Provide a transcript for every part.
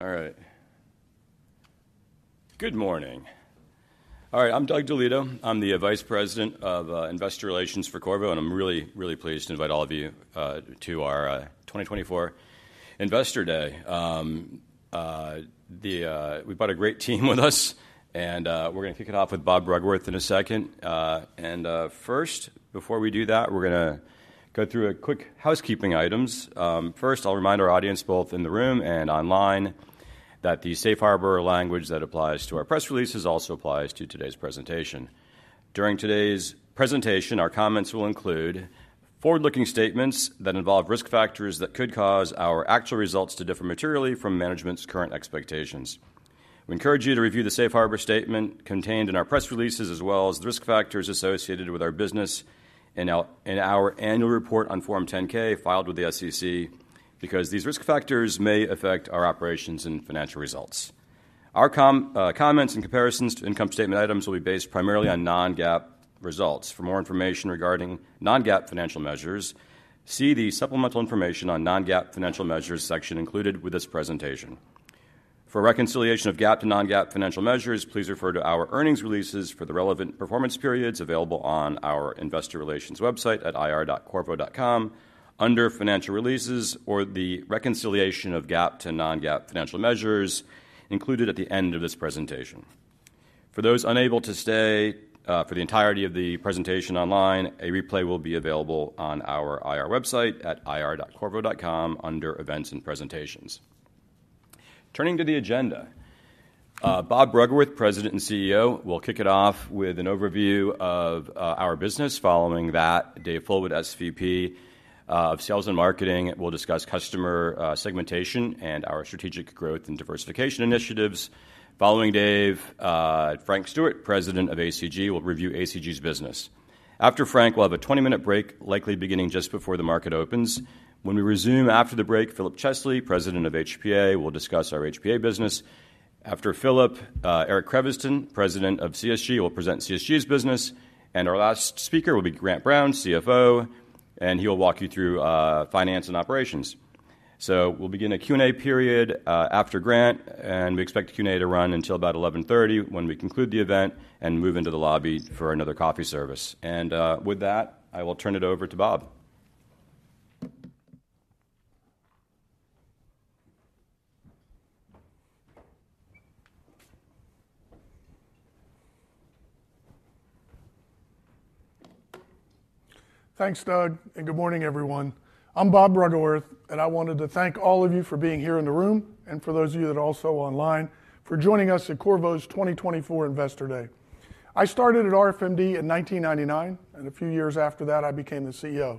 All right. Good morning. All right, I'm Doug DeLieto. I'm the Vice President of Investor Relations for Qorvo, and I'm really, really pleased to invite all of you to our 2024 Investor Day. We've brought a great team with us, and we're going to kick it off with Bob Bruggeworth in a second. And first, before we do that, we're going to go through a quick housekeeping items. First, I'll remind our audience, both in the room and online, that the safe harbor language that applies to our press releases also applies to today's presentation. During today's presentation, our comments will include forward-looking statements that involve risk factors that could cause our actual results to differ materially from management's current expectations. We encourage you to review the safe harbor statement contained in our press releases, as well as the risk factors associated with our business in our annual report on Form 10-K filed with the SEC, because these risk factors may affect our operations and financial results. Our comments and comparisons to income statement items will be based primarily on non-GAAP results. For more information regarding non-GAAP financial measures, see the supplemental information on the non-GAAP financial measures section included with this presentation. For reconciliation of GAAP to non-GAAP financial measures, please refer to our earnings releases for the relevant performance periods available on our Investor Relations website at ir.qorvo.com under Financial Releases or the reconciliation of GAAP to non-GAAP financial measures included at the end of this presentation. For those unable to stay for the entirety of the presentation online, a replay will be available on our IR website at ir.qorvo.com under Events and Presentations. Turning to the agenda, Bob Bruggeworth, President and CEO, will kick it off with an overview of our business. Following that, Dave Fullwood, SVP of Sales and Marketing, will discuss customer segmentation and our strategic growth and diversification initiatives. Following Dave, Frank Stewart, President of ACG, will review ACG's business. After Frank, we'll have a 20-minute break, likely beginning just before the market opens. When we resume after the break, Philip Chesley, President of HPA, will discuss our HPA business. After Philip, Eric Creviston, President of CSG, will present CSG's business. Our last speaker will be Grant Brown, CFO, and he will walk you through finance and operations. So we'll begin a Q&A period after Grant, and we expect Q&A to run until about 11:30. when we conclude the event and move into the lobby for another coffee service. And with that, I will turn it over to Bob. Thanks, Doug, and good morning, everyone. I'm Bob Bruggeworth, and I wanted to thank all of you for being here in the room and for those of you that are also online for joining us at Qorvo's 2024 Investor Day. I started at RFMD in 1999, and a few years after that, I became the CEO.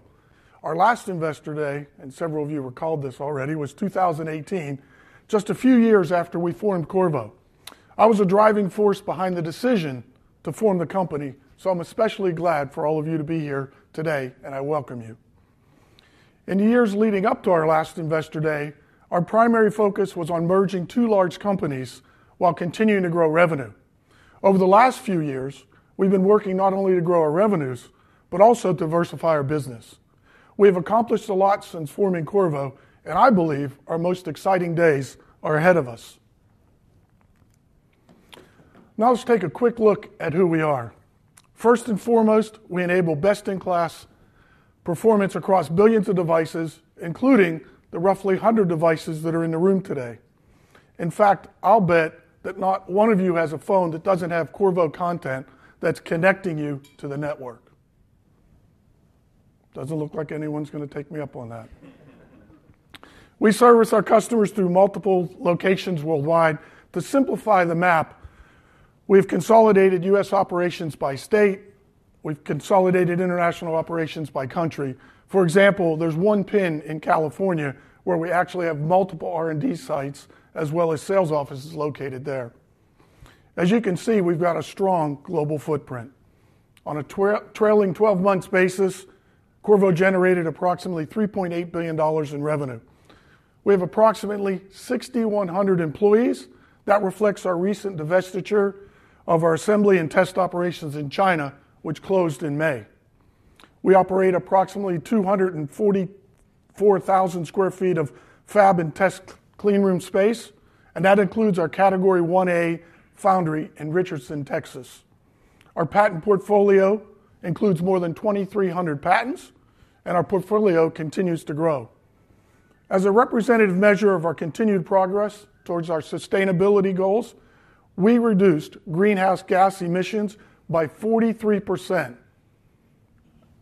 Our last Investor Day, and several of you have recalled this already, was 2018, just a few years after we formed Qorvo. I was a driving force behind the decision to form the company, so I'm especially glad for all of you to be here today, and I welcome you. In the years leading up to our last Investor Day, our primary focus was on merging two large companies while continuing to grow revenue. Over the last few years, we've been working not only to grow our revenues but also to diversify our business. We have accomplished a lot since forming Qorvo, and I believe our most exciting days are ahead of us. Now let's take a quick look at who we are. First and foremost, we enable best-in-class performance across billions of devices, including the roughly 100 devices that are in the room today. In fact, I'll bet that not one of you has a phone that doesn't have Qorvo content that's connecting you to the network. Doesn't look like anyone's going to take me up on that. We service our customers through multiple locations worldwide. To simplify the map, we've consolidated U.S. operations by state. We've consolidated international operations by country. For example, there's one pin in California where we actually have multiple R&D sites as well as sales offices located there. As you can see, we've got a strong global footprint. On a trailing 12-month basis, Qorvo generated approximately $3.8 billion in revenue. We have approximately 6,100 employees. That reflects our recent divestiture of our assembly and test operations in China, which closed in May. We operate approximately 244,000 sq ft of fab and test cleanroom space, and that includes our Category 1A foundry in Richardson, Texas. Our patent portfolio includes more than 2,300 patents, and our portfolio continues to grow. As a representative measure of our continued progress towards our sustainability goals, we reduced greenhouse gas emissions by 43%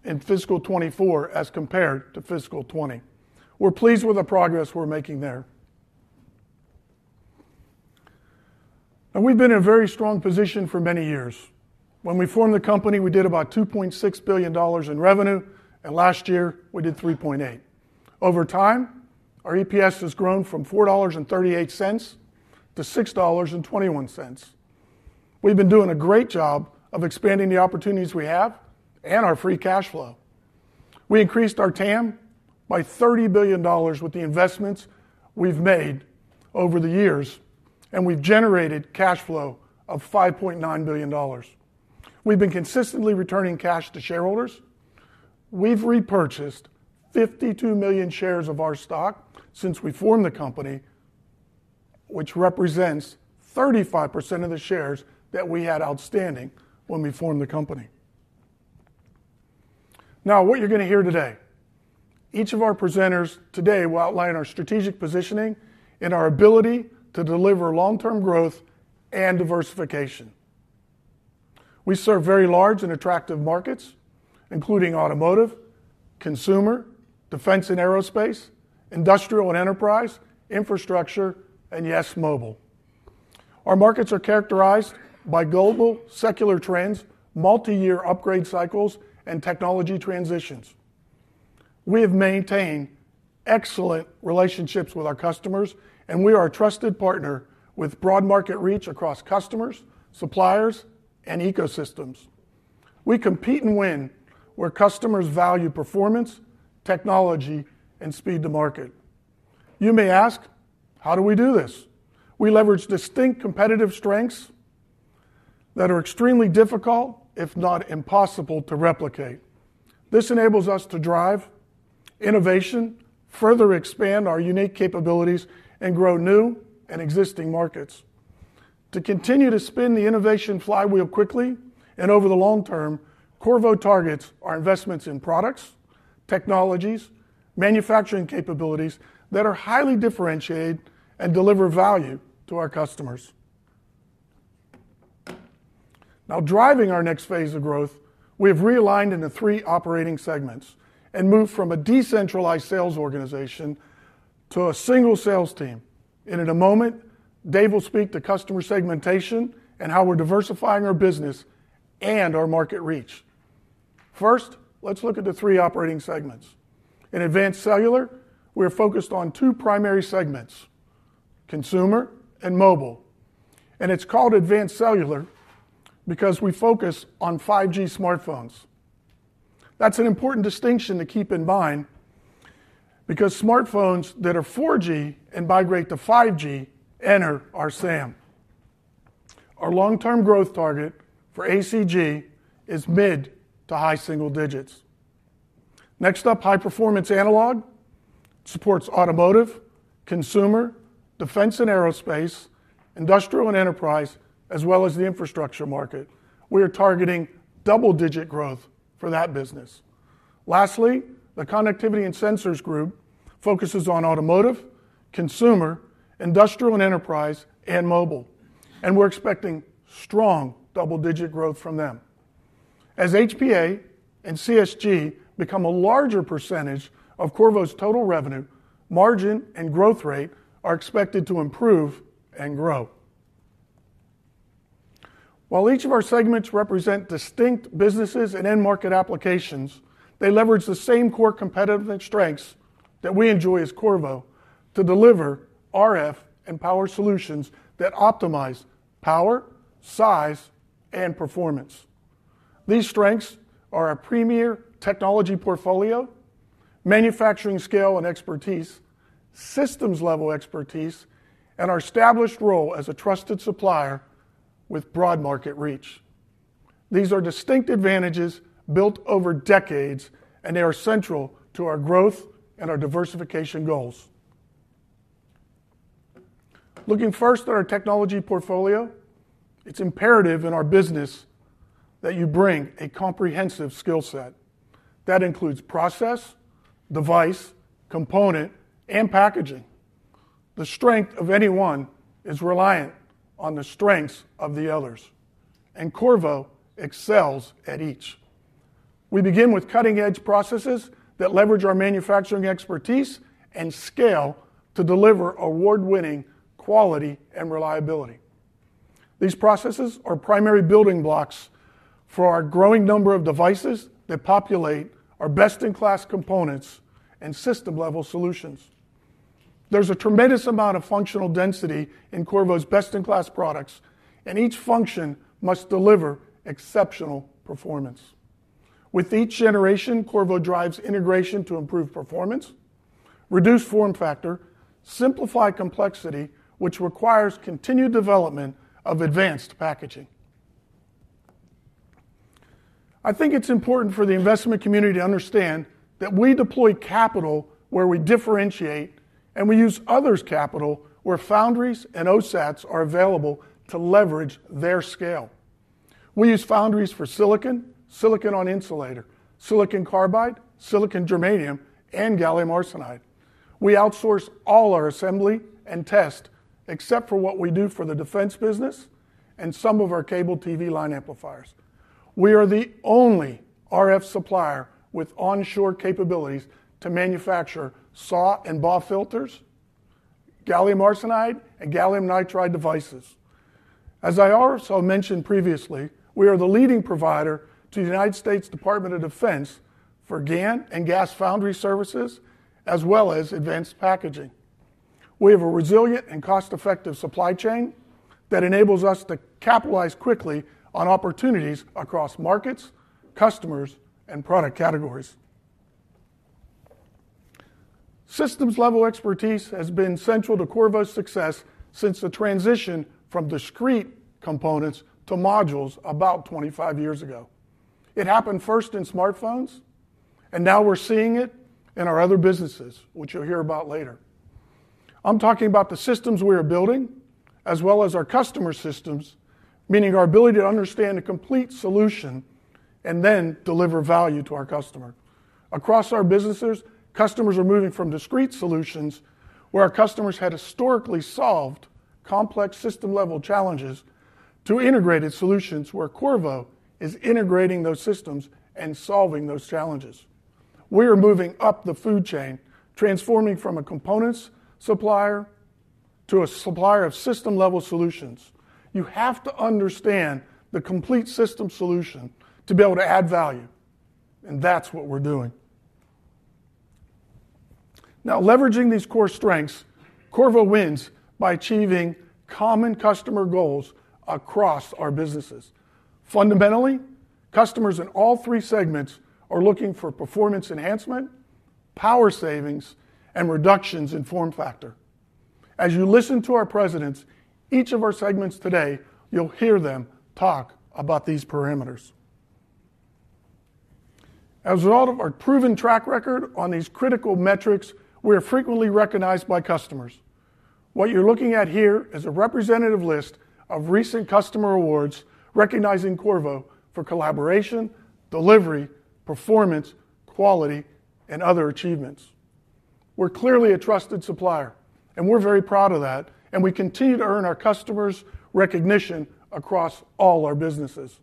in fiscal 2024 as compared to fiscal 2020. We're pleased with the progress we're making there. Now, we've been in a very strong position for many years. When we formed the company, we did about $2.6 billion in revenue, and last year we did $3.8. Over time, our EPS has grown from $4.38 to $6.21. We've been doing a great job of expanding the opportunities we have and our free cash flow. We increased our TAM by $30 billion with the investments we've made over the years, and we've generated cash flow of $5.9 billion. We've been consistently returning cash to shareholders. We've repurchased 52 million shares of our stock since we formed the company, which represents 35% of the shares that we had outstanding when we formed the company. Now, what you're going to hear today, each of our presenters today will outline our strategic positioning and our ability to deliver long-term growth and diversification. We serve very large and attractive markets, including automotive, consumer, defense and aerospace, industrial and enterprise, infrastructure, and yes, mobile. Our markets are characterized by global secular trends, multi-year upgrade cycles, and technology transitions. We have maintained excellent relationships with our customers, and we are a trusted partner with broad market reach across customers, suppliers, and ecosystems. We compete and win where customers value performance, technology, and speed to market. You may ask, how do we do this? We leverage distinct competitive strengths that are extremely difficult, if not impossible, to replicate. This enables us to drive innovation, further expand our unique capabilities, and grow new and existing markets. To continue to spin the innovation flywheel quickly and over the long term, Qorvo targets our investments in products, technologies, manufacturing capabilities that are highly differentiated and deliver value to our customers. Now, driving our next phase of growth, we have realigned into three operating segments and moved from a decentralized sales organization to a single sales team. In a moment, Dave will speak to customer segmentation and how we're diversifying our business and our market reach. First, let's look at the three operating segments. In Advanced Cellular, we are focused on two primary segments: consumer and mobile. And it's called Advanced Cellular because we focus on 5G smartphones. That's an important distinction to keep in mind because smartphones that are 4G and migrate to 5G enter our SAM. Our long-term growth target for ACG is mid to high single digits. Next up, High Performance Analog supports automotive, consumer, defense and aerospace, industrial and enterprise, as well as the infrastructure market. We are targeting double-digit growth for that business. Lastly, the Connectivity and Sensors Group focuses on automotive, consumer, industrial and enterprise, and mobile. And we're expecting strong double-digit growth from them. As HPA and CSG become a larger percentage of Qorvo's total revenue, margin and growth rate are expected to improve and grow. While each of our segments represent distinct businesses and end market applications, they leverage the same core competitive strengths that we enjoy as Qorvo to deliver RF and power solutions that optimize power, size, and performance. These strengths are our premier technology portfolio, manufacturing scale and expertise, systems-level expertise, and our established role as a trusted supplier with broad market reach. These are distinct advantages built over decades, and they are central to our growth and our diversification goals. Looking first at our technology portfolio, it's imperative in our business that you bring a comprehensive skill set. That includes process, device, component, and packaging. The strength of anyone is reliant on the strengths of the others, and Qorvo excels at each. We begin with cutting-edge processes that leverage our manufacturing expertise and scale to deliver award-winning quality and reliability. These processes are primary building blocks for our growing number of devices that populate our best-in-class components and system-level solutions. There's a tremendous amount of functional density in Qorvo's best-in-class products, and each function must deliver exceptional performance. With each generation, Qorvo drives integration to improve performance, reduce form factor, simplify complexity, which requires continued development of advanced packaging. I think it's important for the investment community to understand that we deploy capital where we differentiate, and we use others' capital where foundries and OSATs are available to leverage their scale. We use foundries for silicon, silicon-on-insulator, silicon carbide, silicon germanium, and gallium arsenide. We outsource all our assembly and test except for what we do for the defense business and some of our cable TV line amplifiers. We are the only RF supplier with onshore capabilities to manufacture SAW and BAW filters, gallium arsenide, and gallium nitride devices. As I also mentioned previously, we are the leading provider to the United States Department of Defense for GaN and GaAs foundry services, as well as advanced packaging. We have a resilient and cost-effective supply chain that enables us to capitalize quickly on opportunities across markets, customers, and product categories. Systems-level expertise has been central to Qorvo's success since the transition from discrete components to modules about 25 years ago. It happened first in smartphones, and now we're seeing it in our other businesses, which you'll hear about later. I'm talking about the systems we are building as well as our customer systems, meaning our ability to understand a complete solution and then deliver value to our customer. Across our businesses, customers are moving from discrete solutions where our customers had historically solved complex system-level challenges to integrated solutions where Qorvo is integrating those systems and solving those challenges. We are moving up the food chain, transforming from a components supplier to a supplier of system-level solutions. You have to understand the complete system solution to be able to add value, and that's what we're doing. Now, leveraging these core strengths, Qorvo wins by achieving common customer goals across our businesses. Fundamentally, customers in all three segments are looking for performance enhancement, power savings, and reductions in form factor. As you listen to our presidents, each of our segments today, you'll hear them talk about these parameters. As a result of our proven track record on these critical metrics, we are frequently recognized by customers. What you're looking at here is a representative list of recent customer awards recognizing Qorvo for collaboration, delivery, performance, quality, and other achievements. We're clearly a trusted supplier, and we're very proud of that, and we continue to earn our customers' recognition across all our businesses.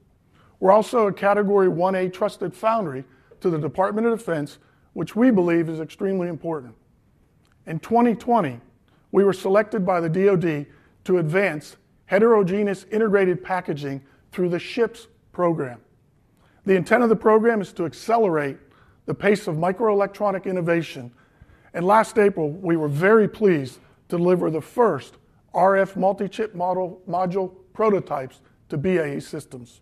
We're also a Category 1A trusted foundry to the Department of Defense, which we believe is extremely important. In 2020, we were selected by the DOD to advance heterogeneous integrated packaging through the SHIP Program. The intent of the program is to accelerate the pace of microelectronic innovation. Last April, we were very pleased to deliver the first RF multi-chip module prototypes to BAE Systems.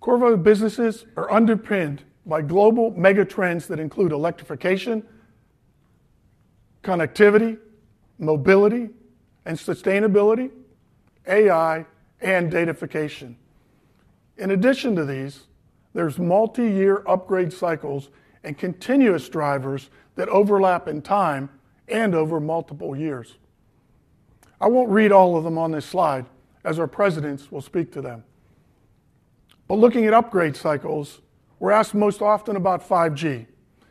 Qorvo's businesses are underpinned by global mega trends that include electrification, connectivity, mobility, and sustainability, AI, and datafication. In addition to these, there's multi-year upgrade cycles and continuous drivers that overlap in time and over multiple years. I won't read all of them on this slide as our presidents will speak to them. But looking at upgrade cycles, we're asked most often about 5G.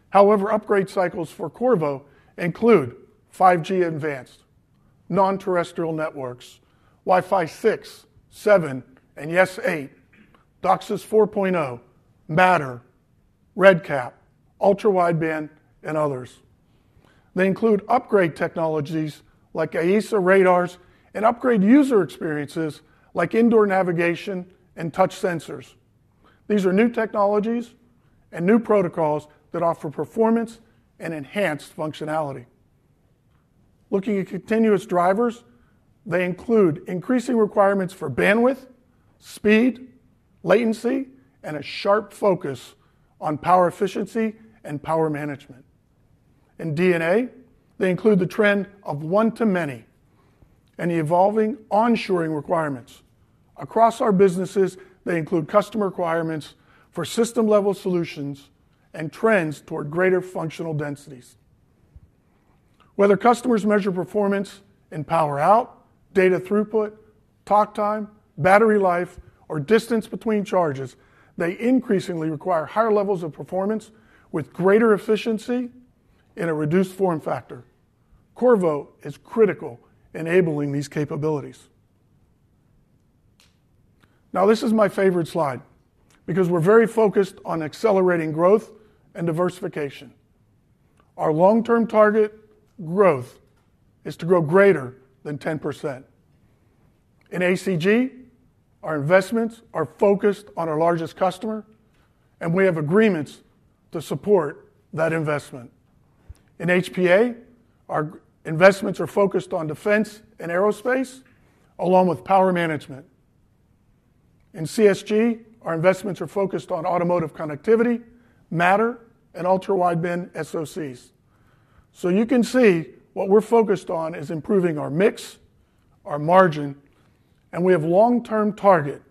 However, upgrade cycles for Qorvo include 5G Advanced, non-terrestrial networks, Wi-Fi 6, 7, and yes, 8, DOCSIS 4.0, Matter, RedCap, ultra-wideband, and others. They include upgrade technologies like AESA radars and upgrade user experiences like indoor navigation and touch sensors. These are new technologies and new protocols that offer performance and enhanced functionality. Looking at continuous drivers, they include increasing requirements for bandwidth, speed, latency, and a sharp focus on power efficiency and power management. In D&A, they include the trend of one to many and the evolving onshoring requirements. Across our businesses, they include customer requirements for system-level solutions and trends toward greater functional densities. Whether customers measure performance in power out, data throughput, talk time, battery life, or distance between charges, they increasingly require higher levels of performance with greater efficiency and a reduced form factor. Qorvo is critical in enabling these capabilities. Now, this is my favorite slide because we're very focused on accelerating growth and diversification. Our long-term target growth is to grow greater than 10%. In ACG, our investments are focused on our largest customer, and we have agreements to support that investment. In HPA, our investments are focused on defense and aerospace along with power management. In CSG, our investments are focused on automotive connectivity, Matter, and ultra-wideband SoCs. So you can see what we're focused on is improving our mix, our margin, and we have a long-term target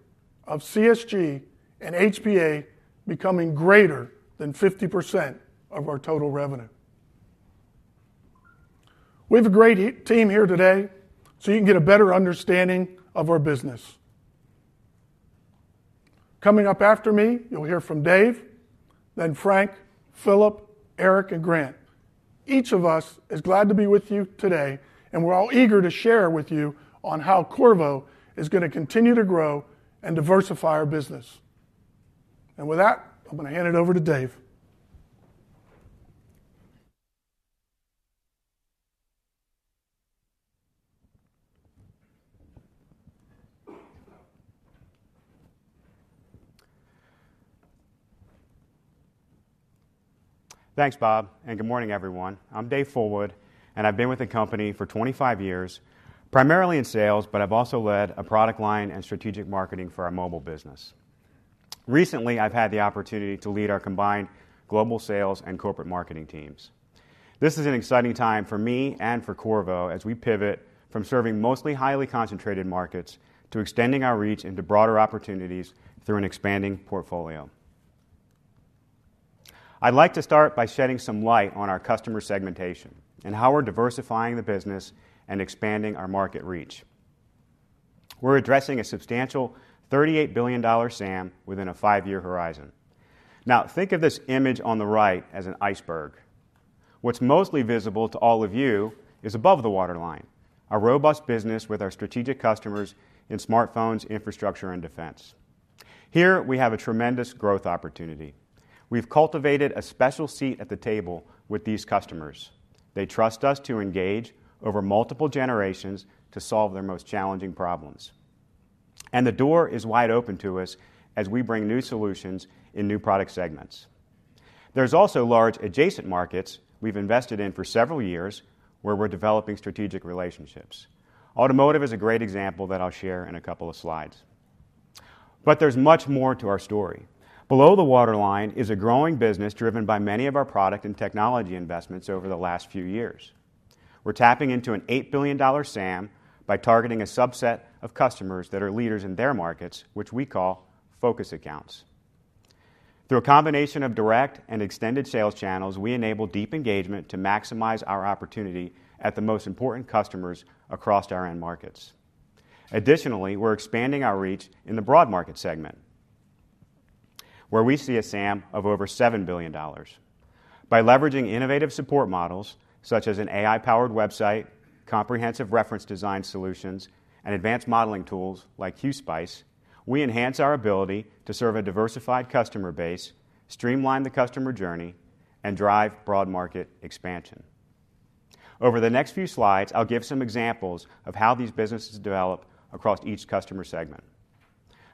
of CSG and HPA becoming greater than 50% of our total revenue. We have a great team here today, so you can get a better understanding of our business. Coming up after me, you'll hear from Dave, then Frank, Philip, Eric, and Grant. Each of us is glad to be with you today, and we're all eager to share with you on how Qorvo is going to continue to grow and diversify our business. And with that, I'm going to hand it over to Dave. Thanks, Bob, and good morning, everyone. I'm Dave Fullwood, and I've been with the company for 25 years, primarily in sales, but I've also led a product line and strategic marketing for our mobile business. Recently, I've had the opportunity to lead our combined global sales and corporate marketing teams. This is an exciting time for me and for Qorvo as we pivot from serving mostly highly concentrated markets to extending our reach into broader opportunities through an expanding portfolio. I'd like to start by shedding some light on our customer segmentation and how we're diversifying the business and expanding our market reach. We're addressing a substantial $38 billion SAM within a five-year horizon. Now, think of this image on the right as an iceberg. What's mostly visible to all of you is above the waterline, a robust business with our strategic customers in smartphones, infrastructure, and defense. Here, we have a tremendous growth opportunity. We've cultivated a special seat at the table with these customers. They trust us to engage over multiple generations to solve their most challenging problems. And the door is wide open to us as we bring new solutions in new product segments. There's also large adjacent markets we've invested in for several years where we're developing strategic relationships. Automotive is a great example that I'll share in a couple of slides. But there's much more to our story. Below the waterline is a growing business driven by many of our product and technology investments over the last few years. We're tapping into an $8 billion SAM by targeting a subset of customers that are leaders in their markets, which we call focus accounts. Through a combination of direct and extended sales channels, we enable deep engagement to maximize our opportunity at the most important customers across our end markets. Additionally, we're expanding our reach in the broad market segment, where we see a SAM of over $7 billion. By leveraging innovative support models such as an AI-powered website, comprehensive reference design solutions, and advanced modeling tools like QSPICE, we enhance our ability to serve a diversified customer base, streamline the customer journey, and drive broad market expansion. Over the next few slides, I'll give some examples of how these businesses develop across each customer segment.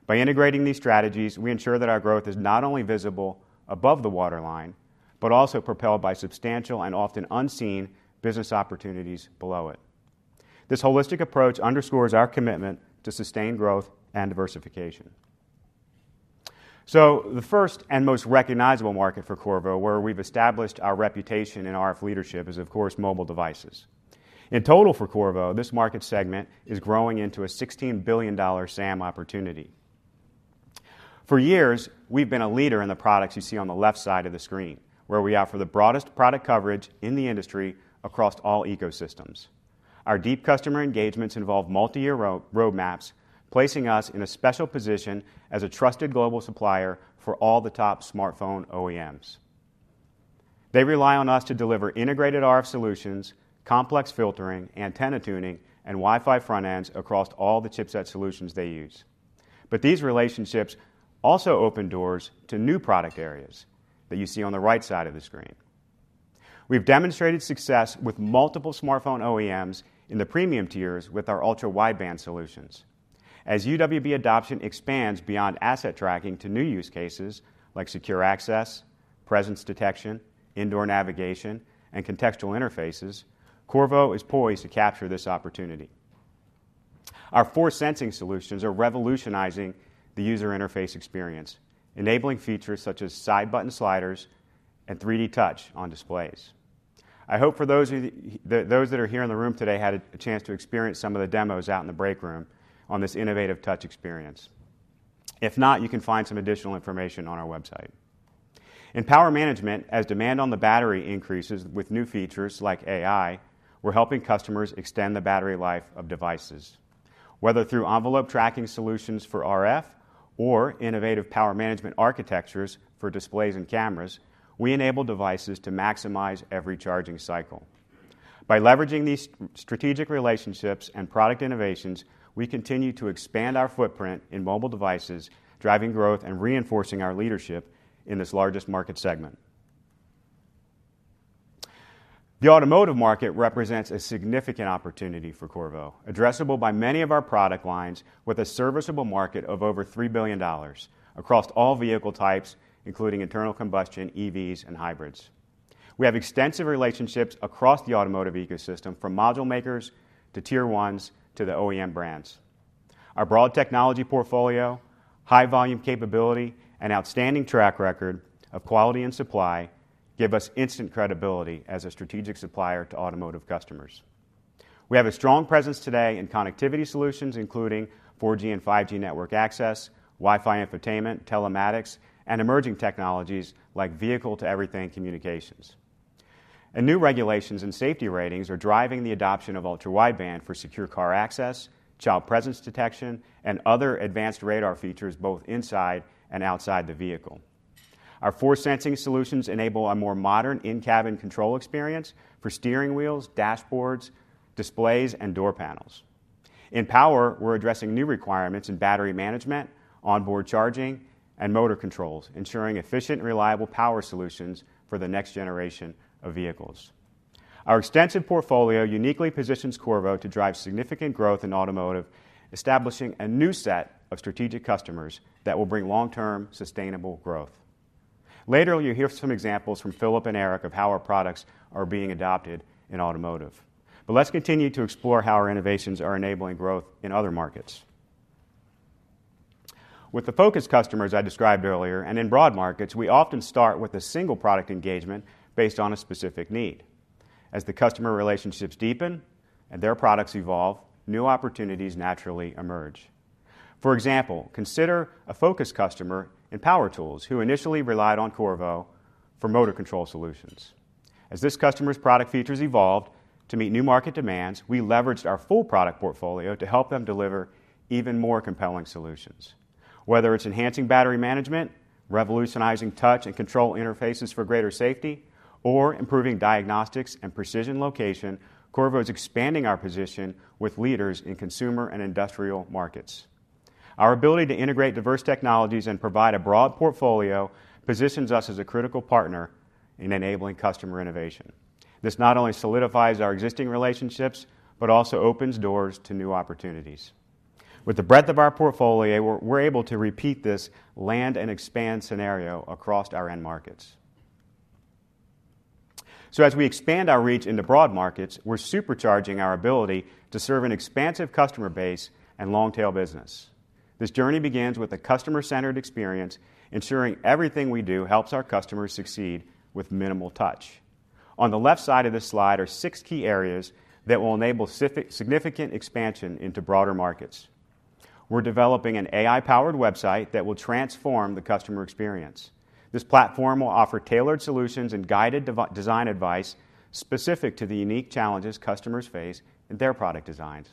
By integrating these strategies, we ensure that our growth is not only visible above the waterline, but also propelled by substantial and often unseen business opportunities below it. This holistic approach underscores our commitment to sustained growth and diversification. So the first and most recognizable market for Qorvo, where we've established our reputation in our leadership, is of course mobile devices. In total for Qorvo, this market segment is growing into a $16 billion SAM opportunity. For years, we've been a leader in the products you see on the left side of the screen, where we offer the broadest product coverage in the industry across all ecosystems. Our deep customer engagements involve multi-year roadmaps, placing us in a special position as a trusted global supplier for all the top smartphone OEMs. They rely on us to deliver integrated RF solutions, complex filtering, antenna tuning, and Wi-Fi front ends across all the chipset solutions they use. But these relationships also open doors to new product areas that you see on the right side of the screen. We've demonstrated success with multiple smartphone OEMs in the premium tiers with our ultra-wideband solutions. As UWB adoption expands beyond asset tracking to new use cases like secure access, presence detection, indoor navigation, and contextual interfaces, Qorvo is poised to capture this opportunity. Our force sensing solutions are revolutionizing the user interface experience, enabling features such as side button sliders and 3D touch on displays. I hope for those that are here in the room today had a chance to experience some of the demos out in the break room on this innovative touch experience. If not, you can find some additional information on our website. In power management, as demand on the battery increases with new features like AI, we're helping customers extend the battery life of devices. Whether through envelope tracking solutions for RF or innovative power management architectures for displays and cameras, we enable devices to maximize every charging cycle. By leveraging these strategic relationships and product innovations, we continue to expand our footprint in mobile devices, driving growth and reinforcing our leadership in this largest market segment. The automotive market represents a significant opportunity for Qorvo, addressable by many of our product lines with a serviceable market of over $3 billion across all vehicle types, including internal combustion, EVs, and hybrids. We have extensive relationships across the automotive ecosystem from module makers to Tier 1s to the OEM brands. Our broad technology portfolio, high volume capability, and outstanding track record of quality and supply give us instant credibility as a strategic supplier to automotive customers. We have a strong presence today in connectivity solutions, including 4G and 5G network access, Wi-Fi infotainment, telematics, and emerging technologies like vehicle-to-everything communications. New regulations and safety ratings are driving the adoption of ultra-wideband for secure car access, child presence detection, and other advanced radar features both inside and outside the vehicle. Our force sensing solutions enable a more modern in-cabin control experience for steering wheels, dashboards, displays, and door panels. In power, we're addressing new requirements in battery management, onboard charging, and motor controls, ensuring efficient and reliable power solutions for the next generation of vehicles. Our extensive portfolio uniquely positions Qorvo to drive significant growth in automotive, establishing a new set of strategic customers that will bring long-term sustainable growth. Later, you'll hear some examples from Philip and Eric of how our products are being adopted in automotive. But let's continue to explore how our innovations are enabling growth in other markets. With the focus customers I described earlier, and in broad markets, we often start with a single product engagement based on a specific need. As the customer relationships deepen and their products evolve, new opportunities naturally emerge. For example, consider a focus customer in power tools who initially relied on Qorvo for motor control solutions. As this customer's product features evolved to meet new market demands, we leveraged our full product portfolio to help them deliver even more compelling solutions. Whether it's enhancing battery management, revolutionizing touch and control interfaces for greater safety, or improving diagnostics and precision location, Qorvo is expanding our position with leaders in consumer and industrial markets. Our ability to integrate diverse technologies and provide a broad portfolio positions us as a critical partner in enabling customer innovation. This not only solidifies our existing relationships, but also opens doors to new opportunities. With the breadth of our portfolio, we're able to repeat this land and expand scenario across our end markets. So as we expand our reach into broad markets, we're supercharging our ability to serve an expansive customer base and long-tail business. This journey begins with a customer-centered experience, ensuring everything we do helps our customers succeed with minimal touch. On the left side of this slide are six key areas that will enable significant expansion into broader markets. We're developing an AI-powered website that will transform the customer experience. This platform will offer tailored solutions and guided design advice specific to the unique challenges customers face in their product designs.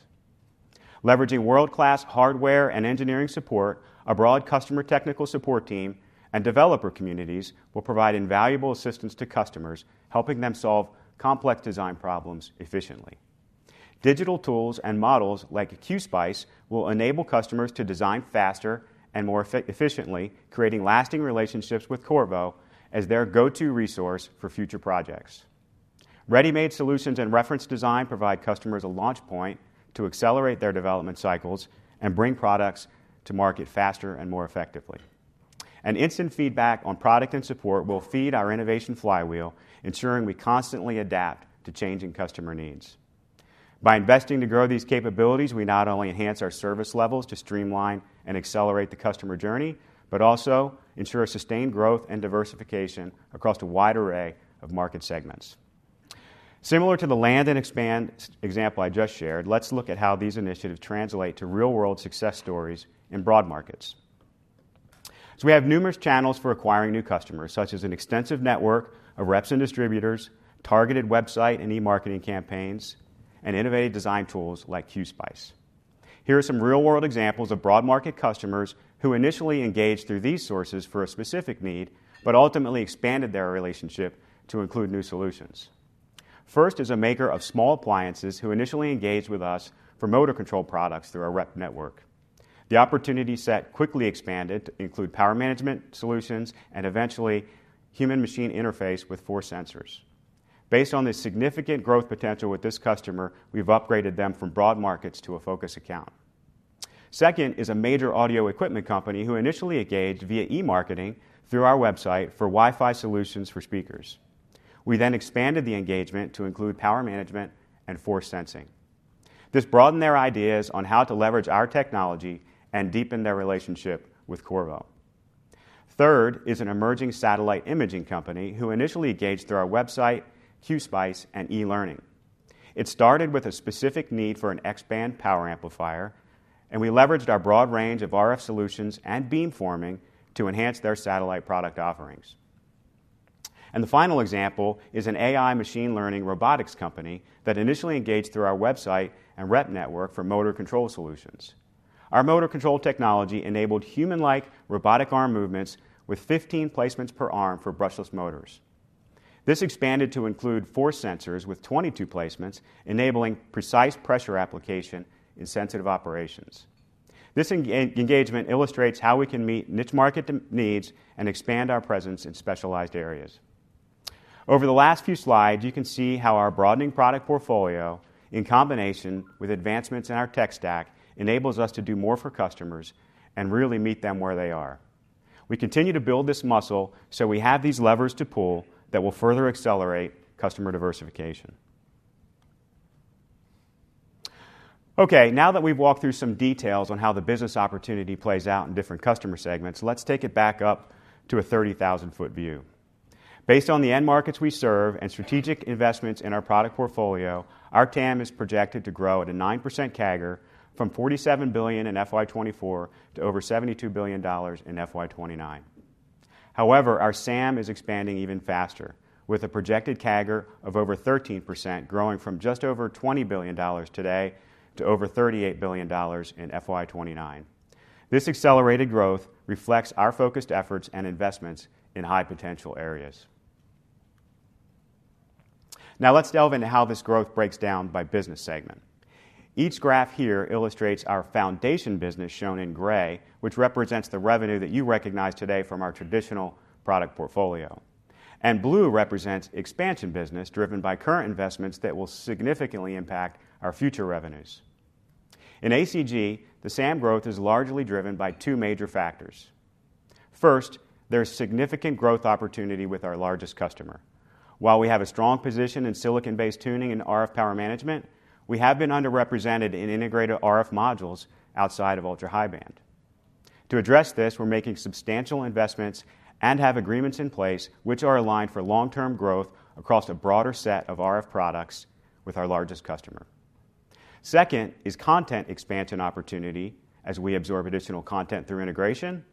Leveraging world-class hardware and engineering support, a broad customer technical support team, and developer communities will provide invaluable assistance to customers, helping them solve complex design problems efficiently. Digital tools and models like QSPICE will enable customers to design faster and more efficiently, creating lasting relationships with Qorvo as their go-to resource for future projects. Ready-made solutions and reference design provide customers a launch point to accelerate their development cycles and bring products to market faster and more effectively. Instant feedback on product and support will feed our innovation flywheel, ensuring we constantly adapt to changing customer needs. By investing to grow these capabilities, we not only enhance our service levels to streamline and accelerate the customer journey, but also ensure sustained growth and diversification across a wide array of market segments. Similar to the land and expand example I just shared, let's look at how these initiatives translate to real-world success stories in broad markets. We have numerous channels for acquiring new customers, such as an extensive network of reps and distributors, targeted website and e-marketing campaigns, and innovative design tools like QSPICE. Here are some real-world examples of broad market customers who initially engaged through these sources for a specific need, but ultimately expanded their relationship to include new solutions. First is a maker of small appliances who initially engaged with us for motor control products through our rep network. The opportunity set quickly expanded to include power management solutions and eventually human-machine interface with force sensors. Based on this significant growth potential with this customer, we've upgraded them from broad markets to a focus account. Second is a major audio equipment company who initially engaged via e-marketing through our website for Wi-Fi solutions for speakers. We then expanded the engagement to include power management and force sensing. This broadened their ideas on how to leverage our technology and deepen their relationship with Qorvo. Third is an emerging satellite imaging company who initially engaged through our website, QSPICE, and e-learning. It started with a specific need for an X-band power amplifier, and we leveraged our broad range of RF solutions and beamforming to enhance their satellite product offerings. The final example is an AI machine learning robotics company that initially engaged through our website and rep network for motor control solutions. Our motor control technology enabled human-like robotic arm movements with 15 placements per arm for brushless motors. This expanded to include force sensors with 22 placements, enabling precise pressure application in sensitive operations. This engagement illustrates how we can meet niche market needs and expand our presence in specialized areas. Over the last few slides, you can see how our broadening product portfolio, in combination with advancements in our tech stack, enables us to do more for customers and really meet them where they are. We continue to build this muscle so we have these levers to pull that will further accelerate customer diversification. Okay, now that we've walked through some details on how the business opportunity plays out in different customer segments, let's take it back up to a 30,000-ft view. Based on the end markets we serve and strategic investments in our product portfolio, our TAM is projected to grow at a 9% CAGR from $47 billion in FY 2024 to over $72 billion in FY2029. However, our SAM is expanding even faster, with a projected CAGR of over 13% growing from just over $20 billion today to over $38 billion in FY 2029. This accelerated growth reflects our focused efforts and investments in high potential areas. Now let's delve into how this growth breaks down by business segment. Each graph here illustrates our foundation business shown in gray, which represents the revenue that you recognize today from our traditional product portfolio. Blue represents expansion business driven by current investments that will significantly impact our future revenues. In ACG, the SAM growth is largely driven by two major factors. First, there's significant growth opportunity with our largest customer. While we have a strong position in silicon-based tuning and RF power management, we have been underrepresented in integrated RF modules outside of Ultra-High Band. To address this, we're making substantial investments and have agreements in place which are aligned for long-term growth across a broader set of RF products with our largest customer. Second is content expansion opportunity as we absorb additional content through integration,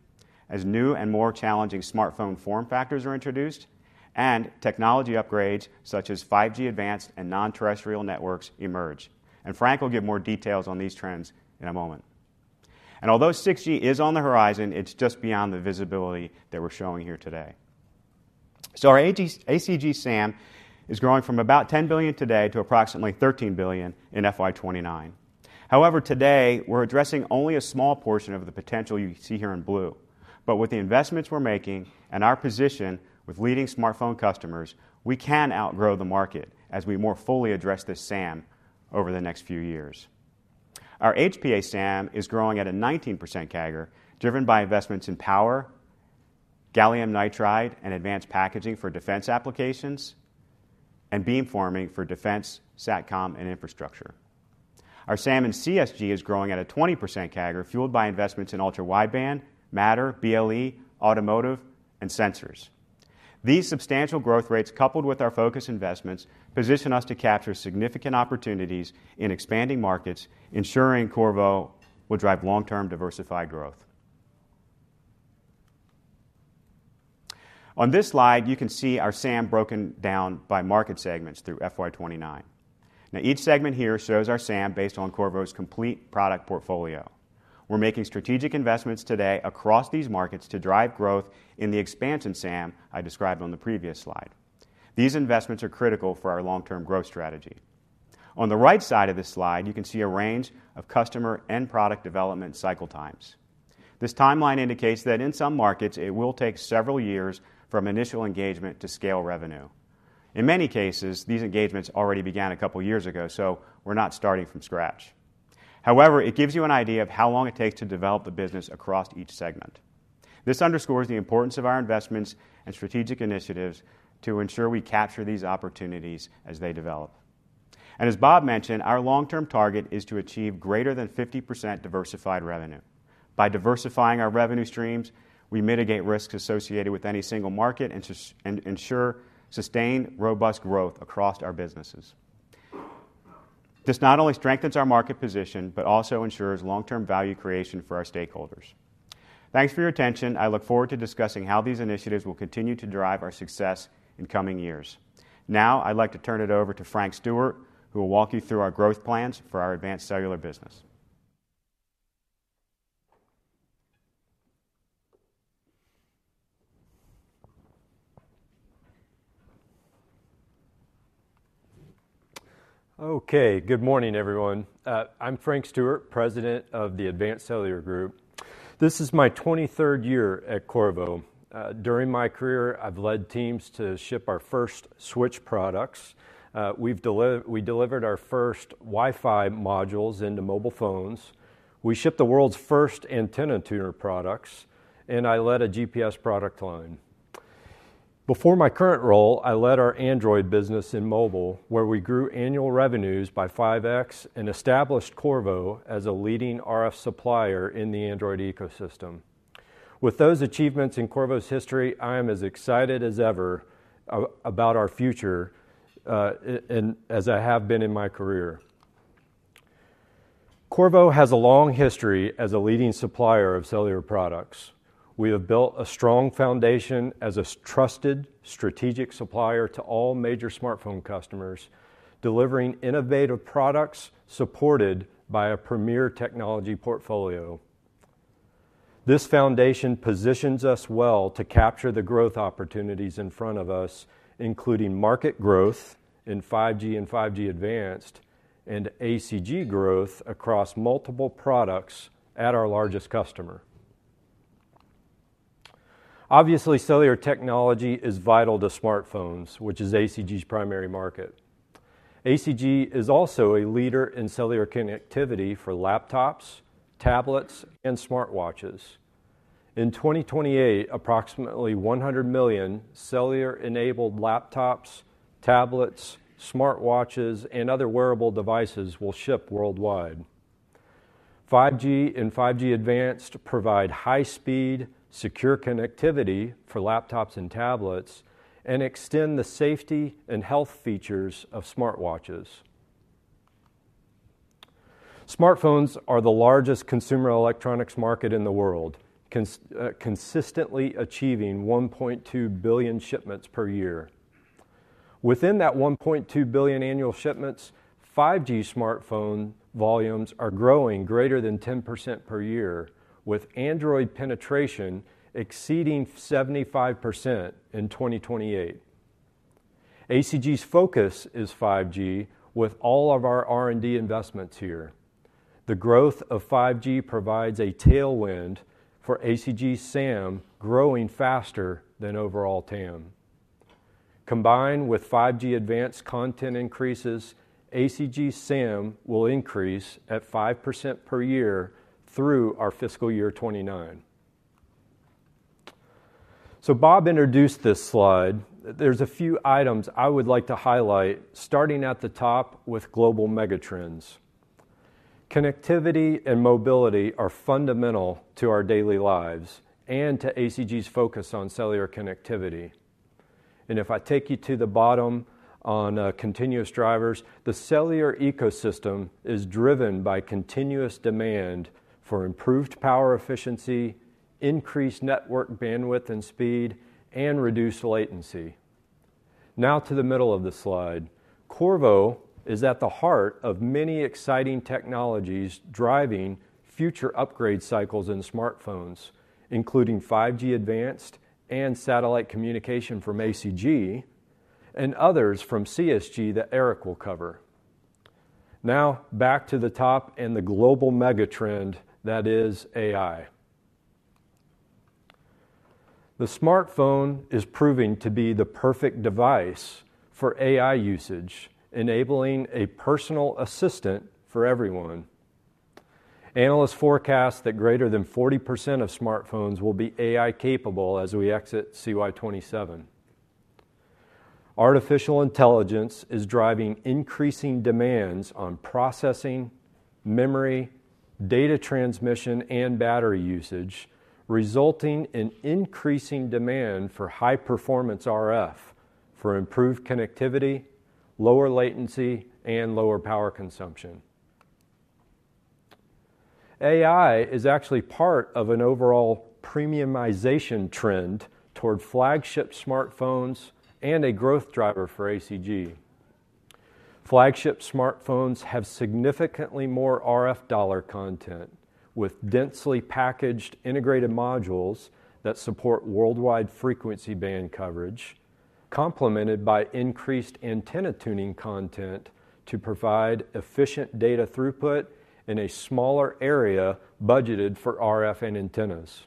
as new and more challenging smartphone form factors are introduced, and technology upgrades such as 5G Advanced and Non-Terrestrial Networks emerge. And Frank will give more details on these trends in a moment. Although 6G is on the horizon, it's just beyond the visibility that we're showing here today. Our ACG SAM is growing from about $10 billion today to approximately $13 billion in FY 2029. However, today we're addressing only a small portion of the potential you see here in blue. With the investments we're making and our position with leading smartphone customers, we can outgrow the market as we more fully address this SAM over the next few years. Our HPA SAM is growing at a 19% CAGR driven by investments in power, gallium nitride, and advanced packaging for defense applications, and beamforming for defense, satcom, and infrastructure. Our SAM in CSG is growing at a 20% CAGR fueled by investments in ultra-wideband, Matter, BLE, automotive, and sensors. These substantial growth rates coupled with our focus investments position us to capture significant opportunities in expanding markets, ensuring Qorvo will drive long-term diversified growth. On this slide, you can see our SAM broken down by market segments through FY 2029. Now, each segment here shows our SAM based on Qorvo's complete product portfolio. We're making strategic investments today across these markets to drive growth in the expansion SAM I described on the previous slide. These investments are critical for our long-term growth strategy. On the right side of this slide, you can see a range of customer and product development cycle times. This timeline indicates that in some markets, it will take several years from initial engagement to scale revenue. In many cases, these engagements already began a couple of years ago, so we're not starting from scratch. However, it gives you an idea of how long it takes to develop the business across each segment. This underscores the importance of our investments and strategic initiatives to ensure we capture these opportunities as they develop. As Bob mentioned, our long-term target is to achieve greater than 50% diversified revenue. By diversifying our revenue streams, we mitigate risks associated with any single market and ensure sustained robust growth across our businesses. This not only strengthens our market position, but also ensures long-term value creation for our stakeholders. Thanks for your attention. I look forward to discussing how these initiatives will continue to drive our success in coming years. Now, I'd like to turn it over to Frank Stewart, who will walk you through our growth plans for our advanced cellular business. Okay, good morning, everyone. I'm Frank Stewart, President of the Advanced Cellular Group. This is my 23rd year at Qorvo. During my career, I've led teams to ship our first switch products. We delivered our first Wi-Fi modules into mobile phones. We shipped the world's first antenna tuner products, and I led a GPS product line. Before my current role, I led our Android business in mobile, where we grew annual revenues by 5x and established Qorvo as a leading RF supplier in the Android ecosystem. With those achievements in Qorvo's history, I am as excited as ever about our future as I have been in my career. Qorvo has a long history as a leading supplier of cellular products. We have built a strong foundation as a trusted strategic supplier to all major smartphone customers, delivering innovative products supported by a premier technology portfolio. This foundation positions us well to capture the growth opportunities in front of us, including market growth in 5G and 5G Advanced, and ACG growth across multiple products at our largest customer. Obviously, cellular technology is vital to smartphones, which is ACG's primary market. ACG is also a leader in cellular connectivity for laptops, tablets, and smartwatches. In 2028, approximately 100 million cellular-enabled laptops, tablets, smartwatches, and other wearable devices will ship worldwide. 5G and 5G Advanced provide high-speed, secure connectivity for laptops and tablets and extend the safety and health features of smartwatches. Smartphones are the largest consumer electronics market in the world, consistently achieving 1.2 billion shipments per year. Within that 1.2 billion annual shipments, 5G smartphone volumes are growing greater than 10% per year, with Android penetration exceeding 75% in 2028. ACG's focus is 5G, with all of our R&D investments here. The growth of 5G provides a tailwind for ACG SAM growing faster than overall TAM. Combined with 5G Advanced content increases, ACG SAM will increase at 5% per year through our fiscal year 2029. So Bob introduced this slide. There's a few items I would like to highlight, starting at the top with global mega trends. Connectivity and mobility are fundamental to our daily lives and to ACG's focus on cellular connectivity. If I take you to the bottom on continuous drivers, the cellular ecosystem is driven by continuous demand for improved power efficiency, increased network bandwidth and speed, and reduced latency. Now to the middle of the slide. Qorvo is at the heart of many exciting technologies driving future upgrade cycles in smartphones, including 5G Advanced and satellite communication from ACG, and others from CSG that Eric will cover. Now back to the top and the global mega trend that is AI. The smartphone is proving to be the perfect device for AI usage, enabling a personal assistant for everyone. Analysts forecast that greater than 40% of smartphones will be AI capable as we exit CY 2027. Artificial intelligence is driving increasing demands on processing, memory, data transmission, and battery usage, resulting in increasing demand for high-performance RF for improved connectivity, lower latency, and lower power consumption. AI is actually part of an overall premiumization trend toward flagship smartphones and a growth driver for ACG. Flagship smartphones have significantly more RF dollar content, with densely packaged integrated modules that support worldwide frequency band coverage, complemented by increased antenna tuning content to provide efficient data throughput in a smaller area budgeted for RF and antennas.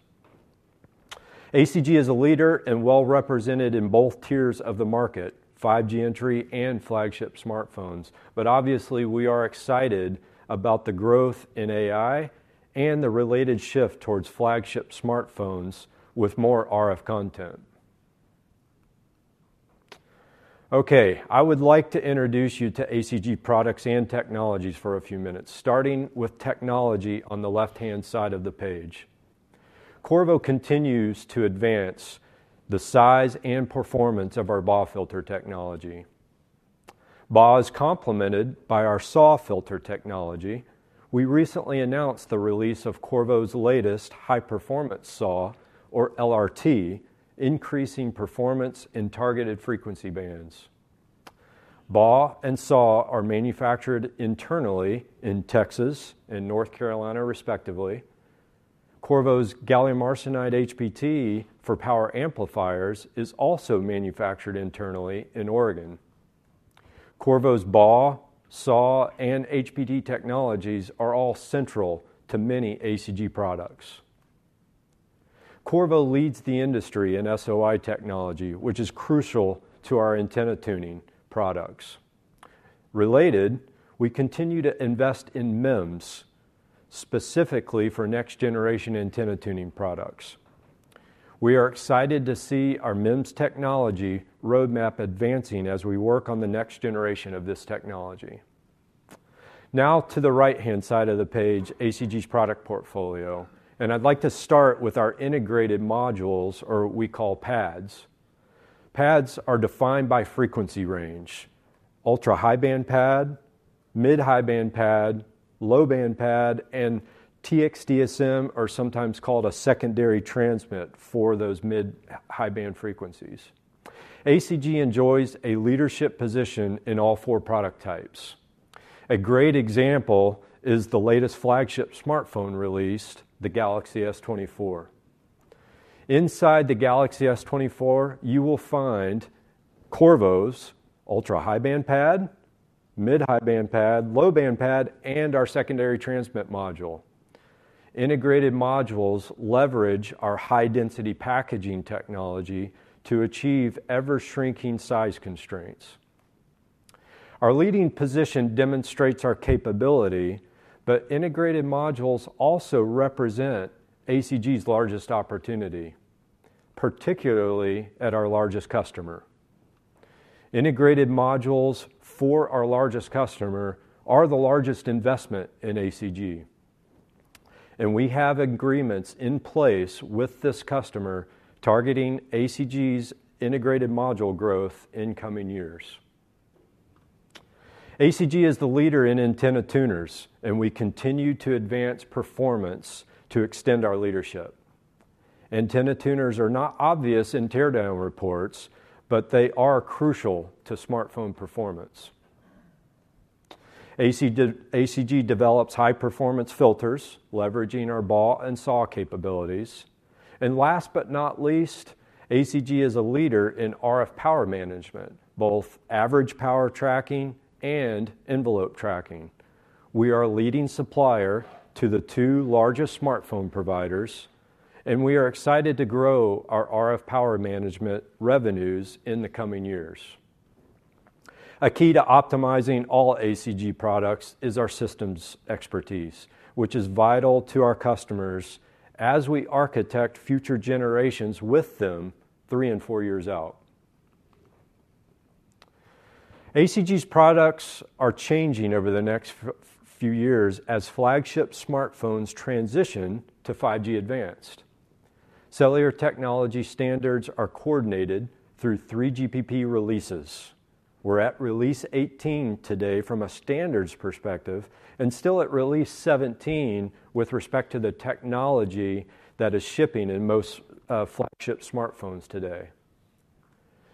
ACG is a leader and well-represented in both tiers of the market, 5G entry and flagship smartphones. But obviously, we are excited about the growth in AI and the related shift towards flagship smartphones with more RF content. Okay, I would like to introduce you to ACG products and technologies for a few minutes, starting with technology on the left-hand side of the page. Qorvo continues to advance the size and performance of our BAW filter technology. BAW is complemented by our SAW filter technology. We recently announced the release of Qorvo's latest high-performance SAW, or LRT, increasing performance in targeted frequency bands. BAW and SAW are manufactured internally in Texas and North Carolina, respectively. Qorvo's gallium arsenide HBT for power amplifiers is also manufactured internally in Oregon. Qorvo's BAW, SAW, and HBT technologies are all central to many ACG products. Qorvo leads the industry in SOI technology, which is crucial to our antenna tuning products. Related, we continue to invest in MEMS, specifically for next-generation antenna tuning products. We are excited to see our MEMS technology roadmap advancing as we work on the next generation of this technology. Now to the right-hand side of the page, ACG's product portfolio. I'd like to start with our integrated modules, or what we call PADs. PADs are defined by frequency range: ultra-high band pad, mid-high band pad, low band pad, and Tx-DSM, or sometimes called a secondary transmit for those mid-high band frequencies. ACG enjoys a leadership position in all four product types. A great example is the latest flagship smartphone released, the Galaxy S24. Inside the Galaxy S24, you will find Qorvo's ultra-high band pad, mid-high band pad, low band pad, and our secondary transmit module. Integrated modules leverage our high-density packaging technology to achieve ever-shrinking size constraints. Our leading position demonstrates our capability, but integrated modules also represent ACG's largest opportunity, particularly at our largest customer. Integrated modules for our largest customer are the largest investment in ACG. We have agreements in place with this customer targeting ACG's integrated module growth in coming years. ACG is the leader in antenna tuners, and we continue to advance performance to extend our leadership. Antenna tuners are not obvious in teardown reports, but they are crucial to smartphone performance. ACG develops high-performance filters, leveraging our BAW and SAW capabilities. And last but not least, ACG is a leader in RF power management, both average power tracking and envelope tracking. We are a leading supplier to the two largest smartphone providers, and we are excited to grow our RF power management revenues in the coming years. A key to optimizing all ACG products is our systems expertise, which is vital to our customers as we architect future generations with them three and four years out. ACG's products are changing over the next few years as flagship smartphones transition to 5G Advanced. Cellular technology standards are coordinated through 3GPP releases. We're at Release 18 today from a standards perspective and still at Release 17 with respect to the technology that is shipping in most flagship smartphones today.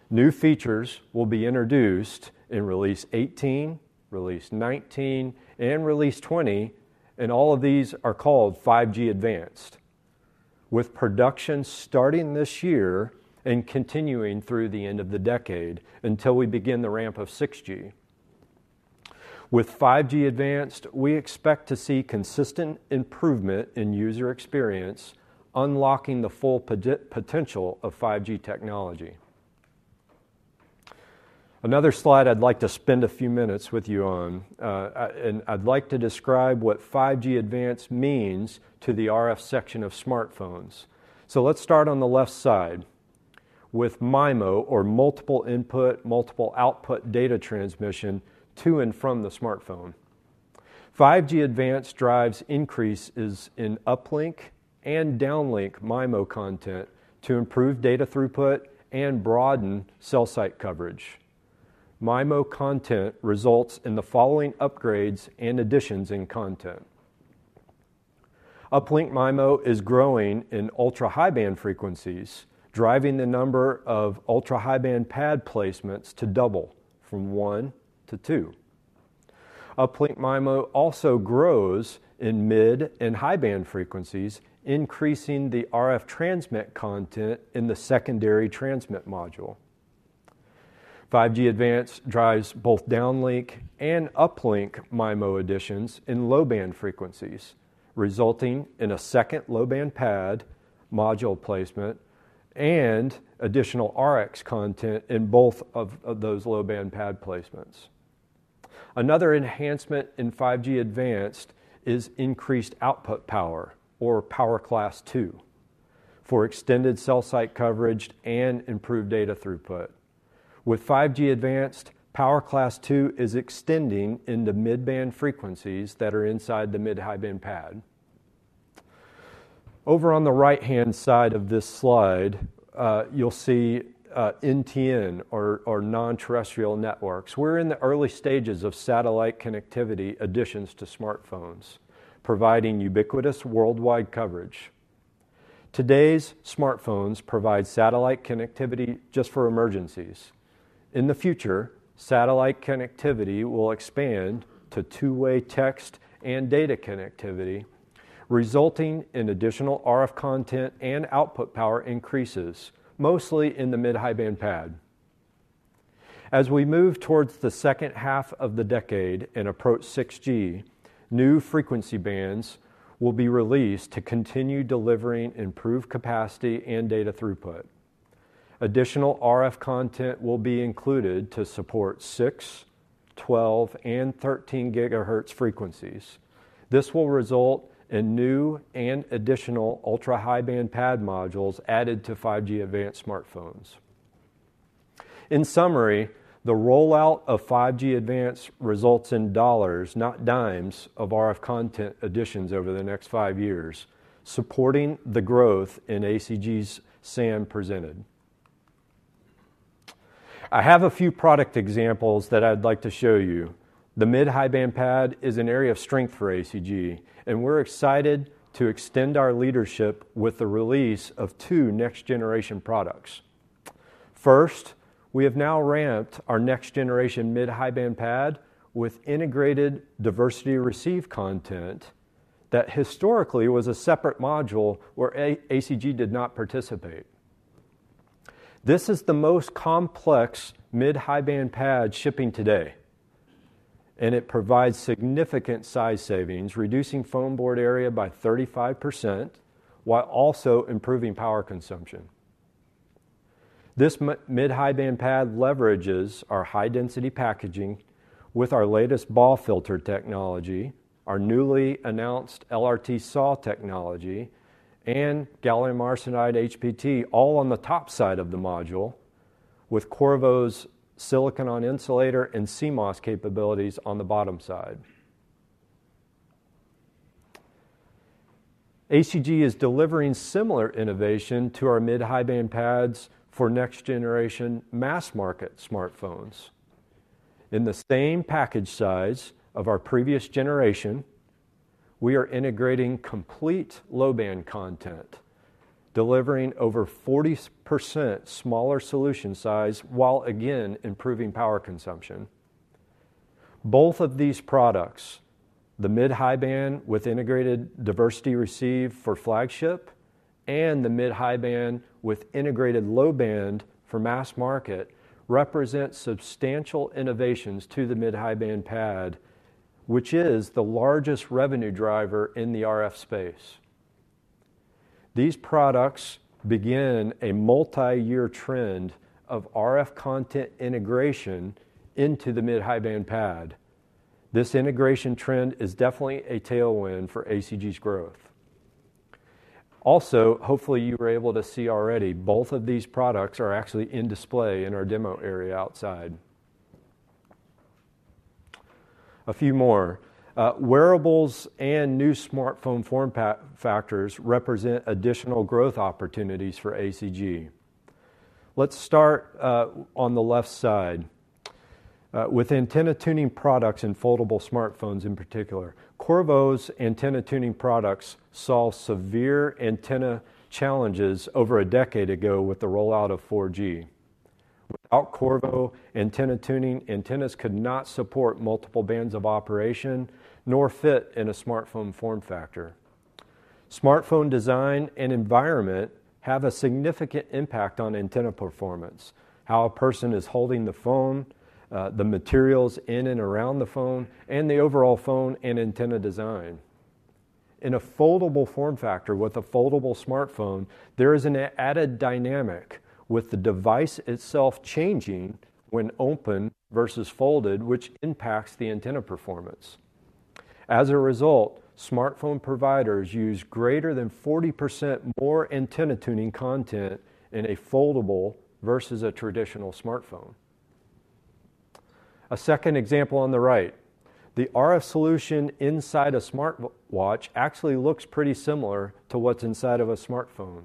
New features will be introduced in Release 19, and Release 20, and all of these are called 5G Advanced, with production starting this year and continuing through the end of the decade until we begin the ramp of 6G. With 5G Advanced, we expect to see consistent improvement in user experience, unlocking the full potential of 5G technology. Another slide I'd like to spend a few minutes with you on, and I'd like to describe what 5G Advanced means to the RF section of smartphones. So let's start on the left side with MIMO, or multiple input, multiple output data transmission to and from the smartphone. 5G Advanced drives increases in uplink and downlink MIMO content to improve data throughput and broaden cell site coverage. MIMO content results in the following upgrades and additions in content. Uplink MIMO is growing in ultra-high band frequencies, driving the number of ultra-high band pad placements to double from one to two. Uplink MIMO also grows in mid and high band frequencies, increasing the RF transmit content in the secondary transmit module. 5G Advanced drives both downlink and uplink MIMO additions in low-band frequencies, resulting in a second low-band pad module placement and additional RX content in both of those low-band pad placements. Another enhancement in 5G Advanced is increased output power, or Power Class 2, for extended cell site coverage and improved data throughput. With 5G Advanced, Power Class 2 is extending in the mid-band frequencies that are inside the mid-high band pad. Over on the right-hand side of this slide, you'll see NTN, or non-terrestrial networks. We're in the early stages of satellite connectivity additions to smartphones, providing ubiquitous worldwide coverage. Today's smartphones provide satellite connectivity just for emergencies. In the future, satellite connectivity will expand to two-way text and data connectivity, resulting in additional RF content and output power increases, mostly in the mid-high band pad. As we move towards the second half of the decade and approach 6G, new frequency bands will be released to continue delivering improved capacity and data throughput. Additional RF content will be included to support 6 GHz, 12 GHz, and 13 GHz frequencies. This will result in new and additional ultra-high band pad modules added to 5G Advanced smartphones. In summary, the rollout of 5G Advanced results in dollars, not dimes, of RF content additions over the next five years, supporting the growth in ACG's SAM presented. I have a few product examples that I'd like to show you. The mid-high band pad is an area of strength for ACG, and we're excited to extend our leadership with the release of two next-generation products. First, we have now ramped our next generation mid-high band pad with integrated diversity receive content that historically was a separate module where ACG did not participate. This is the most complex mid-high band pad shipping today, and it provides significant size savings, reducing phone board area by 35% while also improving power consumption. This mid-high band pad leverages our high density packaging with our latest BAW filter technology, our newly announced LRT SAW technology, and gallium arsenide HBT, all on the top side of the module with Qorvo's Silicon-on-Insulator and CMOS capabilities on the bottom side. ACG is delivering similar innovation to our mid-high band pads for next generation mass market smartphones. In the same package size of our previous generation, we are integrating complete low band content, delivering over 40% smaller solution size while again improving power consumption. Both of these products, the mid-high band with integrated diversity receive for flagship and the mid-high band with integrated low-band for mass market, represent substantial innovations to the mid-high band pad, which is the largest revenue driver in the RF space. These products begin a multi-year trend of RF content integration into the mid-high band pad. This integration trend is definitely a tailwind for ACG's growth. Also, hopefully you were able to see already both of these products are actually on display in our demo area outside. A few more. Wearables and new smartphone form factors represent additional growth opportunities for ACG. Let's start on the left side with antenna tuning products and foldable smartphones in particular. Qorvo's antenna tuning products solve severe antenna challenges over a decade ago with the rollout of 4G. Without Qorvo antenna tuning, antennas could not support multiple bands of operation, nor fit in a smartphone form factor. Smartphone design and environment have a significant impact on antenna performance, how a person is holding the phone, the materials in and around the phone, and the overall phone and antenna design. In a foldable form factor with a foldable smartphone, there is an added dynamic with the device itself changing when open versus folded, which impacts the antenna performance. As a result, smartphone providers use greater than 40% more antenna tuning content in a foldable versus a traditional smartphone. A second example on the right, the RF solution inside a smartwatch actually looks pretty similar to what's inside of a smartphone.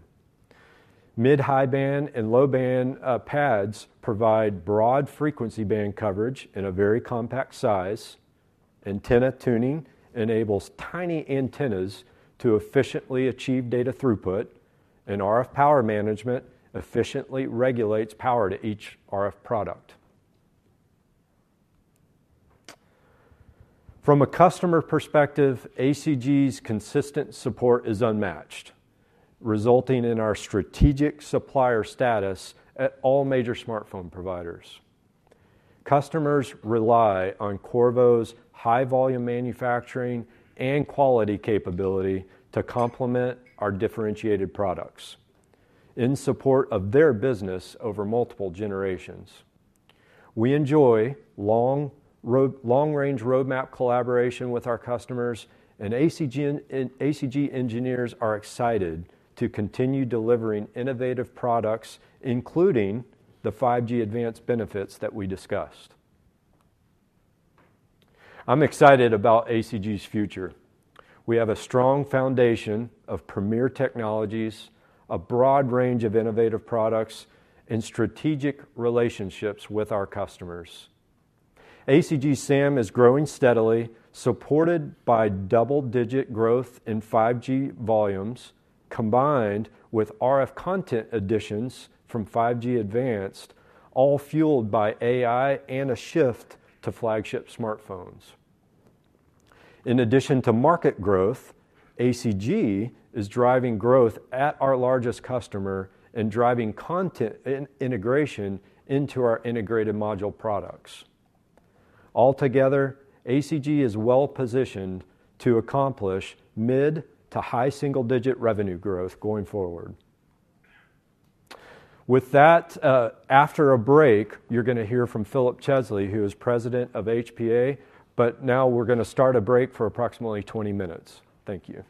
Mid-high band and low-band pads provide broad frequency band coverage in a very compact size. Antenna tuning enables tiny antennas to efficiently achieve data throughput, and RF power management efficiently regulates power to each RF product. From a customer perspective, ACG's consistent support is unmatched, resulting in our strategic supplier status at all major smartphone providers. Customers rely on Qorvo's high volume manufacturing and quality capability to complement our differentiated products in support of their business over multiple generations. We enjoy long range roadmap collaboration with our customers, and ACG engineers are excited to continue delivering innovative products, including the 5G Advanced benefits that we discussed. I'm excited about ACG's future. We have a strong foundation of premier technologies, a broad range of innovative products, and strategic relationships with our customers. ACG SAM is growing steadily, supported by double digit growth in 5G volumes, combined with RF content additions from 5G Advanced, all fueled by AI and a shift to flagship smartphones. In addition to market growth, ACG is driving growth at our largest customer and driving content integration into our integrated module products. Altogether, ACG is well positioned to accomplish mid to high-single-digit revenue growth going forward. With that, after a break, you're going to hear from Philip Chesley, who is president of HPA, but now we're going to start a break for approximately 20 minutes. Thank you.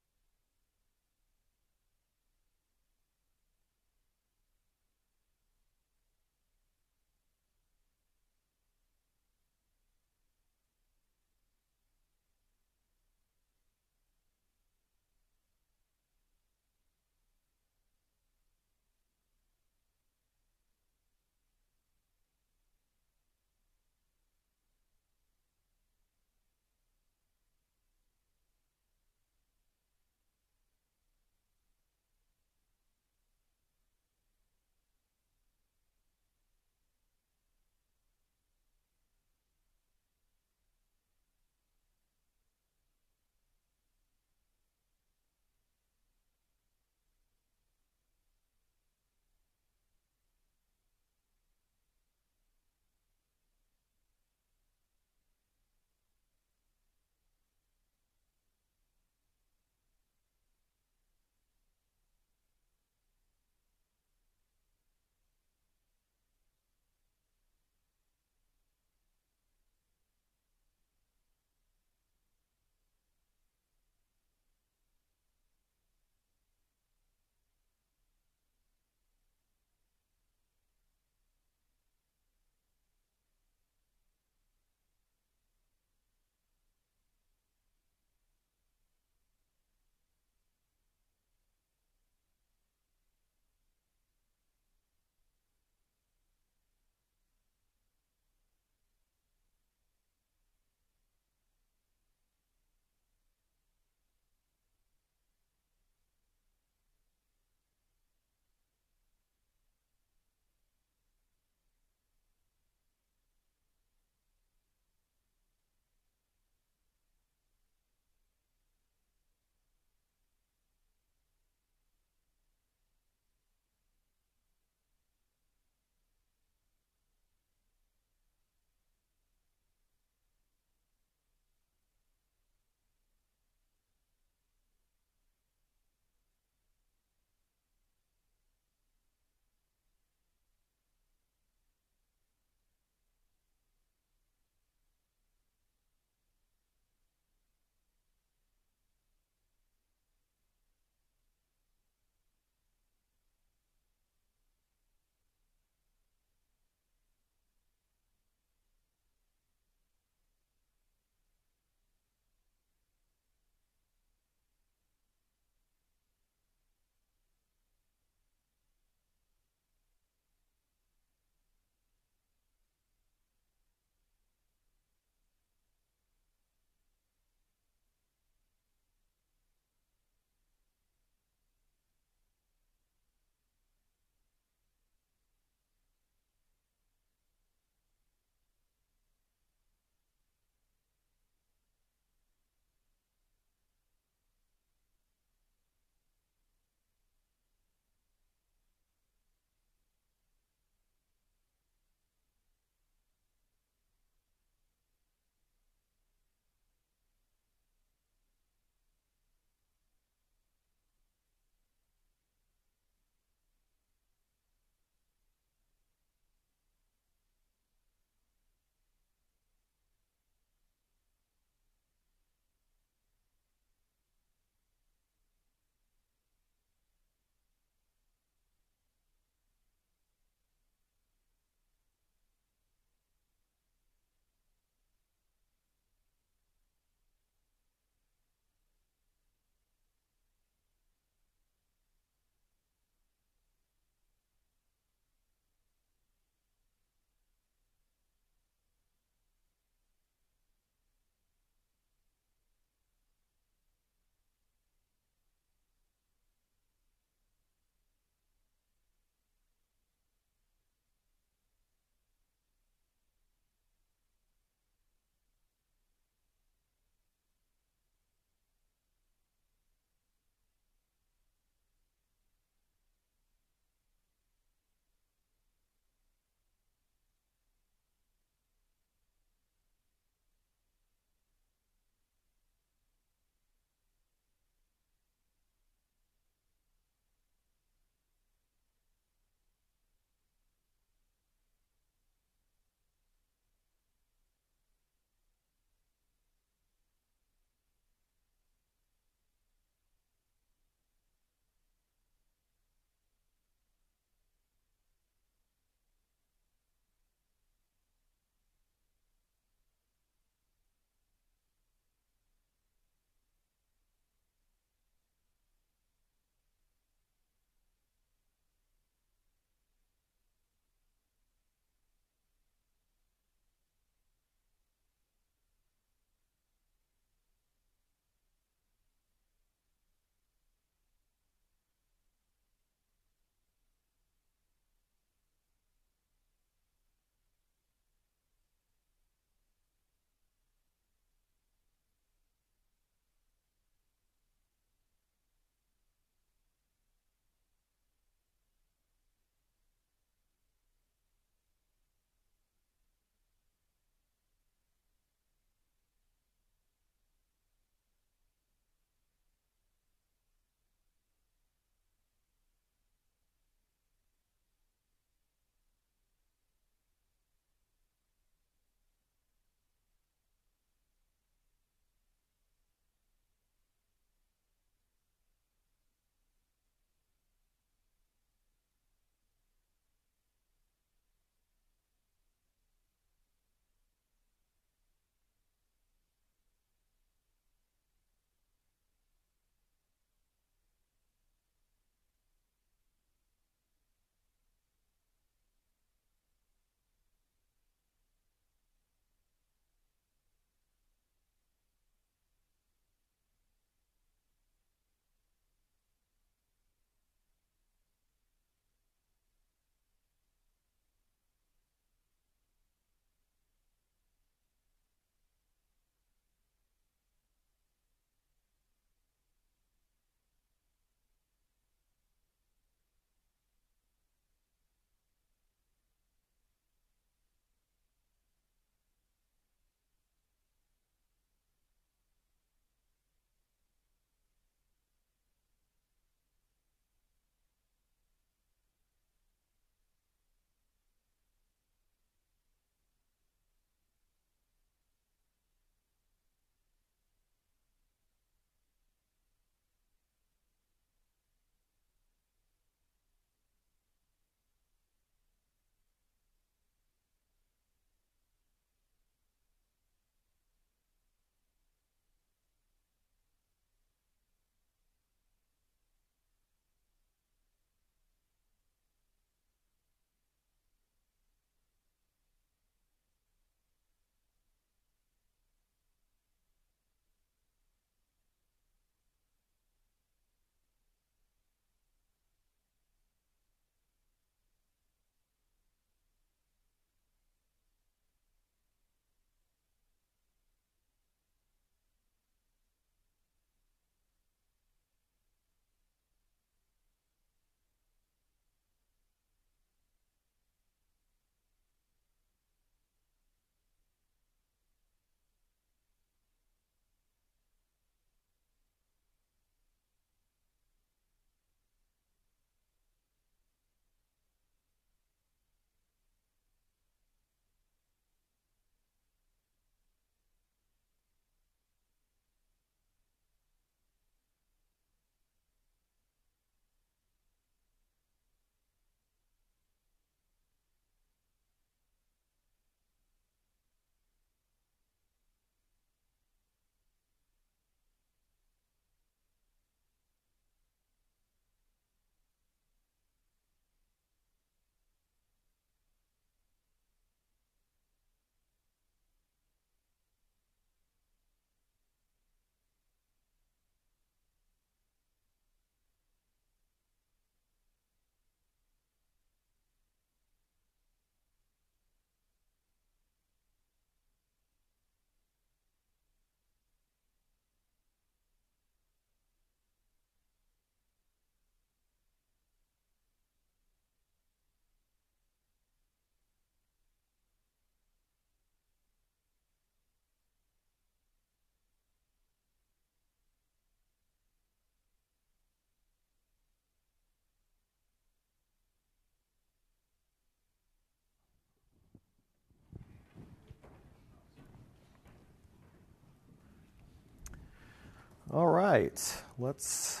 All right, let's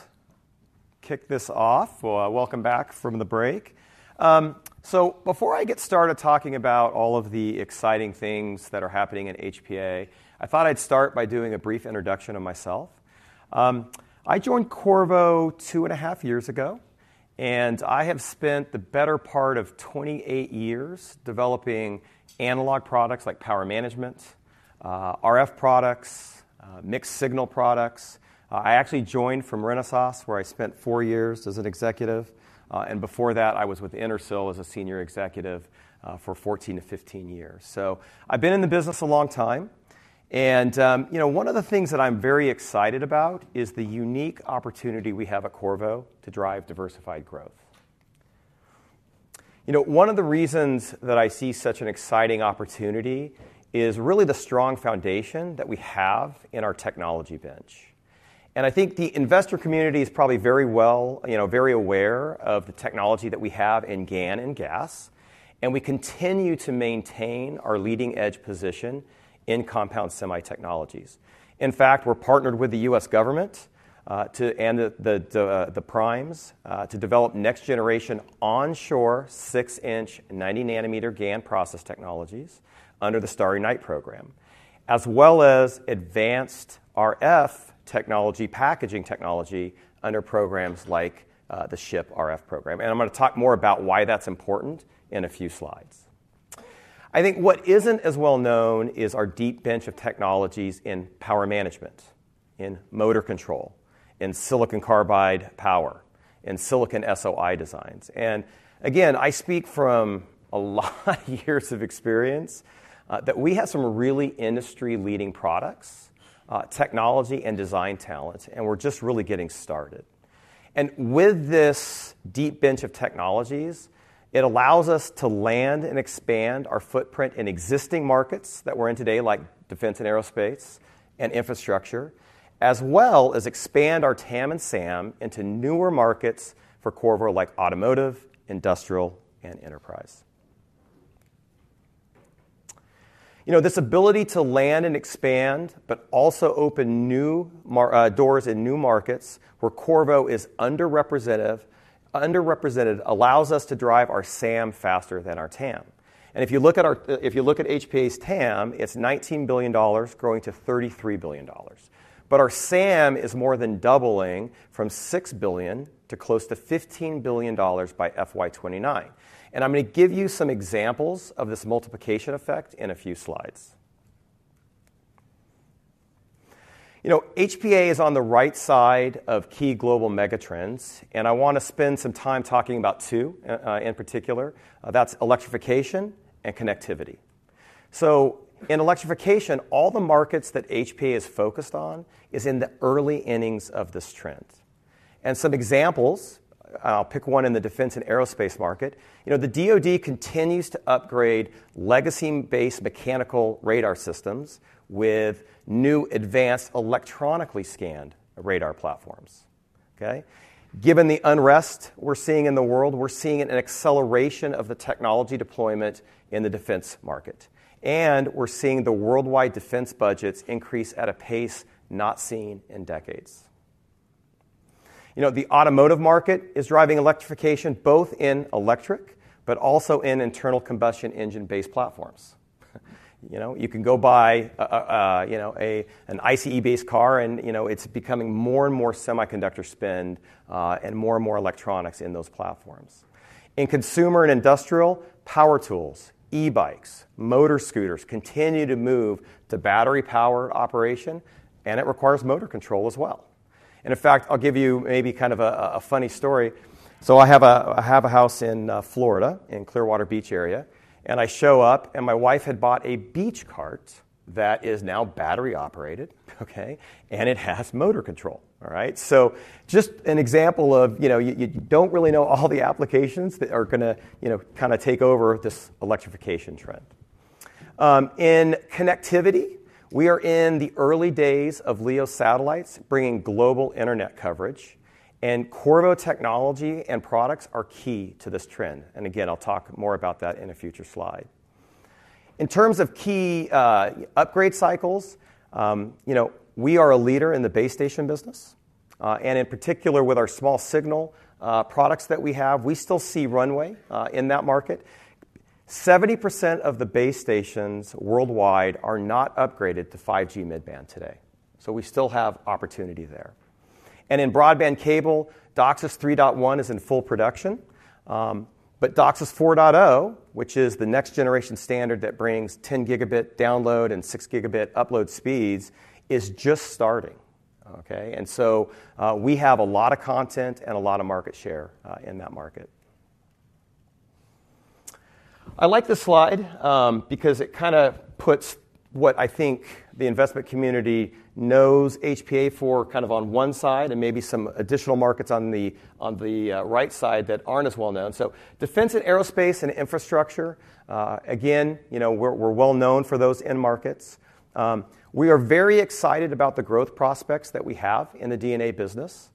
kick this off. Well, welcome back from the break. So before I get started talking about all of the exciting things that are happening in HPA, I thought I'd start by doing a brief introduction of myself. I joined Qorvo two and a half years ago, and I have spent the better part of 28 years developing analog products like power management, RF products, mixed signal products. I actually joined from Renesas, where I spent four years as an executive. Before that, I was with Intersil as a senior executive, for 14-15 years. I've been in the business a long time. You know, one of the things that I'm very excited about is the unique opportunity we have at Qorvo to drive diversified growth. You know, one of the reasons that I see such an exciting opportunity is really the strong foundation that we have in our technology bench. And I think the investor community is probably very well, you know, very aware of the technology that we have in GaN and GaAs. And we continue to maintain our leading edge position in compound semi technologies. In fact, we're partnered with the U.S. government and the primes to develop next-generation onshore 6-in 90-nm GaN process technologies under the STARRY NITE Program, as well as advanced RF technology packaging technology under programs like the SHIP Program. I'm going to talk more about why that's important in a few slides. I think what isn't as well known is our deep bench of technologies in power management, in motor control, in silicon carbide power, in silicon SOI designs. Again, I speak from a lot of years of experience that we have some really industry-leading products, technology and design talents, and we're just really getting started. And with this deep bench of technologies, it allows us to land and expand our footprint in existing markets that we're in today, like defense and aerospace and infrastructure, as well as expand our TAM and SAM into newer markets for Qorvo like automotive, industrial, and enterprise. You know, this ability to land and expand, but also open new doors in new markets where Qorvo is underrepresented allows us to drive our SAM faster than our TAM. And if you look at HPA's TAM, it's $19 billion growing to $33 billion. But our SAM is more than doubling from $6 billion to close to $15 billion by FY 2029. And I'm going to give you some examples of this multiplication effect in a few slides. You know, HPA is on the right side of key global mega trends, and I want to spend some time talking about two in particular. That's electrification and connectivity. So in electrification, all the markets that HPA is focused on is in the early innings of this trend. And some examples, I'll pick one in the defense and aerospace market. You know, the DOD continues to upgrade legacy based mechanical radar systems with new advanced electronically scanned radar platforms. Okay. Given the unrest we're seeing in the world, we're seeing an acceleration of the technology deployment in the defense market. And we're seeing the worldwide defense budgets increase at a pace not seen in decades. You know, the automotive market is driving electrification both in electric, but also in internal combustion engine based platforms. You know, you can go buy, you know, an ICE-based car and, you know, it's becoming more and more semiconductor spend, and more and more electronics in those platforms. In consumer and industrial power tools, e-bikes, motor scooters continue to move to battery power operation, and it requires motor control as well. And in fact, I'll give you maybe kind of a, a funny story. So I have a house in Florida in Clearwater Beach area, and I show up and my wife had bought a beach cart that is now battery operated. Okay. And it has motor control. All right. So just an example of you don't really know all the applications that are going to, you know, kind of take over this electrification trend. In connectivity, we are in the early days of LEO satellites bringing global internet coverage, and Qorvo technology and products are key to this trend. And again, I'll talk more about that in a future slide. In terms of key upgrade cycles, you know, we are a leader in the base station business, and in particular with our small signal products that we have, we still see runway in that market. 70% of the base stations worldwide are not upgraded to 5G mid-band today. So we still have opportunity there. And in broadband cable, DOCSIS 3.1 is in full production, but DOCSIS 4.0, which is the next generation standard that brings 10 Gb download and 6 Gb upload speeds, is just starting. Okay. And so, we have a lot of content and a lot of market share in that market. I like this slide, because it kind of puts what I think the investment community knows HPA for kind of on one side and maybe some additional markets on the right side that aren't as well known. So defense and aerospace and infrastructure, again, you know, we're well known for those end markets. We are very excited about the growth prospects that we have in the HPA business.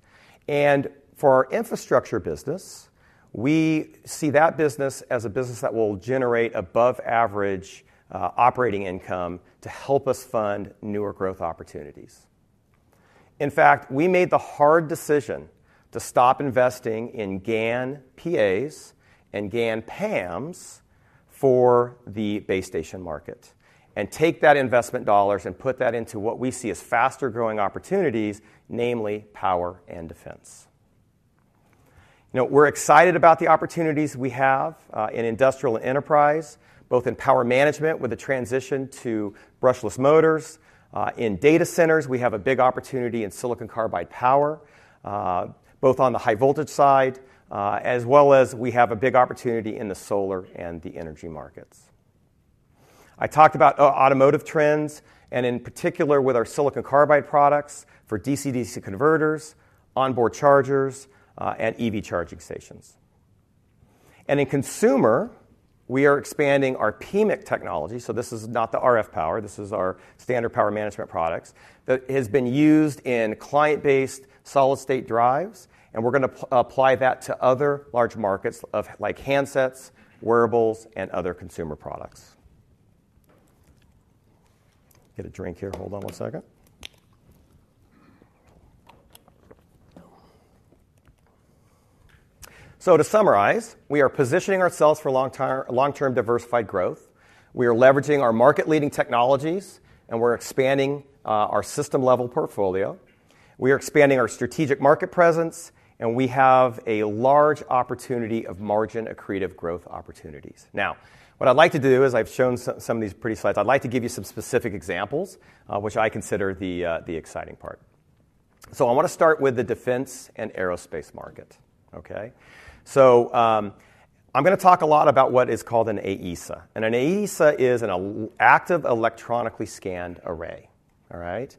And for our infrastructure business, we see that business as a business that will generate above average operating income to help us fund newer growth opportunities. In fact, we made the hard decision to stop investing in GaN PAs and GaN PAMs for the base station market and take that investment dollars and put that into what we see as faster growing opportunities, namely power and defense. You know, we're excited about the opportunities we have in industrial and enterprise, both in power management with the transition to brushless motors. In data centers, we have a big opportunity in silicon carbide power, both on the high voltage side, as well as we have a big opportunity in the solar and the energy markets. I talked about automotive trends and in particular with our silicon carbide products for DC-DC converters, onboard chargers, and EV charging stations. In consumer, we are expanding our PMIC technology. So this is not the RF power. This is our standard power management products that has been used in client based solid state drives. We're going to apply that to other large markets like handsets, wearables, and other consumer products. Get a drink here. Hold on one second. So to summarize, we are positioning ourselves for long-term, long-term diversified growth. We are leveraging our market-leading technologies and we're expanding our system-level portfolio. We are expanding our strategic market presence and we have a large opportunity of margin-accretive growth opportunities. Now, what I'd like to do is I've shown some of these pretty slides. I'd like to give you some specific examples, which I consider the, the exciting part. So I want to start with the defense and aerospace market. Okay. So, I'm going to talk a lot about what is called an AESA. And an AESA is an active electronically scanned array. All right.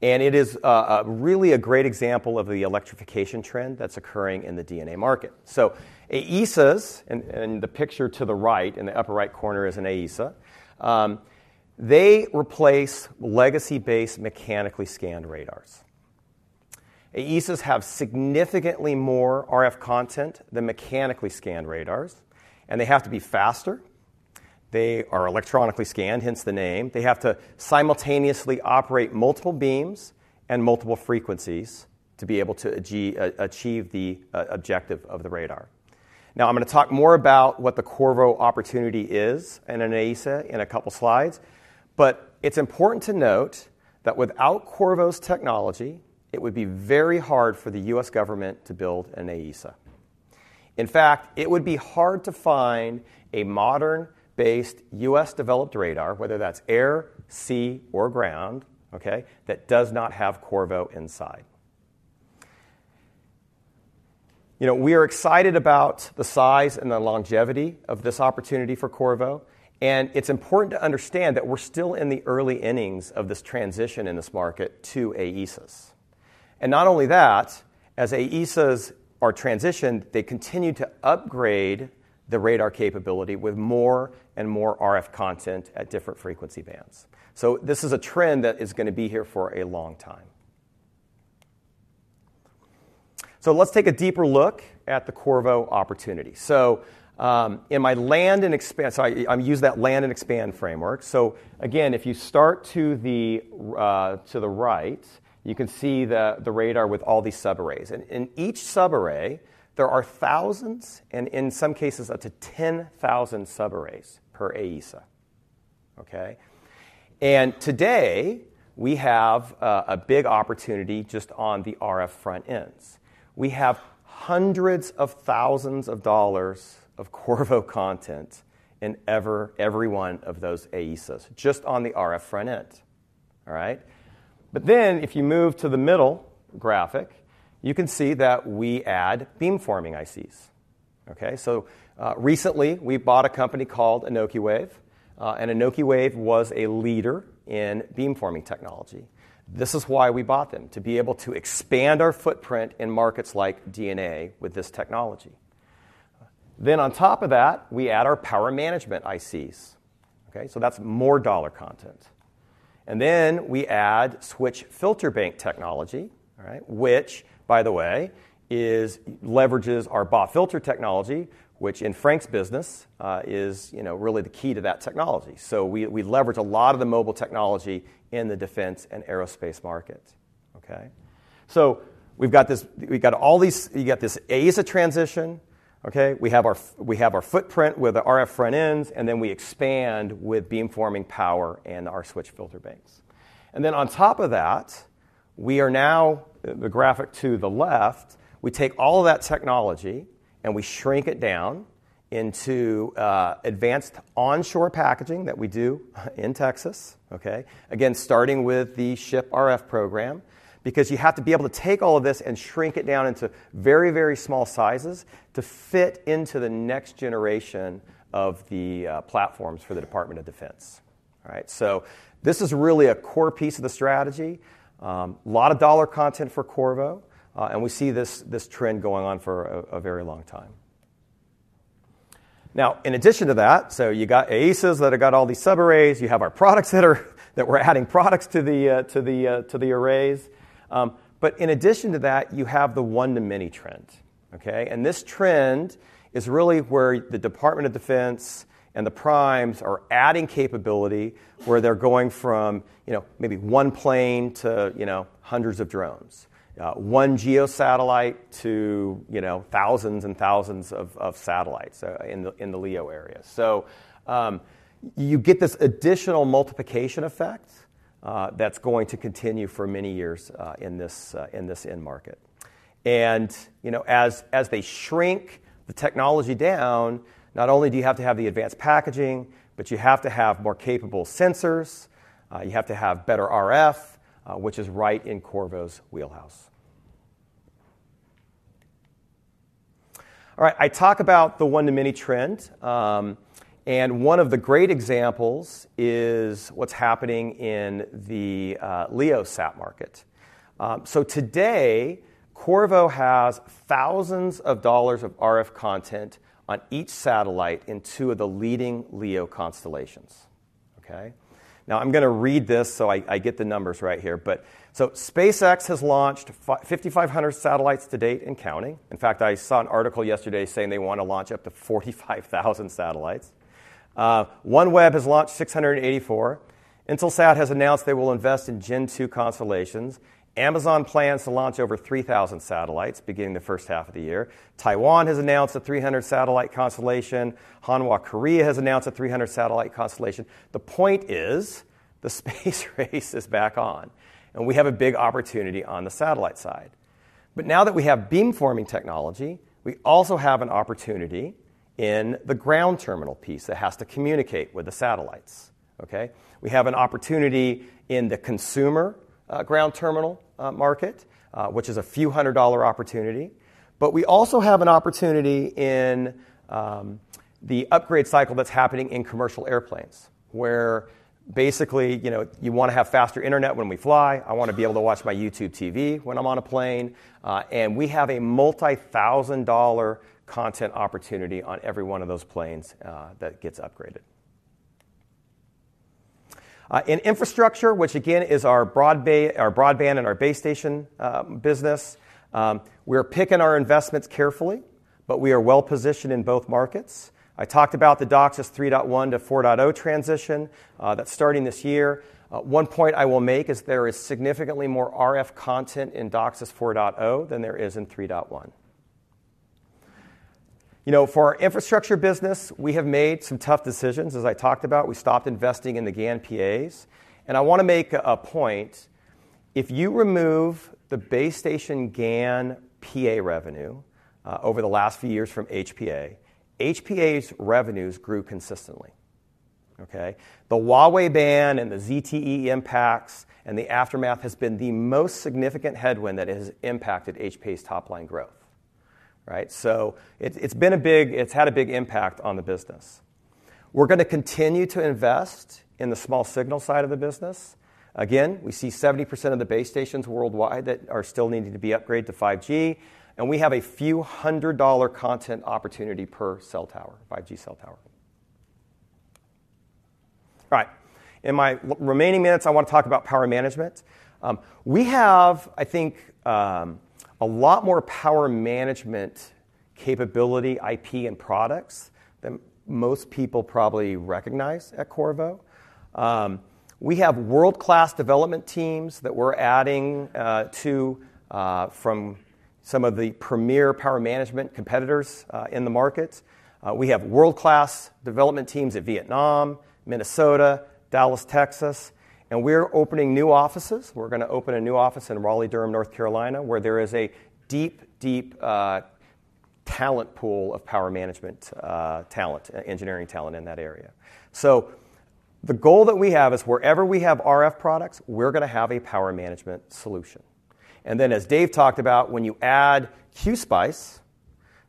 And it is really a great example of the electrification trend that's occurring in the D&A market. So AESAs and the picture to the right in the upper right corner is an AESA. They replace legacy-based mechanically scanned radars. AESAs have significantly more RF content than mechanically scanned radars, and they have to be faster. They are electronically scanned, hence the name. They have to simultaneously operate multiple beams and multiple frequencies to be able to achieve the objective of the radar. Now I'm going to talk more about what the Qorvo opportunity is and an AESA in a couple of slides. But it's important to note that without Qorvo's technology, it would be very hard for the U.S. government to build an AESA. In fact, it would be hard to find a modern-based U.S.-developed radar, whether that's air, sea, or ground, okay, that does not have Qorvo inside. You know, we are excited about the size and the longevity of this opportunity for Qorvo. It's important to understand that we're still in the early innings of this transition in this market to AESAs. And not only that, as AESAs are transitioned, they continue to upgrade the radar capability with more and more RF content at different frequency bands. So this is a trend that is going to be here for a long time. So let's take a deeper look at the Qorvo opportunity. So, in my land and expand, so I use that land and expand framework. So again, if you start to the, to the right, you can see the radar with all these subarrays. And in each subarray, there are thousands and in some cases up to 10,000 subarrays per AESA. Okay. And today we have a big opportunity just on the RF front ends. We have hundreds of thousands of dollars of Qorvo content in every one of those AESAs just on the RF front end. All right. But then if you move to the middle graphic, you can see that we add beamforming ICs. Okay. So, recently we bought a company called Anokiwave. And Anokiwave was a leader in beamforming technology. This is why we bought them, to be able to expand our footprint in markets like D&A with this technology. Then on top of that, we add our power management ICs. Okay. So that's more dollar content. And then we add switch filter bank technology, all right, which by the way, is leverages our BAW filter technology, which in Frank's business, is, you know, really the key to that technology. So we, we leverage a lot of the mobile technology in the defense and aerospace market. Okay. So we've got this, we've got all these, you got this AESA transition. Okay. We have our, we have our footprint with the RF front ends, and then we expand with beamforming power and our switch filter banks. And then on top of that, we are now the graphic to the left, we take all of that technology and we shrink it down into advanced onshore packaging that we do in Texas. Okay. Again, starting with the SHIP Program, because you have to be able to take all of this and shrink it down into very, very small sizes to fit into the next generation of the platforms for the Department of Defense. All right. So this is really a core piece of the strategy. A lot of dollar content for Qorvo. And we see this, this trend going on for a very long time. Now, in addition to that, so you got AESAs that have got all these subarrays, you have our products that we're adding products to the arrays. But in addition to that, you have the one to many trend. Okay. And this trend is really where the Department of Defense and the primes are adding capability where they're going from, you know, maybe one plane to, you know, hundreds of drones, one geo satellite to, you know, thousands and thousands of satellites, in the LEO area. So, you get this additional multiplication effect, that's going to continue for many years, in this end market. And, you know, as they shrink the technology down, not only do you have to have the advanced packaging, but you have to have more capable sensors. You have to have better RF, which is right in Qorvo's wheelhouse. All right. I talk about the one to many trend. And one of the great examples is what's happening in the LEO sat market. So today Qorvo has thousands of dollars of RF content on each satellite in two of the leading LEO constellations. Okay. Now I'm going to read this so I get the numbers right here, but so SpaceX has launched 5,500 satellites to date and counting. In fact, I saw an article yesterday saying they want to launch up to 45,000 satellites. OneWeb has launched 684. Intelsat has announced they will invest in Gen Two constellations. Amazon plans to launch over 3,000 satellites beginning the first half of the year. Taiwan has announced a 300 satellite constellation. Hanwha Korea has announced a 300 satellite constellation. The point is the space race is back on and we have a big opportunity on the satellite side. But now that we have beamforming technology, we also have an opportunity in the ground terminal piece that has to communicate with the satellites. Okay. We have an opportunity in the consumer ground terminal market, which is a few hundred dollar opportunity. But we also have an opportunity in the upgrade cycle that's happening in commercial airplanes where basically, you know, you want to have faster internet when we fly. I want to be able to watch my YouTube TV when I'm on a plane, and we have a multi thousand dollar content opportunity on every one of those planes that gets upgraded. In infrastructure, which again is our broadband and our base station business, we're picking our investments carefully, but we are well positioned in both markets. I talked about the DOCSIS 3.1 to 4.0 transition, that's starting this year. One point I will make is there is significantly more RF content in DOCSIS 4.0 than there is in 3.1. You know, for our infrastructure business, we have made some tough decisions. As I talked about, we stopped investing in the GaN PAs. And I want to make a point. If you remove the base station GaN PA revenue, over the last few years from HPA, HPA's revenues grew consistently. Okay. The Huawei ban and the ZTE impacts and the aftermath has been the most significant headwind that has impacted HPA's top line growth. Right. So it's had a big impact on the business. We're going to continue to invest in the small signal side of the business. Again, we see 70% of the base stations worldwide that are still needing to be upgraded to 5G. We have a few hundred-dollar content opportunity per cell tower, 5G cell tower. All right. In my remaining minutes, I want to talk about power management. We have, I think, a lot more power management capability, IP and products than most people probably recognize at Qorvo. We have world-class development teams that we're adding to from some of the premier power management competitors in the market. We have world-class development teams in Vietnam, Minnesota, Dallas, Texas, and we're opening new offices. We're going to open a new office in Raleigh-Durham, North Carolina, where there is a deep, deep, talent pool of power management, talent, engineering talent in that area. So the goal that we have is wherever we have RF products, we're going to have a power management solution. And then, as Dave talked about, when you add QSPICE,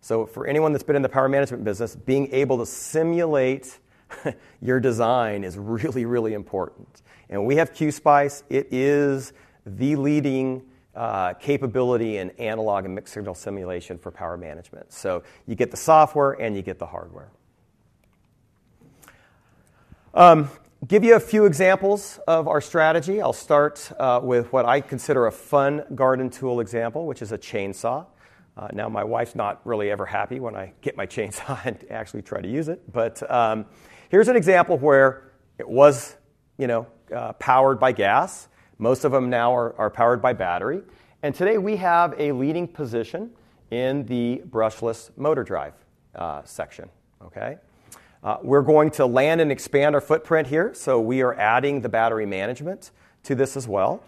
so for anyone that's been in the power management business, being able to simulate your design is really, really important. And we have QSPICE. It is the leading capability in analog and mixed-signal simulation for power management. So you get the software and you get the hardware. Give you a few examples of our strategy. I'll start with what I consider a fun garden tool example, which is a chainsaw. Now my wife's not really ever happy when I get my chainsaw and actually try to use it. But here's an example where it was, you know, powered by gas. Most of them now are powered by battery. Today we have a leading position in the brushless motor drive section. Okay. We're going to land and expand our footprint here. So we are adding the battery management to this as well.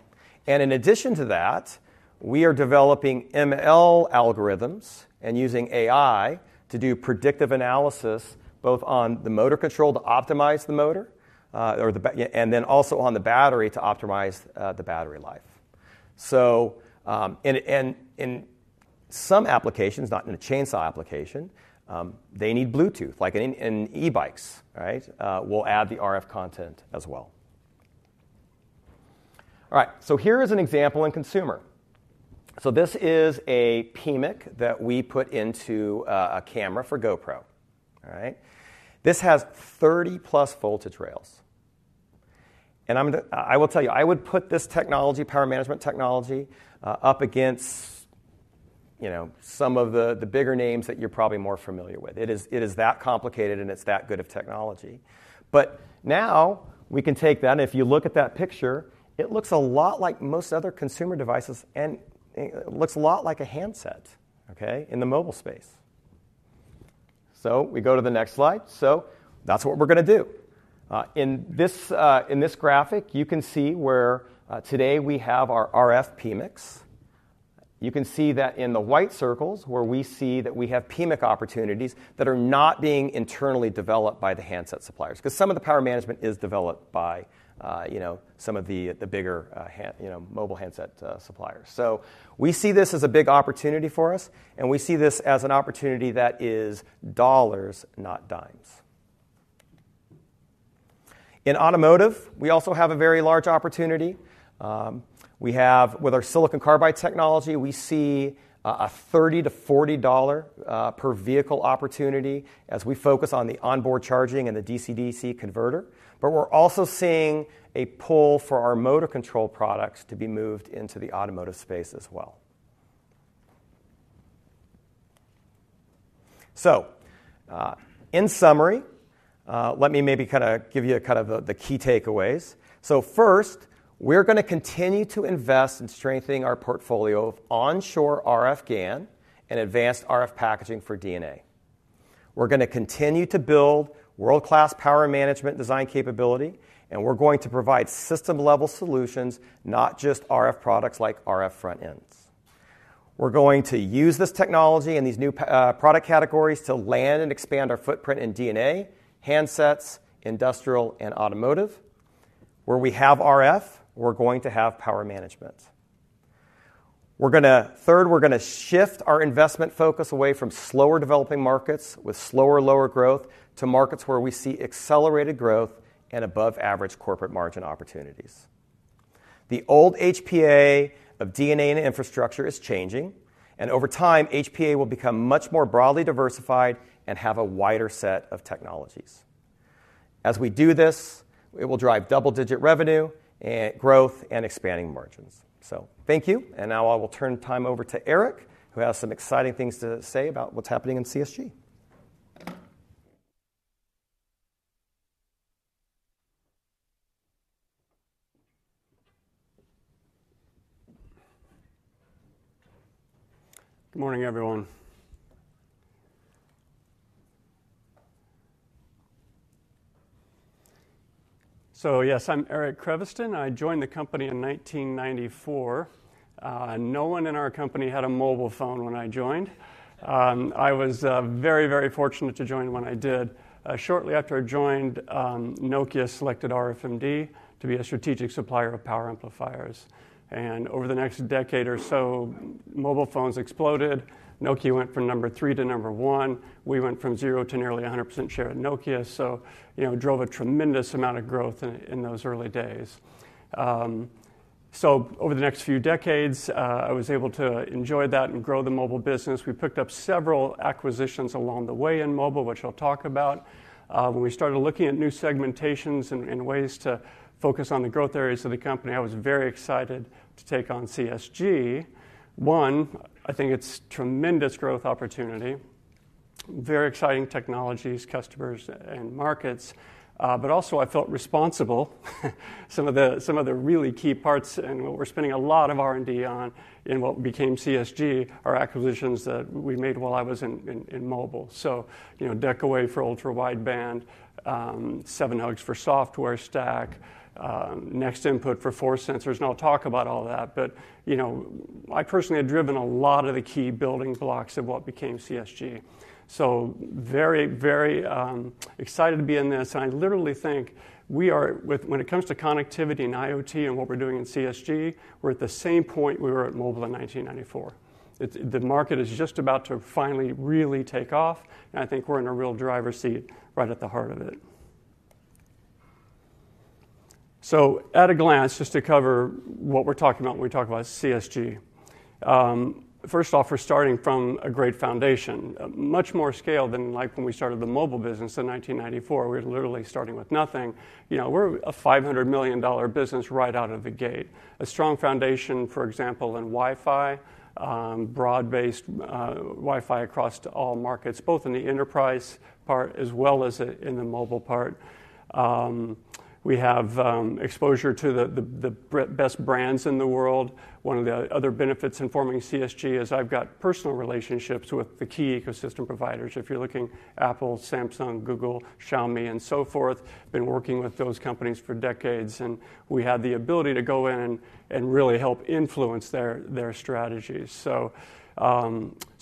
And in addition to that, we are developing ML algorithms and using AI to do predictive analysis both on the motor control to optimize the motor, and then also on the battery to optimize the battery life. So, in some applications, not in a chainsaw application, they need Bluetooth, like in e-bikes. All right. We'll add the RF content as well. All right. So here is an example in consumer. So this is a PMIC that we put into a camera for GoPro. All right. This has 30+ voltage rails. And I'm gonna, I will tell you, I would put this technology, power management technology, up against, you know, some of the bigger names that you're probably more familiar with. It is that complicated and it's that good of technology. But now we can take that. And if you look at that picture, it looks a lot like most other consumer devices and it looks a lot like a handset. Okay. In the mobile space. So we go to the next slide. So that's what we're going to do. In this graphic, you can see where today we have our RF PMICs. You can see that in the white circles where we see that we have PMIC opportunities that are not being internally developed by the handset suppliers. Because some of the power management is developed by, you know, some of the bigger, you know, mobile handset suppliers. So we see this as a big opportunity for us. And we see this as an opportunity that is dollars, not dimes. In automotive, we also have a very large opportunity. We have with our silicon carbide technology, we see a $30-$40 per vehicle opportunity as we focus on the onboard charging and the DC-DC converter. But we're also seeing a pull for our motor control products to be moved into the automotive space as well. So, in summary, let me maybe kind of give you kind of the key takeaways. So first, we're going to continue to invest in strengthening our portfolio of onshore RF GaN and advanced RF packaging for D&A. We're going to continue to build world-class power management design capability, and we're going to provide system-level solutions, not just RF products like RF front-ends. We're going to use this technology and these new product categories to land and expand our footprint in D&A, handsets, industrial, and automotive. Where we have RF, we're going to have power management. Third, we're going to shift our investment focus away from slower-developing markets with slower, lower growth to markets where we see accelerated growth and above-average corporate margin opportunities. The old HPA of D&A and infrastructure is changing, and over time HPA will become much more broadly diversified and have a wider set of technologies. As we do this, it will drive double-digit revenue and growth and expanding margins. So thank you. And now I will turn time over to Eric, who has some exciting things to say about what's happening in CSG. Good morning, everyone. So yes, I'm Eric Creviston. I joined the company in 1994. No one in our company had a mobile phone when I joined. I was very, very fortunate to join when I did. Shortly after I joined, Nokia selected RFMD to be a strategic supplier of power amplifiers. And over the next decade or so, mobile phones exploded. Nokia went from number three to number one. We went from 0% to nearly 100% share at Nokia. So, you know, drove a tremendous amount of growth in those early days. So over the next few decades, I was able to enjoy that and grow the mobile business. We picked up several acquisitions along the way in mobile, which I'll talk about. When we started looking at new segmentations and ways to focus on the growth areas of the company, I was very excited to take on CSG. One, I think it's tremendous growth opportunity, very exciting technologies, customers, and markets. But also I felt responsible. Some of the really key parts and what we're spending a lot of R&D on in what became CSG are acquisitions that we made while I was in mobile. So, you know, Decawave for ultra-wideband, Sevenhugs for software stack, NextInput for force sensors. And I'll talk about all that. But, you know, I personally had driven a lot of the key building blocks of what became CSG. So very, very, excited to be in this. I literally think we are with, when it comes to connectivity and IoT and what we're doing in CSG, we're at the same point we were at mobile in 1994. It's the market is just about to finally really take off. I think we're in a real driver's seat right at the heart of it. At a glance, just to cover what we're talking about when we talk about CSG. First off, we're starting from a great foundation, much more scale than like when we started the mobile business in 1994. We were literally starting with nothing. You know, we're a $500 million business right out of the gate. A strong foundation, for example, in Wi-Fi, broad-based, Wi-Fi across all markets, both in the enterprise part as well as in the mobile part. We have exposure to the best brands in the world. One of the other benefits in forming CSG is I've got personal relationships with the key ecosystem providers. If you're looking, Apple, Samsung, Google, Xiaomi, and so forth, been working with those companies for decades. And we had the ability to go in and really help influence their strategies. So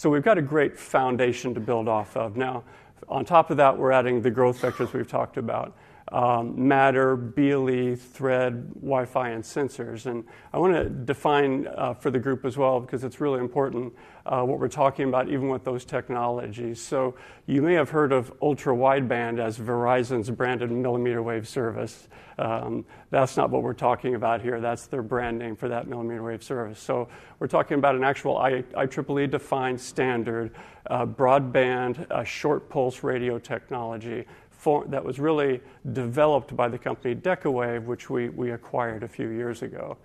we've got a great foundation to build off of. Now, on top of that, we're adding the growth vectors we've talked about, Matter, BLE, Thread, Wi-Fi, and sensors. And I want to define, for the group as well, because it's really important, what we're talking about, even with those technologies. So you may have heard of ultra-wideband as Verizon's branded millimeter wave service. That's not what we're talking about here. That's their brand name for that millimeter wave service. So we're talking about an actual IEEE defined standard, broadband, short pulse radio technology that was really developed by the company Decawave, which we, we acquired a few years ago.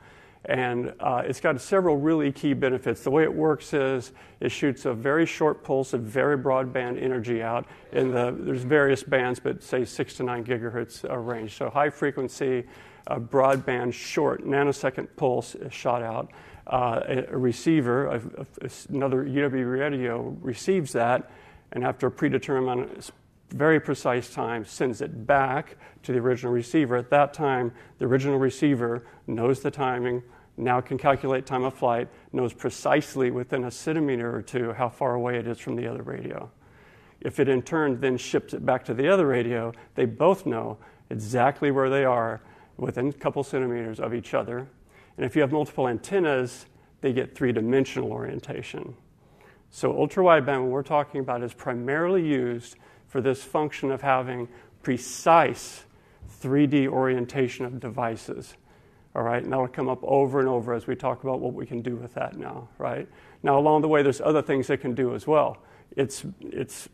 And, it's got several really key benefits. The way it works is it shoots a very short pulse and very broadband energy out in the, there's various bands, but say 6 GHz-9 GHz range. So high frequency, broadband, short nanosecond pulse is shot out. A receiver, another UWB radio receives that and after a predetermined, very precise time, sends it back to the original receiver. At that time, the original receiver knows the timing, now can calculate time of flight, knows precisely within a centimeter or two how far away it is from the other radio. If it in turn then ships it back to the other radio, they both know exactly where they are within a couple centimeters of each other. And if you have multiple antennas, they get three-dimensional orientation. So, ultra-wideband, what we're talking about, is primarily used for this function of having precise 3D orientation of devices. All right. And that'll come up over and over as we talk about what we can do with that now. Right. Now, along the way, there's other things it can do as well. It's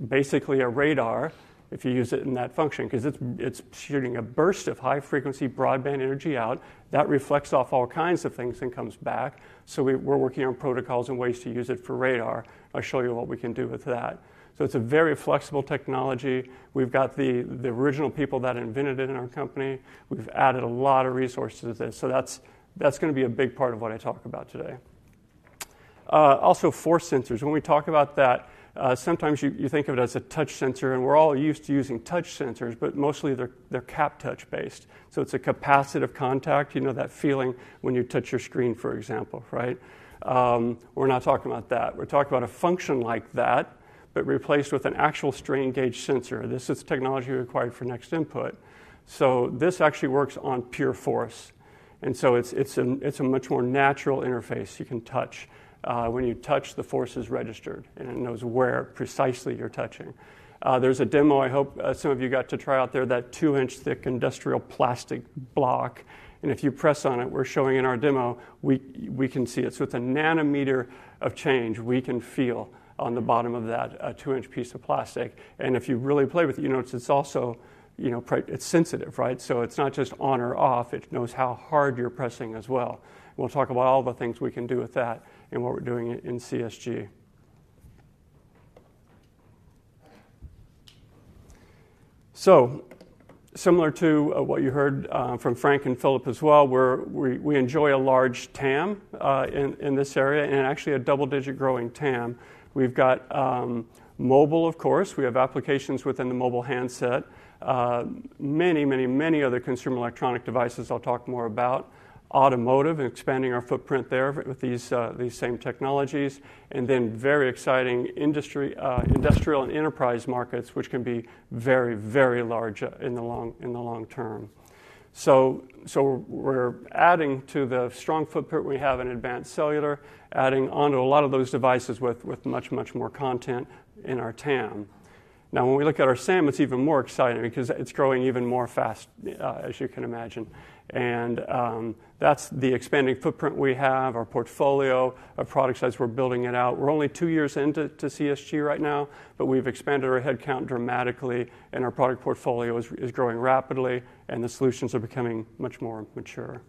basically a radar if you use it in that function, because it's, it's shooting a burst of high-frequency broadband energy out that reflects off all kinds of things and comes back. So, we're working on protocols and ways to use it for radar. I'll show you what we can do with that. So it's a very flexible technology. We've got the original people that invented it in our company. We've added a lot of resources to this. So that's going to be a big part of what I talk about today. Also force sensors. When we talk about that, sometimes you think of it as a touch sensor and we're all used to using touch sensors, but mostly they're cap touch based. So it's a capacitive contact, you know, that feeling when you touch your screen, for example. Right. We're not talking about that. We're talking about a function like that, but replaced with an actual strain gauge sensor. This is technology required for NextInput. So this actually works on pure force and so it's a much more natural interface. You can touch. When you touch, the force is registered and it knows precisely where you're touching. There's a demo, I hope, some of you got to try out there, that 2-in thick industrial plastic block. And if you press on it, we're showing in our demo, we can see it. So it's a nanometer of change we can feel on the bottom of that 2-in piece of plastic. And if you really play with it, you notice it's also, you know, it's sensitive. Right. So it's not just on or off, it knows how hard you're pressing as well. We'll talk about all the things we can do with that and what we're doing in CSG. So similar to what you heard from Frank and Philip as well, where we enjoy a large TAM in this area and actually a double-digit growing TAM. We've got mobile, of course. We have applications within the mobile handset, many, many, many other consumer electronic devices. I'll talk more about automotive and expanding our footprint there with these, these same technologies. And then very exciting industry, industrial and enterprise markets, which can be very, very large in the long, in the long term. So, so we're adding to the strong footprint we have in advanced cellular, adding onto a lot of those devices with, with much, much more content in our TAM. Now, when we look at our SAM, it's even more exciting because it's growing even more fast, as you can imagine. And, that's the expanding footprint we have, our portfolio of product size. We're building it out. We're only two years into CSG right now, but we've expanded our headcount dramatically and our product portfolio is growing rapidly and the solutions are becoming much more mature.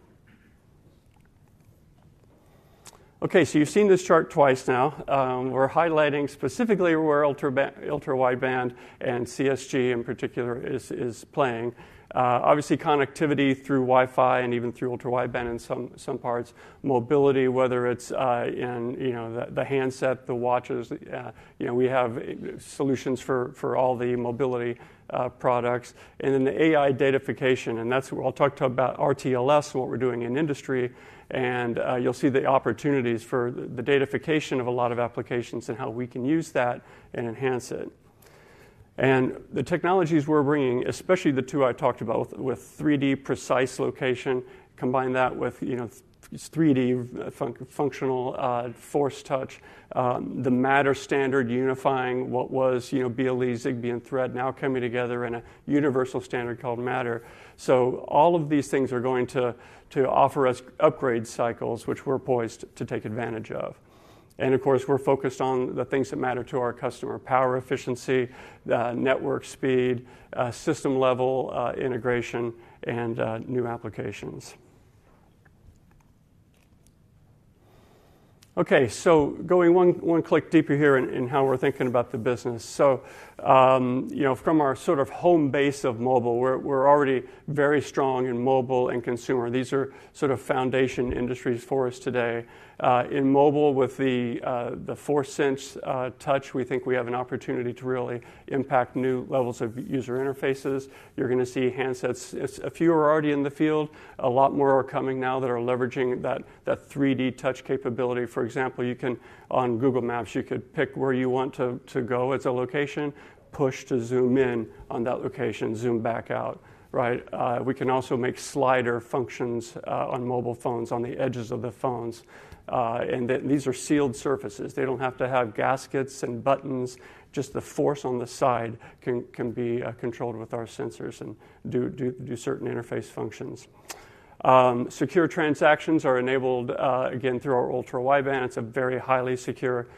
Okay. So you've seen this chart twice now. We're highlighting specifically where ultra-wideband and CSG in particular is playing. Obviously connectivity through Wi-Fi and even through ultra-wideband in some parts, mobility, whether it's in, you know, the handset, the watches, you know, we have solutions for all the mobility products and then the AI datafication. You'll see the opportunities for the datafication of a lot of applications and how we can use that and enhance it. The technologies we're bringing, especially the two I talked about with 3D precise location, combine that with, you know, 3D functional, Force Touch, the Matter standard unifying what was, you know, BLE, Zigbee, and Thread now coming together in a universal standard called Matter. All of these things are going to offer us upgrade cycles, which we're poised to take advantage of. Of course, we're focused on the things that matter to our customer: power efficiency, network speed, system level, integration, and new applications. Okay. Going one click deeper here in how we're thinking about the business. You know, from our sort of home base of mobile, we're already very strong in mobile and consumer. These are sort of foundation industries for us today. In mobile with the ForceSense touch, we think we have an opportunity to really impact new levels of user interfaces. You're going to see handsets. A few are already in the field. A lot more are coming now that are leveraging that 3D touch capability. For example, you can on Google Maps, you could pick where you want to go as a location, push to zoom in on that location, zoom back out. Right. We can also make slider functions on mobile phones on the edges of the phones. And then these are sealed surfaces. They don't have to have gaskets and buttons. Just the force on the side can be controlled with our sensors and do certain interface functions. Secure transactions are enabled, again through our ultra-wideband. It's a very highly secure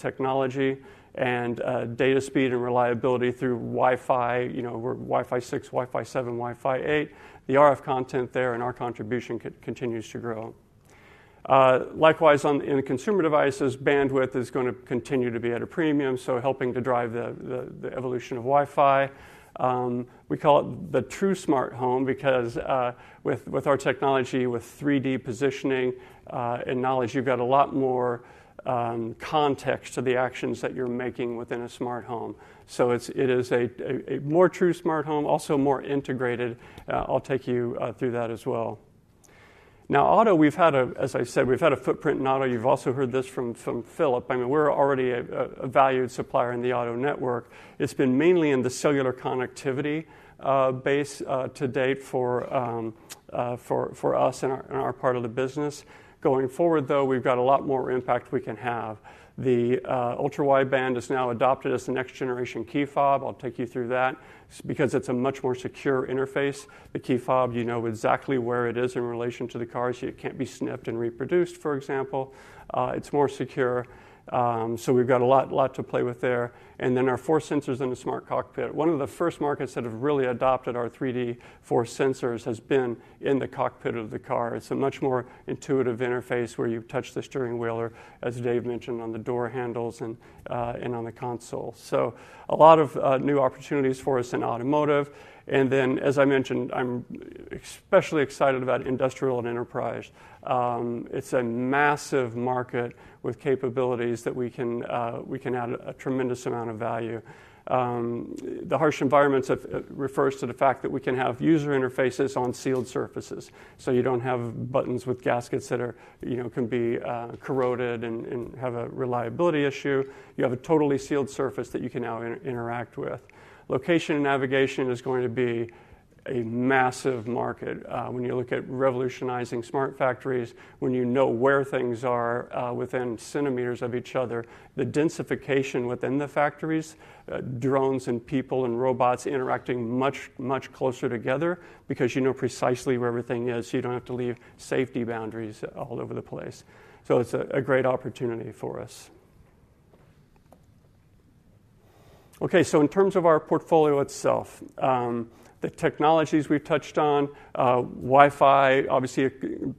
technology and data speed and reliability through Wi-Fi, you know, we're Wi-Fi 6, Wi-Fi 7, Wi-Fi 8. The RF content there and our contribution continues to grow. Likewise, in consumer devices, bandwidth is going to continue to be at a premium. So helping to drive the evolution of Wi-Fi. We call it the true smart home because, with our technology, with 3D positioning, and knowledge, you've got a lot more context to the actions that you're making within a smart home. So it is a more true smart home, also more integrated. I'll take you through that as well. Now, auto, we've had a footprint in auto, as I said. You've also heard this from Philip. I mean, we're already a valued supplier in the auto network. It's been mainly in the cellular connectivity base to date for us and our part of the business. Going forward though, we've got a lot more impact we can have. The ultra-wideband is now adopted as the next generation key fob. I'll take you through that because it's a much more secure interface. The key fob, you know exactly where it is in relation to the car, so it can't be snipped and reproduced, for example. It's more secure. So we've got a lot to play with there. And then our force sensors in the smart cockpit, one of the first markets that have really adopted our 3D force sensors has been in the cockpit of the car. It's a much more intuitive interface where you touch the steering wheel or, as Dave mentioned, on the door handles and on the console. So a lot of new opportunities for us in automotive. And then, as I mentioned, I'm especially excited about industrial and enterprise. It's a massive market with capabilities that we can, we can add a tremendous amount of value. The harsh environments of it refers to the fact that we can have user interfaces on sealed surfaces. So you don't have buttons with gaskets that are, you know, can be, corroded and, and have a reliability issue. You have a totally sealed surface that you can now interact with. Location and navigation is going to be a massive market. When you look at revolutionizing smart factories, when you know where things are, within centimeters of each other, the densification within the factories, drones and people and robots interacting much, much closer together because you know precisely where everything is. So you don't have to leave safety boundaries all over the place. So it's a great opportunity for us. Okay. So in terms of our portfolio itself, the technologies we've touched on, Wi-Fi, obviously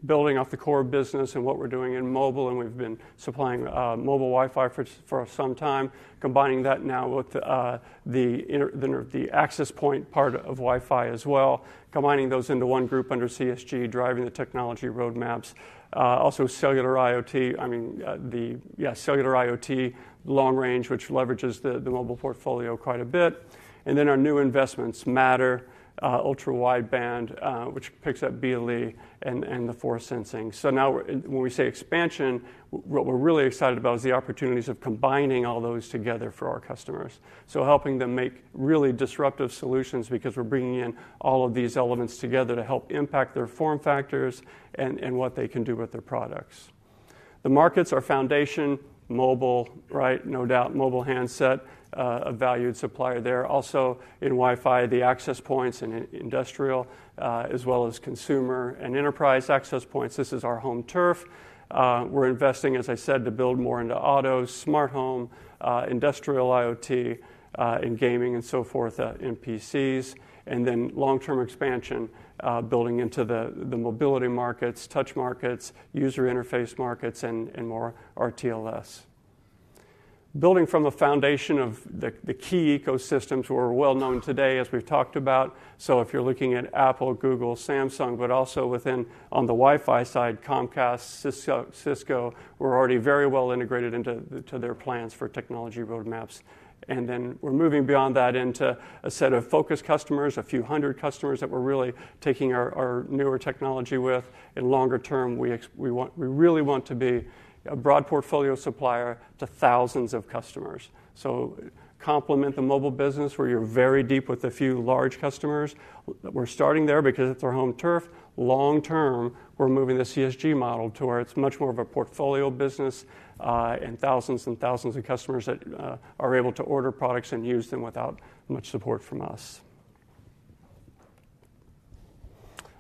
building off the core business and what we're doing in mobile, and we've been supplying mobile Wi-Fi for some time, combining that now with the access point part of Wi-Fi as well, combining those into one group under CSG, driving the technology roadmaps. Also cellular IoT. I mean, yeah, cellular IoT long range, which leverages the mobile portfolio quite a bit. And then our new investments, Matter, ultra-wideband, which picks up BLE and the force sensing. So now when we say expansion, what we're really excited about is the opportunities of combining all those together for our customers. Helping them make really disruptive solutions because we're bringing in all of these elements together to help impact their form factors and, and what they can do with their products. The markets are foundation mobile, right? No doubt mobile handset, a valued supplier there. Also in Wi-Fi, the access points and industrial, as well as consumer and enterprise access points. This is our home turf. We're investing, as I said, to build more into auto, smart home, industrial IoT, and gaming and so forth, and PCs. And then long term expansion, building into the, the mobility markets, touch markets, user interface markets, and, and more RTLS. Building from the foundation of the, the key ecosystems we're well known today, as we've talked about. So if you're looking at Apple, Google, Samsung, but also within on the Wi-Fi side, Comcast, Cisco, we're already very well integrated into their plans for technology roadmaps. And then we're moving beyond that into a set of focused customers, a few hundred customers that we're really taking our newer technology with. In longer term, we want, we really want to be a broad portfolio supplier to thousands of customers. So complement the mobile business where you're very deep with a few large customers. We're starting there because it's our home turf. Long term, we're moving the CSG model to where it's much more of a portfolio business, and thousands and thousands of customers that are able to order products and use them without much support from us.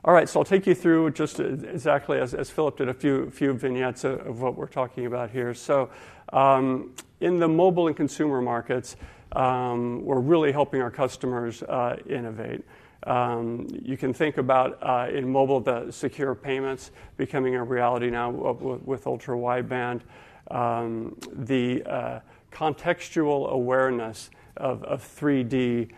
All right. So I'll take you through just exactly as Philip did a few vignettes of what we're talking about here. So, in the mobile and consumer markets, we're really helping our customers innovate. You can think about, in mobile, the secure payments becoming a reality now with ultra-wideband. The contextual awareness of 3D,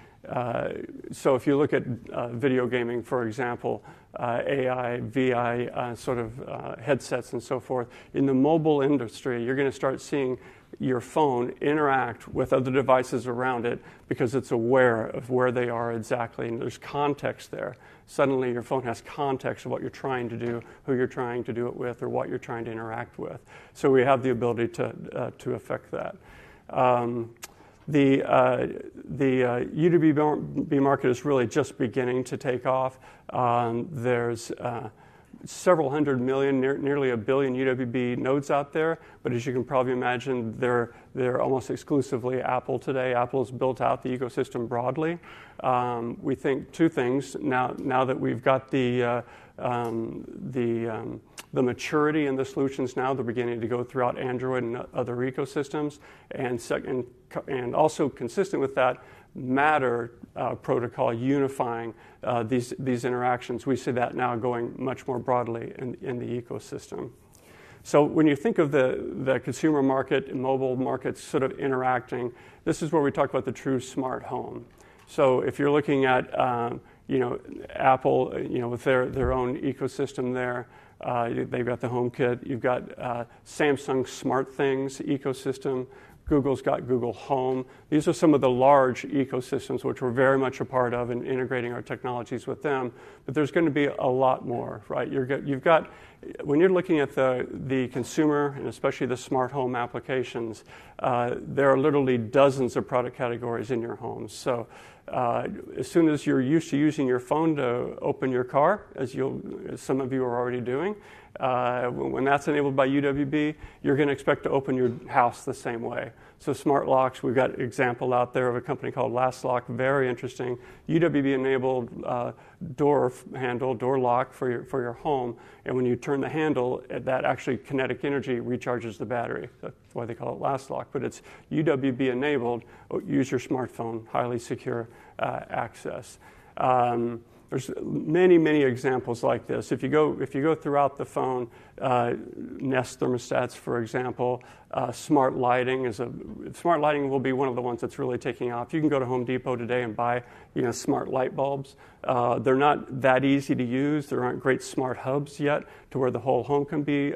so if you look at video gaming, for example, AR, VR sort of headsets and so forth, in the mobile industry, you're going to start seeing your phone interact with other devices around it because it's aware of where they are exactly. And there's context there. Suddenly your phone has context of what you're trying to do, who you're trying to do it with, or what you're trying to interact with. So we have the ability to affect that. The UWB market is really just beginning to take off. There's several hundred million, nearly a billion UWB nodes out there. But as you can probably imagine, they're almost exclusively Apple today. Apple has built out the ecosystem broadly. We think two things now that we've got the maturity and the solutions now, they're beginning to go throughout Android and other ecosystems. And second, and also consistent with that, Matter protocol unifying these interactions. We see that now going much more broadly in the ecosystem. So when you think of the consumer market and mobile markets sort of interacting, this is where we talk about the true smart home. So if you're looking at, you know, Apple, you know, with their own ecosystem there, they've got HomeKit. You've got Samsung SmartThings ecosystem. Google's got Google Home. These are some of the large ecosystems which we're very much a part of and integrating our technologies with them. But there's going to be a lot more, right? You've got, when you're looking at the consumer and especially the smart home applications, there are literally dozens of product categories in your homes. So, as soon as you're used to using your phone to open your car, as well as some of you are already doing, when that's enabled by UWB, you're going to expect to open your house the same way. So smart locks, we've got an example out there of a company called Last Lock, very interesting. UWB enabled door handle, door lock for your home. And when you turn the handle, that actually kinetic energy recharges the battery. That's why they call it Last Lock. But it's UWB enabled. Use your smartphone, highly secure access. There's many, many examples like this. If you go, if you go throughout the phone, Nest thermostats, for example, smart lighting is a, smart lighting will be one of the ones that's really taking off. You can go to Home Depot today and buy, you know, smart light bulbs. They're not that easy to use. There aren't great smart hubs yet to where the whole home can be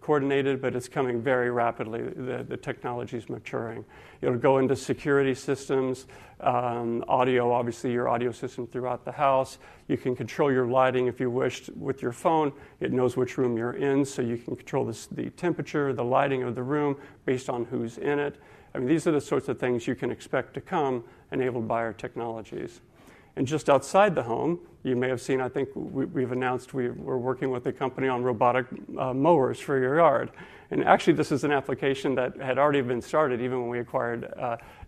coordinated, but it's coming very rapidly. The technology's maturing. It'll go into security systems, audio, obviously your audio system throughout the house. You can control your lighting if you wished with your phone. It knows which room you're in, so you can control the temperature, the lighting of the room based on who's in it. I mean, these are the sorts of things you can expect to come enabled by our technologies. And just outside the home, you may have seen, I think we've announced we're working with a company on robotic mowers for your yard. And actually this is an application that had already been started even when we acquired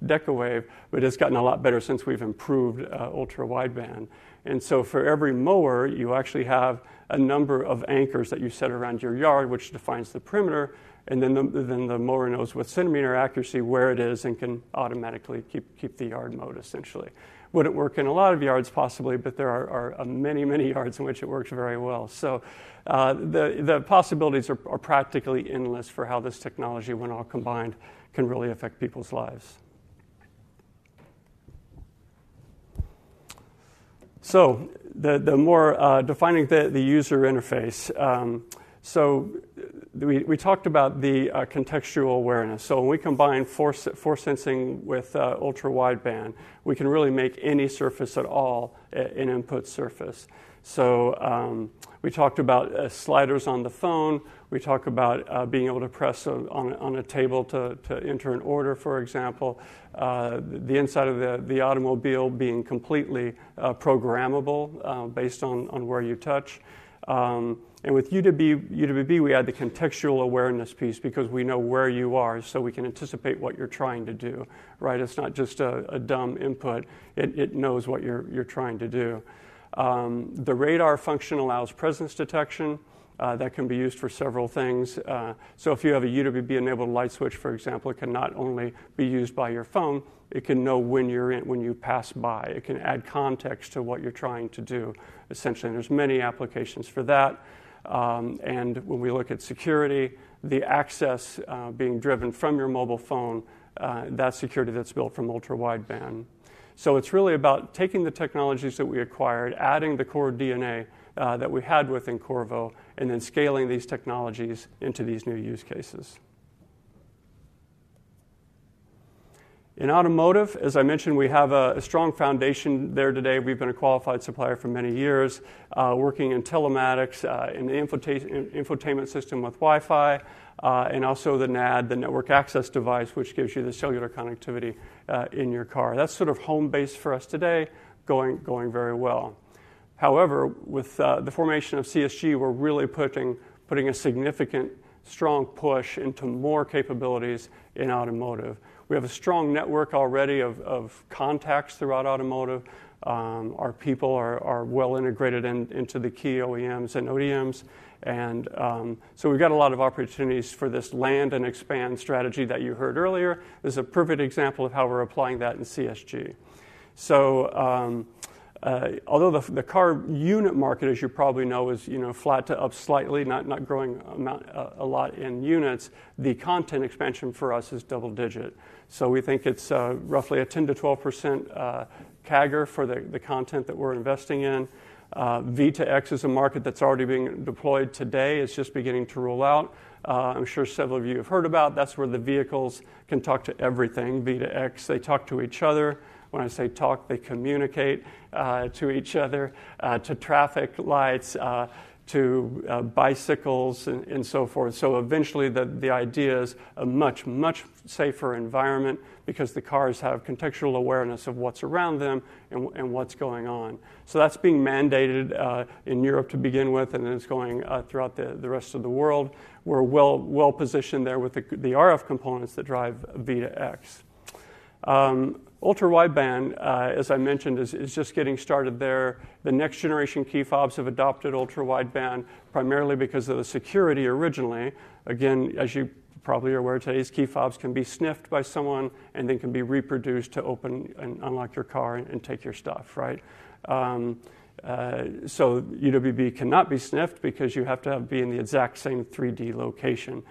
Decawave, but it's gotten a lot better since we've improved ultra-wideband. And so for every mower, you actually have a number of anchors that you set around your yard, which defines the perimeter. And then the mower knows with centimeter accuracy where it is and can automatically keep the yard mowed essentially. It wouldn't work in a lot of yards possibly, but there are many, many yards in which it works very well. So, the possibilities are practically endless for how this technology, when all combined, can really affect people's lives. So, the more defining the user interface, so we talked about the contextual awareness. So when we combine force sensing with ultra-wideband, we can really make any surface at all an input surface. So, we talked about sliders on the phone. We talked about being able to press on a table to enter an order, for example, the inside of the automobile being completely programmable based on where you touch. And with UWB, we add the contextual awareness piece because we know where you are, so we can anticipate what you're trying to do, right? It's not just a dumb input. It knows what you're trying to do. The radar function allows presence detection, that can be used for several things. So if you have a UWB-enabled light switch, for example, it can not only be used by your phone, it can know when you're in, when you pass by. It can add context to what you're trying to do, essentially. There's many applications for that. When we look at security, the access, being driven from your mobile phone, that security that's built from ultra-wideband. So it's really about taking the technologies that we acquired, adding the core DNA, that we had within Qorvo, and then scaling these technologies into these new use cases. In automotive, as I mentioned, we have a strong foundation there today. We've been a qualified supplier for many years, working in telematics, in the infotainment system with Wi-Fi, and also the NAD, the network access device, which gives you the cellular connectivity in your car. That's sort of home base for us today, going very well. However, with the formation of CSG, we're really putting a significant strong push into more capabilities in automotive. We have a strong network already of contacts throughout automotive. Our people are well integrated into the key OEMs and ODMs. So we've got a lot of opportunities for this land and expand strategy that you heard earlier. This is a perfect example of how we're applying that in CSG. So, although the car unit market, as you probably know, is, you know, flat to up slightly, not growing a lot in units, the content expansion for us is double-digit. So we think it's roughly a 10%-12% CAGR for the content that we're investing in. V2X is a market that's already being deployed today. It's just beginning to roll out. I'm sure several of you have heard about it. That's where the vehicles can talk to everything. V2X, they talk to each other. When I say talk, they communicate to each other, to traffic lights, to bicycles and so forth. So eventually the idea is a much, much safer environment because the cars have contextual awareness of what's around them and what's going on. So that's being mandated, in Europe to begin with, and then it's going throughout the rest of the world. We're well, well positioned there with the RF components that drive V2X. Ultra-wideband, as I mentioned, is just getting started there. The next generation key fobs have adopted ultra-wideband primarily because of the security originally. Again, as you probably are aware, today's key fobs can be sniffed by someone and then can be reproduced to open and unlock your car and take your stuff, right? So UWB cannot be sniffed because you have to be in the exact same 3D location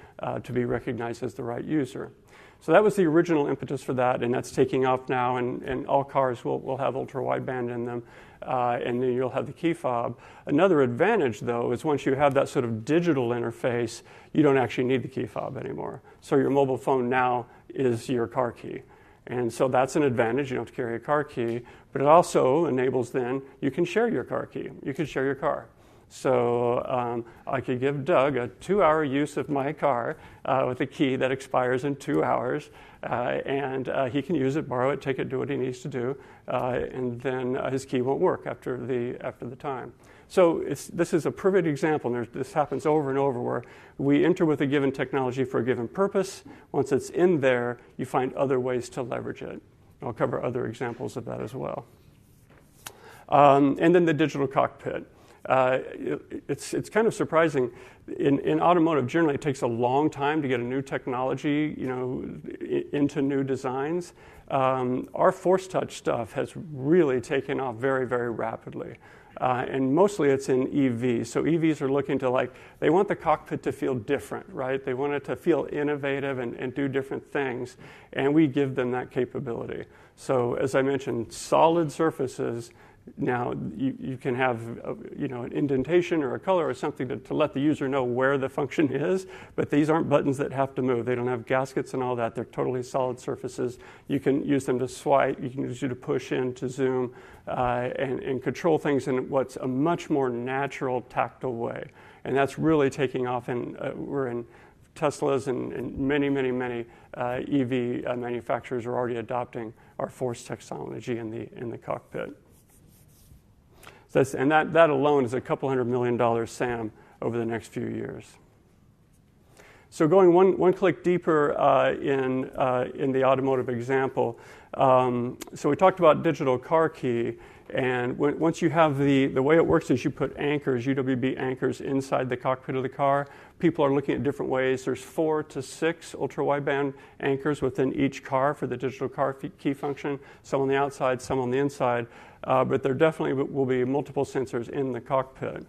to be recognized as the right user. So that was the original impetus for that, and that's taking off now. And all cars will have ultra-wideband in them, and then you'll have the key fob. Another advantage though is once you have that sort of digital interface, you don't actually need the key fob anymore. So your mobile phone now is your car key. And so that's an advantage. You don't have to carry a car key, but it also enables then you can share your car key. You can share your car. So, I could give Doug a 2-hour use of my car, with a key that expires in 2 hours, and he can use it, borrow it, take it, do what he needs to do, and then his key won't work after the time. So it's, this is a perfect example. And there's, this happens over and over where we enter with a given technology for a given purpose. Once it's in there, you find other ways to leverage it. I'll cover other examples of that as well. And then the digital cockpit, it's kind of surprising. In automotive, generally it takes a long time to get a new technology, you know, into new designs. Our Force Touch stuff has really taken off very, very rapidly. And mostly it's in EVs. So EVs are looking to, like, they want the cockpit to feel different, right? They want it to feel innovative and do different things. And we give them that capability. So, as I mentioned, solid surfaces. Now you can have, you know, an indentation or a color or something to let the user know where the function is. But these aren't buttons that have to move. They don't have gaskets and all that. They're totally solid surfaces. You can use them to swipe. You can use it to push in, to zoom, and control things in what's a much more natural tactile way. And that's really taking off. And we're in Teslas and many, many EV manufacturers are already adopting our force technology in the cockpit. So that's and that alone is $200 million SAM over the next few years. So going one click deeper, in the automotive example, so we talked about digital car key. And once you have the way it works is you put anchors, UWB anchors inside the cockpit of the car. People are looking at different ways. There's four to six ultra-wideband anchors within each car for the digital car key function. Some on the outside, some on the inside. But there definitely will be multiple sensors in the cockpit.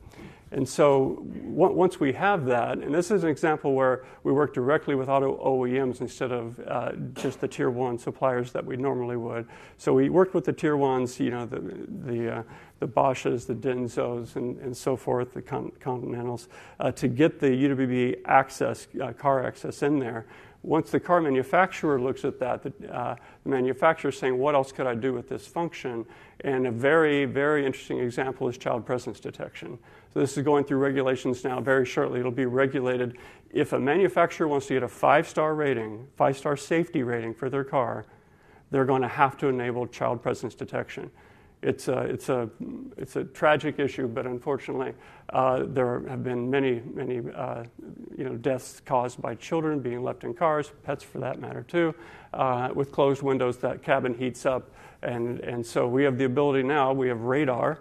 And so once we have that, and this is an example where we work directly with auto OEMs instead of just the Tier 1 suppliers that we normally would. So we worked with the Tier 1s, you know, the Bosches, the Densos and so forth, the Continentals, to get the UWB access, car access in there. Once the car manufacturer looks at that, the manufacturer is saying, what else could I do with this function? And a very, very interesting example is child presence detection. So this is going through regulations now. Very shortly, it'll be regulated. If a manufacturer wants to get a five star rating, five star safety rating for their car, they're going to have to enable child presence detection. It's a tragic issue, but unfortunately, there have been many, you know, deaths caused by children being left in cars, pets for that matter too, with closed windows that cabin heats up. And so we have the ability now, we have radar.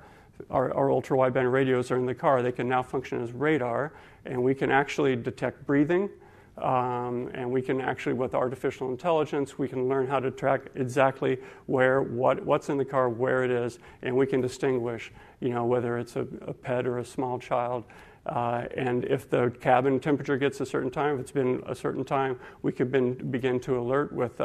Our ultra-wideband radios are in the car. They can now function as radar and we can actually detect breathing. And we can actually, with artificial intelligence, we can learn how to track exactly where what's in the car, where it is. And we can distinguish, you know, whether it's a pet or a small child. And if the cabin temperature gets a certain time, if it's been a certain time, we could then begin to alert with,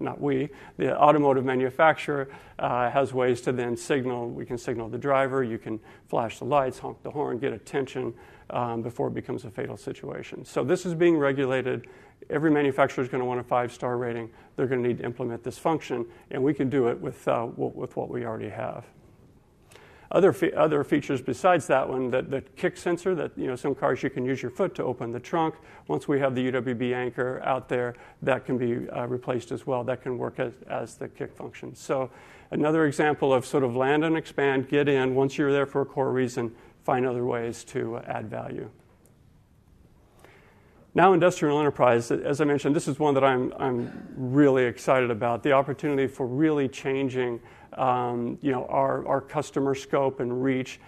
not we, the automotive manufacturer has ways to then signal. We can signal the driver. You can flash the lights, honk the horn, get attention before it becomes a fatal situation. So this is being regulated. Every manufacturer is going to want a five-star rating. They're going to need to implement this function. And we can do it with what we already have. Other features besides that one, that kick sensor—you know, some cars you can use your foot to open the trunk. Once we have the UWB anchor out there, that can be replaced as well. That can work as the kick function. So another example of sort of land and expand: get in. Once you're there for a core reason, find other ways to add value. Now, industrial enterprise—as I mentioned, this is one that I'm really excited about. The opportunity for really changing, you know, our customer scope and reach.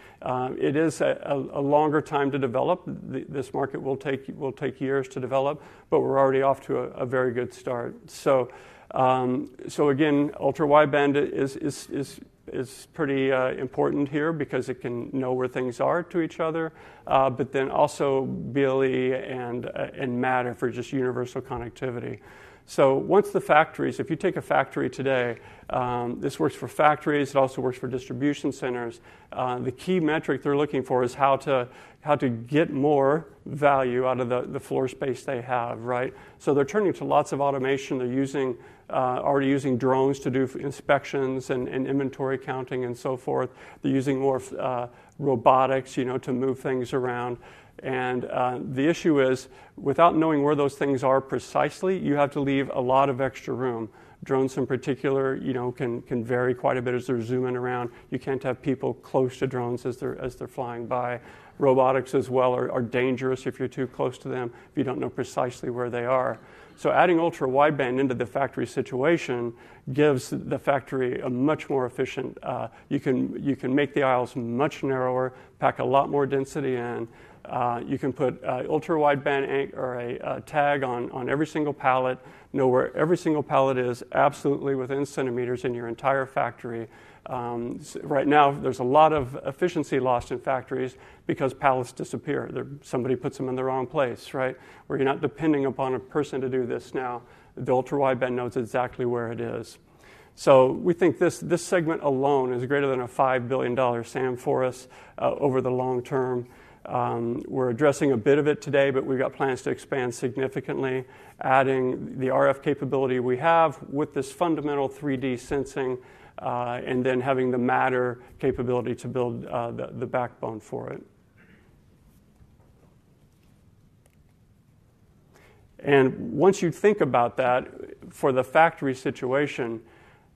It is a longer time to develop. This market will take years to develop, but we're already off to a very good start. So again, ultra-wideband is pretty important here because it can know where things are to each other. But then also BLE and Matter for just universal connectivity. So, once the factories, if you take a factory today, this works for factories. It also works for distribution centers. The key metric they're looking for is how to get more value out of the floor space they have, right? So they're turning to lots of automation. They're already using drones to do inspections and inventory counting and so forth. They're using more robotics, you know, to move things around. The issue is without knowing where those things are precisely, you have to leave a lot of extra room. Drones in particular, you know, can vary quite a bit as they're zooming around. You can't have people close to drones as they're flying by. Robotics as well are dangerous if you're too close to them, if you don't know precisely where they are. So adding ultra-wideband into the factory situation gives the factory a much more efficient, you can make the aisles much narrower, pack a lot more density in. You can put an ultra-wideband anchor or a tag on every single pallet, know where every single pallet is absolutely within centimeters in your entire factory. Right now there's a lot of efficiency lost in factories because pallets disappear. They're, somebody puts them in the wrong place, right? Where you're not depending upon a person to do this. Now the ultra-wideband knows exactly where it is. So we think this segment alone is greater than a $5 billion SAM for us, over the long term. We're addressing a bit of it today, but we've got plans to expand significantly, adding the RF capability we have with this fundamental 3D sensing, and then having the Matter capability to build the backbone for it. Once you think about that for the factory situation,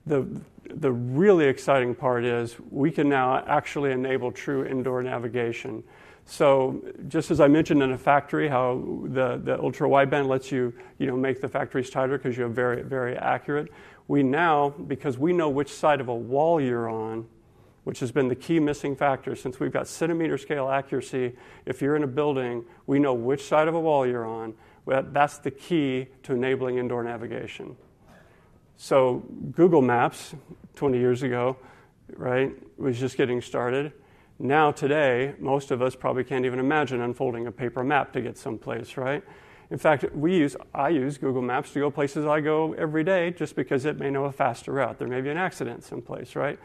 the really exciting part is we can now actually enable true indoor navigation. So just as I mentioned in a factory, how the ultra-wideband lets you, you know, make the factories tighter because you have very, very accurate. We now, because we know which side of a wall you're on, which has been the key missing factor since we've got centimeter scale accuracy, if you're in a building, we know which side of a wall you're on. That's the key to enabling indoor navigation. So Google Maps 20 years ago, right, was just getting started. Now today, most of us probably can't even imagine unfolding a paper map to get someplace, right? In fact, I use Google Maps to go places I go every day just because it may know a faster route. There may be an accident someplace, right?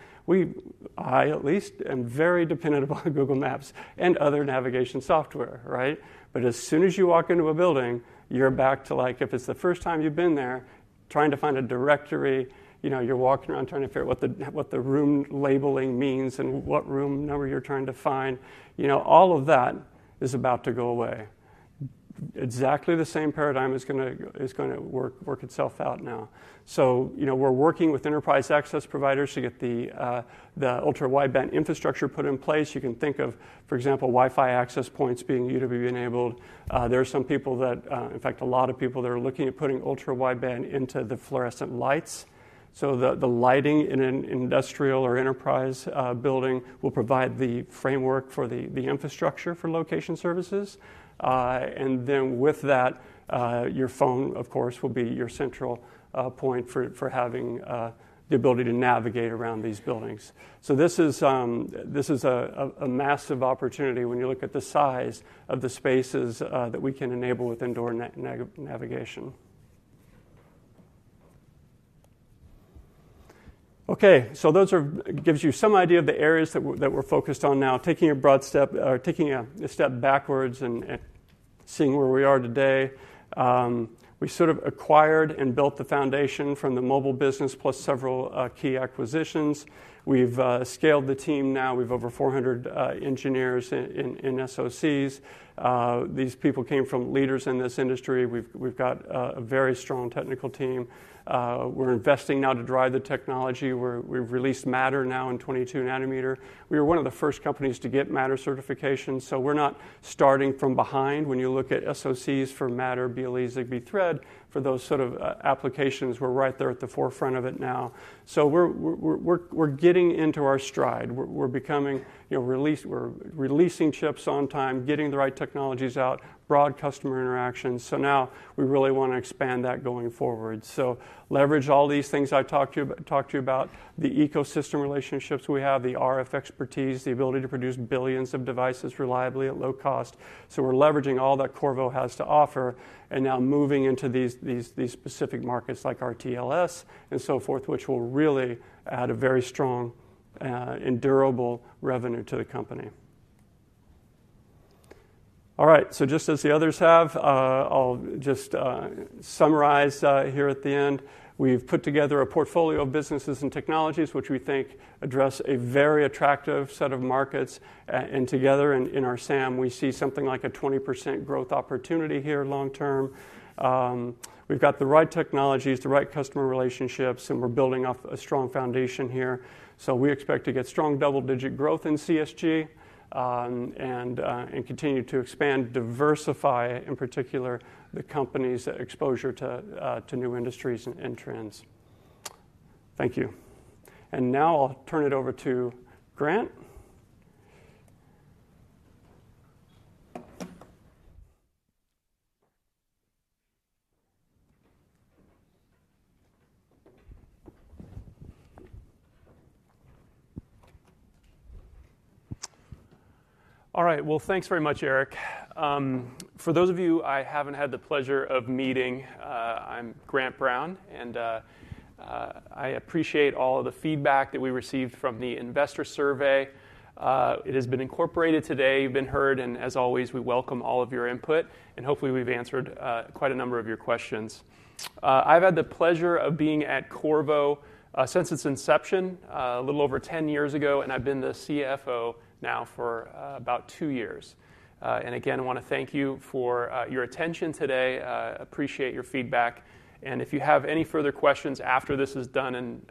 I at least am very dependent upon Google Maps and other navigation software, right? But as soon as you walk into a building, you're back to like, if it's the first time you've been there trying to find a directory, you know, you're walking around trying to figure out what the room labeling means and what room number you're trying to find. You know, all of that is about to go away. Exactly the same paradigm is going to work itself out now. So, you know, we're working with enterprise access providers to get the ultra-wideband infrastructure put in place. You can think of, for example, Wi-Fi access points being UWB enabled. There are some people that, in fact, a lot of people that are looking at putting ultra-wideband into the fluorescent lights. So the lighting in an industrial or enterprise building will provide the framework for the infrastructure for location services. And then with that, your phone, of course, will be your central point for having the ability to navigate around these buildings. So this is a massive opportunity when you look at the size of the spaces that we can enable with indoor navigation. Okay. So that gives you some idea of the areas that we're focused on now. Taking a broad step back and seeing where we are today. We sort of acquired and built the foundation from the mobile business plus several key acquisitions. We've scaled the team. Now we've over 400 engineers in SoCs. These people came from leaders in this industry. We've got a very strong technical team. We're investing now to drive the technology. We've released Matter now in 22-nm. We were one of the first companies to get Matter certification. So we're not starting from behind. When you look at SoCs for Matter, BLE, Zigbee, Thread for those sort of applications, we're right there at the forefront of it now. So we're getting into our stride. We're becoming, you know, releasing chips on time, getting the right technologies out, broad customer interaction. So now we really want to expand that going forward. So leverage all these things I talked to you about, talked to you about the ecosystem relationships we have, the RF expertise, the ability to produce billions of devices reliably at low cost. So we're leveraging all that Qorvo has to offer and now moving into these specific markets like RTLS and so forth, which will really add a very strong, enduring revenue to the company. All right. So just as the others have, I'll just summarize here at the end. We've put together a portfolio of businesses and technologies, which we think address a very attractive set of markets. And together in our SAM, we see something like a 20% growth opportunity here long term. We've got the right technologies, the right customer relationships, and we're building off a strong foundation here. So we expect to get strong double digit growth in CSG, and continue to expand, diversify in particular the company's exposure to new industries and trends. Thank you. And now I'll turn it over to Grant. All right. Well, thanks very much, Eric. For those of you I haven't had the pleasure of meeting, I'm Grant Brown, and I appreciate all of the feedback that we received from the investor survey. It has been incorporated today. You've been heard. And as always, we welcome all of your input, and hopefully we've answered quite a number of your questions. I've had the pleasure of being at Qorvo since its inception, a little over 10 years ago, and I've been the CFO now for about two years. And again, I want to thank you for your attention today. Appreciate your feedback. And if you have any further questions after this is done in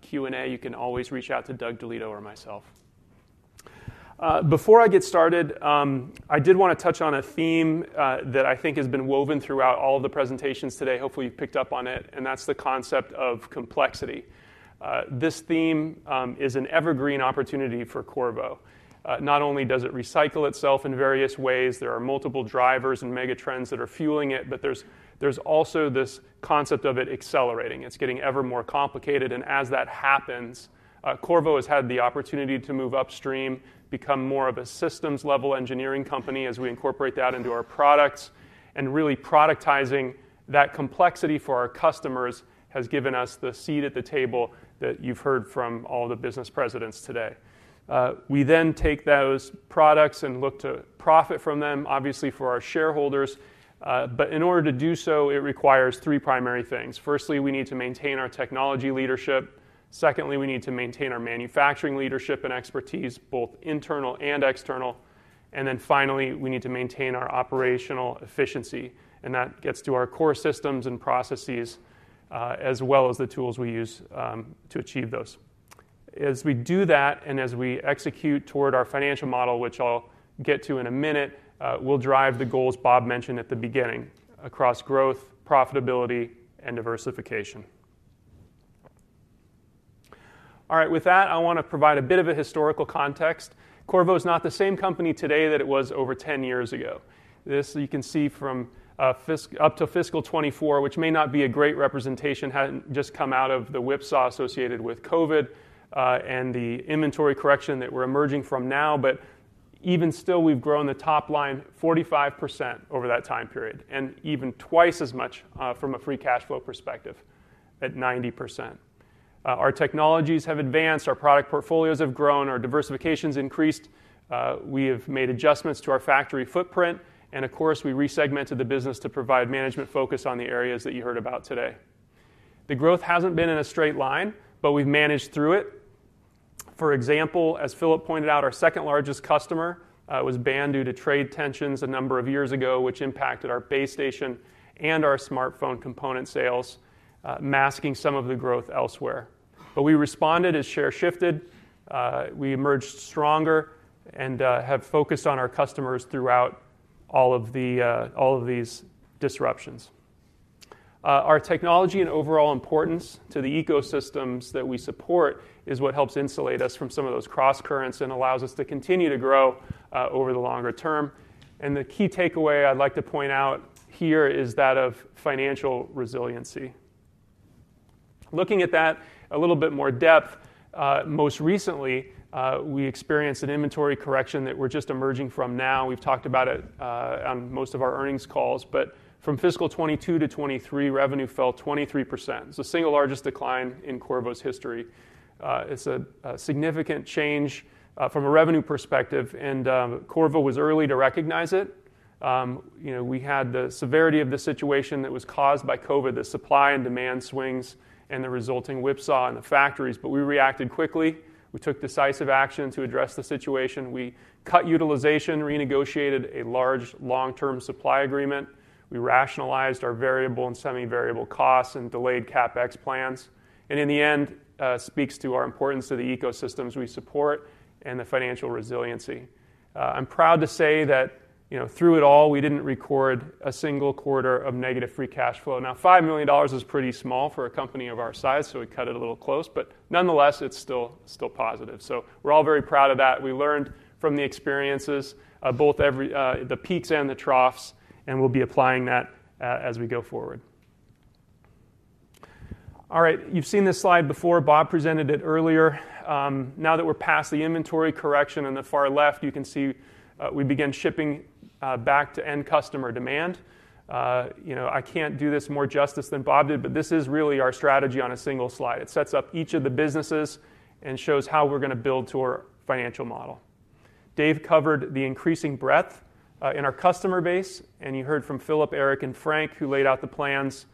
Q and A, you can always reach out to Doug DeLieto or myself. Before I get started, I did want to touch on a theme that I think has been woven throughout all of the presentations today. Hopefully you've picked up on it. That's the concept of complexity. This theme is an evergreen opportunity for Qorvo. Not only does it recycle itself in various ways, there are multiple drivers and mega trends that are fueling it, but there's, there's also this concept of it accelerating. It's getting ever more complicated. And as that happens, Qorvo has had the opportunity to move upstream, become more of a systems level engineering company as we incorporate that into our products and really productizing that complexity for our customers has given us the seat at the table that you've heard from all the business presidents today. We then take those products and look to profit from them, obviously for our shareholders. But in order to do so, it requires three primary things. Firstly, we need to maintain our technology leadership. Secondly, we need to maintain our manufacturing leadership and expertise, both internal and external. Then finally, we need to maintain our operational efficiency. That gets to our core systems and processes, as well as the tools we use, to achieve those. As we do that and as we execute toward our financial model, which I'll get to in a minute, we'll drive the goals Bob mentioned at the beginning across growth, profitability, and diversification. All right. With that, I want to provide a bit of a historical context. Qorvo is not the same company today that it was over 10 years ago. This you can see from fiscal up to fiscal 2024, which may not be a great representation. We had just come out of the whipsaw associated with COVID, and the inventory correction that we're emerging from now. But even still, we've grown the top line 45% over that time period and even twice as much, from a free cash flow perspective at 90%. Our technologies have advanced, our product portfolios have grown, our diversification's increased. We have made adjustments to our factory footprint. And of course, we resegmented the business to provide management focus on the areas that you heard about today. The growth hasn't been in a straight line, but we've managed through it. For example, as Philip pointed out, our second largest customer was banned due to trade tensions a number of years ago, which impacted our base station and our smartphone component sales, masking some of the growth elsewhere. But we responded as share shifted. We emerged stronger and have focused on our customers throughout all of the, all of these disruptions. Our technology and overall importance to the ecosystems that we support is what helps insulate us from some of those cross currents and allows us to continue to grow, over the longer term. The key takeaway I'd like to point out here is that of financial resiliency. Looking at that a little bit more depth, most recently, we experienced an inventory correction that we're just emerging from now. We've talked about it, on most of our earnings calls, but from fiscal 2022 to 2023, revenue fell 23%. It's the single largest decline in Qorvo's history. It's a significant change, from a revenue perspective. Qorvo was early to recognize it. You know, we had the severity of the situation that was caused by COVID, the supply and demand swings and the resulting whipsaw in the factories, but we reacted quickly. We took decisive action to address the situation. We cut utilization, renegotiated a large long-term supply agreement. We rationalized our variable and semi-variable costs and delayed CapEx plans. And in the end, speaks to our importance to the ecosystems we support and the financial resiliency. I'm proud to say that, you know, through it all, we didn't record a single quarter of negative free cash flow. Now, $5 million is pretty small for a company of our size, so we cut it a little close, but nonetheless, it's still positive. So we're all very proud of that. We learned from the experiences of both the peaks and the troughs, and we'll be applying that, as we go forward. All right. You've seen this slide before. Bob presented it earlier. Now that we're past the inventory correction on the far left, you can see we began shipping back to end customer demand. You know, I can't do this more justice than Bob did, but this is really our strategy on a single slide. It sets up each of the businesses and shows how we're going to build to our financial model. Dave covered the increasing breadth in our customer base, and you heard from Philip, Eric, and Frank who laid out the plans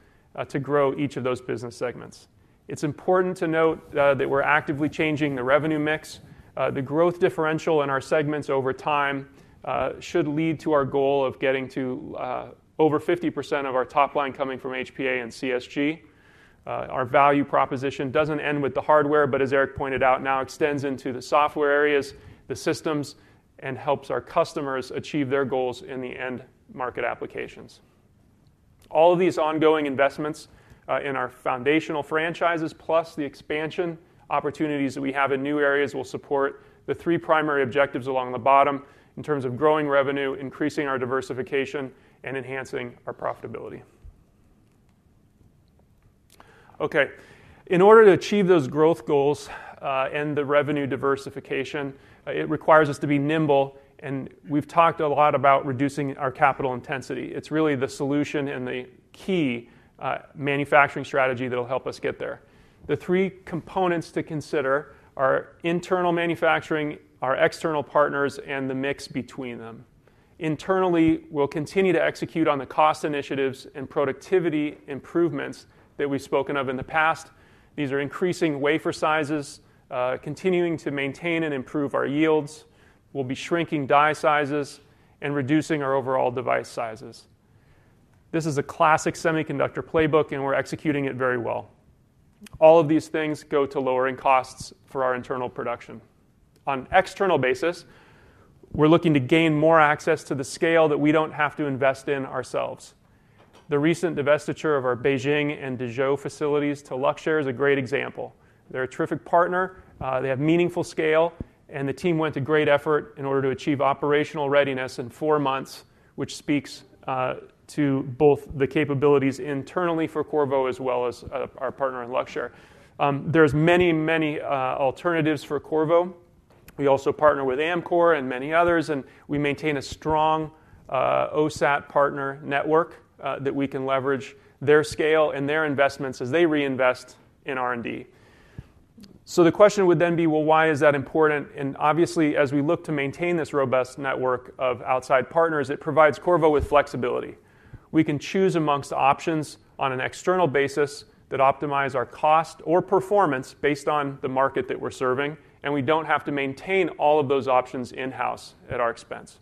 to grow each of those business segments. It's important to note that we're actively changing the revenue mix. The growth differential in our segments over time should lead to our goal of getting to over 50% of our top line coming from HPA and CSG. Our value proposition doesn't end with the hardware, but as Eric pointed out, now extends into the software areas, the systems, and helps our customers achieve their goals in the end market applications. All of these ongoing investments, in our foundational franchises, plus the expansion opportunities that we have in new areas will support the three primary objectives along the bottom in terms of growing revenue, increasing our diversification, and enhancing our profitability. Okay. In order to achieve those growth goals, and the revenue diversification, it requires us to be nimble. We've talked a lot about reducing our capital intensity. It's really the solution and the key manufacturing strategy that'll help us get there. The three components to consider are internal manufacturing, our external partners, and the mix between them. Internally, we'll continue to execute on the cost initiatives and productivity improvements that we've spoken of in the past. These are increasing wafer sizes, continuing to maintain and improve our yields. We'll be shrinking die sizes and reducing our overall device sizes. This is a classic semiconductor playbook, and we're executing it very well. All of these things go to lowering costs for our internal production. On external basis, we're looking to gain more access to the scale that we don't have to invest in ourselves. The recent divestiture of our Beijing and Dezhou facilities to Luxshare is a great example. They're a terrific partner. They have meaningful scale, and the team went to great effort in order to achieve operational readiness in four months, which speaks to both the capabilities internally for Qorvo as well as our partner in Luxshare. There's many, many alternatives for Qorvo. We also partner with Amkor and many others, and we maintain a strong OSAT partner network that we can leverage their scale and their investments as they reinvest in R&D. So the question would then be, well, why is that important? Obviously, as we look to maintain this robust network of outside partners, it provides Qorvo with flexibility. We can choose amongst options on an external basis that optimize our cost or performance based on the market that we're serving, and we don't have to maintain all of those options in-house at our expense.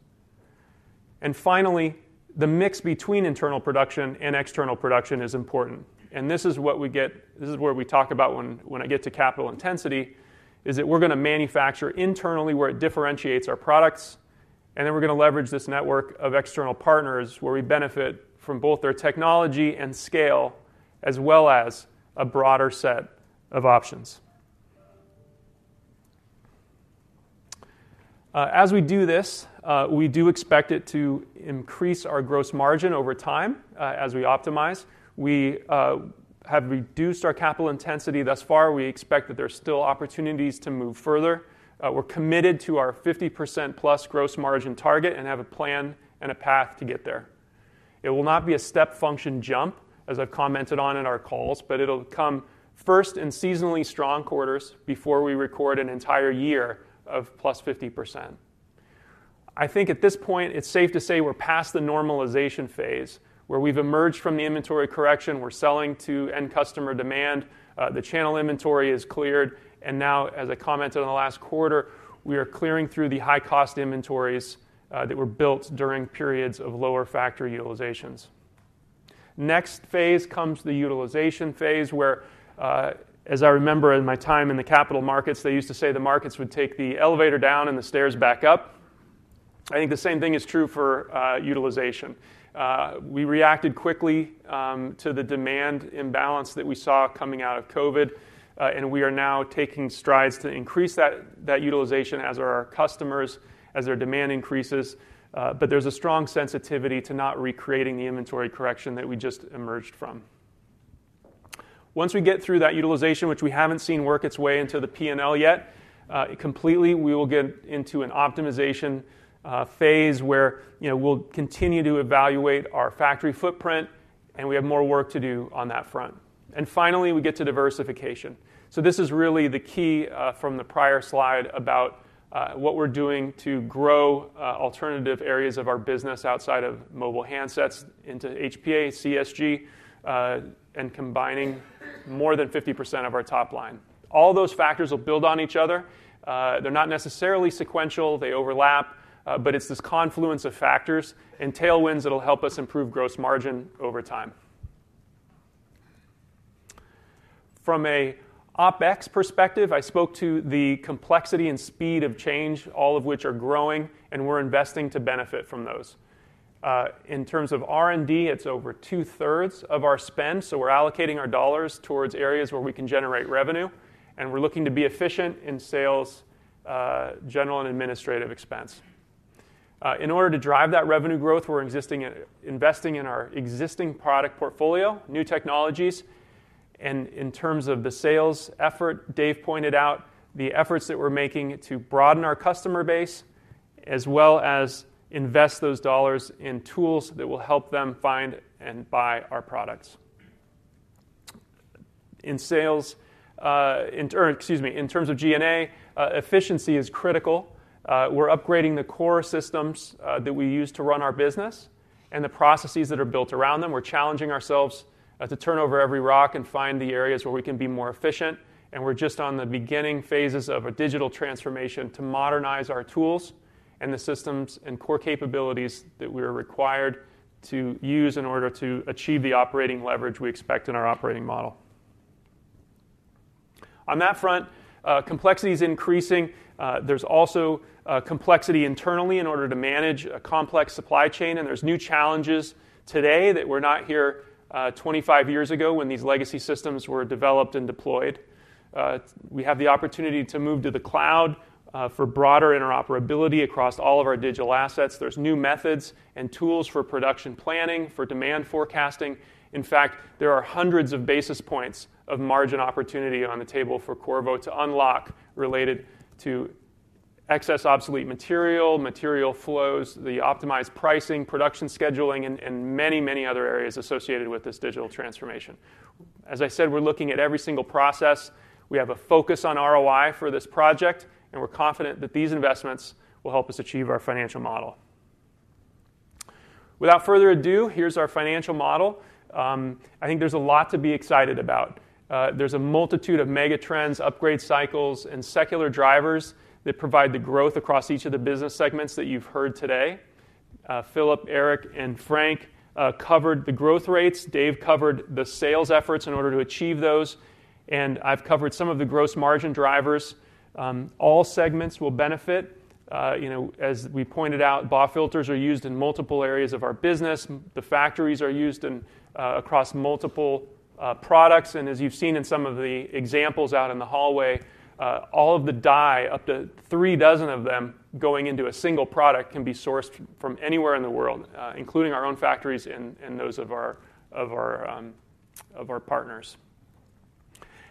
Finally, the mix between internal production and external production is important. And this is what we get, this is where we talk about when, when I get to capital intensity, is that we're going to manufacture internally where it differentiates our products, and then we're going to leverage this network of external partners where we benefit from both their technology and scale, as well as a broader set of options. As we do this, we do expect it to increase our gross margin over time, as we optimize. We have reduced our capital intensity thus far. We expect that there's still opportunities to move further. We're committed to our 50%+ gross margin target and have a plan and a path to get there. It will not be a step function jump, as I've commented on in our calls, but it'll come first in seasonally strong quarters before we record an entire year of 50%+. I think at this point, it's safe to say we're past the normalization phase where we've emerged from the inventory correction. We're selling to end customer demand. The channel inventory is cleared. And now, as I commented on the last quarter, we are clearing through the high cost inventories that were built during periods of lower factory utilizations. Next phase comes the utilization phase where, as I remember in my time in the capital markets, they used to say the markets would take the elevator down and the stairs back up. I think the same thing is true for utilization. We reacted quickly to the demand imbalance that we saw coming out of COVID. And we are now taking strides to increase that utilization as our customers' demand increases. But there's a strong sensitivity to not recreating the inventory correction that we just emerged from. Once we get through that utilization, which we haven't seen work its way into the P&L yet completely, we will get into an optimization phase where, you know, we'll continue to evaluate our factory footprint and we have more work to do on that front. And finally, we get to diversification. So this is really the key, from the prior slide about what we're doing to grow alternative areas of our business outside of mobile handsets into HPA, CSG, and combining more than 50% of our top line. All those factors will build on each other. They're not necessarily sequential. They overlap. But it's this confluence of factors and tailwinds that'll help us improve gross margin over time. From an OpEx perspective, I spoke to the complexity and speed of change, all of which are growing, and we're investing to benefit from those. In terms of R&D, it's over two thirds of our spend. So we're allocating our dollars towards areas where we can generate revenue, and we're looking to be efficient in sales, general and administrative expense. In order to drive that revenue growth, we're investing in our existing product portfolio, new technologies, and in terms of the sales effort, Dave pointed out the efforts that we're making to broaden our customer base as well as invest those dollars in tools that will help them find and buy our products. In sales, or excuse me, in terms of G and A, efficiency is critical. We're upgrading the core systems that we use to run our business and the processes that are built around them. We're challenging ourselves to turn over every rock and find the areas where we can be more efficient. And we're just on the beginning phases of a digital transformation to modernize our tools and the systems and core capabilities that we are required to use in order to achieve the operating leverage we expect in our operating model. On that front, complexity is increasing. There's also complexity internally in order to manage a complex supply chain. There's new challenges today that we're not here 25 years ago when these legacy systems were developed and deployed. We have the opportunity to move to the cloud for broader interoperability across all of our digital assets. There's new methods and tools for production planning for demand forecasting. In fact, there are hundreds of basis points of margin opportunity on the table for Qorvo to unlock related to excess obsolete material, material flows, the optimized pricing, production scheduling, and many, many other areas associated with this digital transformation. As I said, we're looking at every single process. We have a focus on ROI for this project, and we're confident that these investments will help us achieve our financial model. Without further ado, here's our financial model. I think there's a lot to be excited about. There's a multitude of mega trends, upgrade cycles, and secular drivers that provide the growth across each of the business segments that you've heard today. Philip, Eric, and Frank covered the growth rates. Dave covered the sales efforts in order to achieve those. And I've covered some of the gross margin drivers. All segments will benefit. You know, as we pointed out, BAW filters are used in multiple areas of our business. The factories are used across multiple products. And as you've seen in some of the examples out in the hallway, all of the die, up to three dozen of them going into a single product can be sourced from anywhere in the world, including our own factories and those of our partners.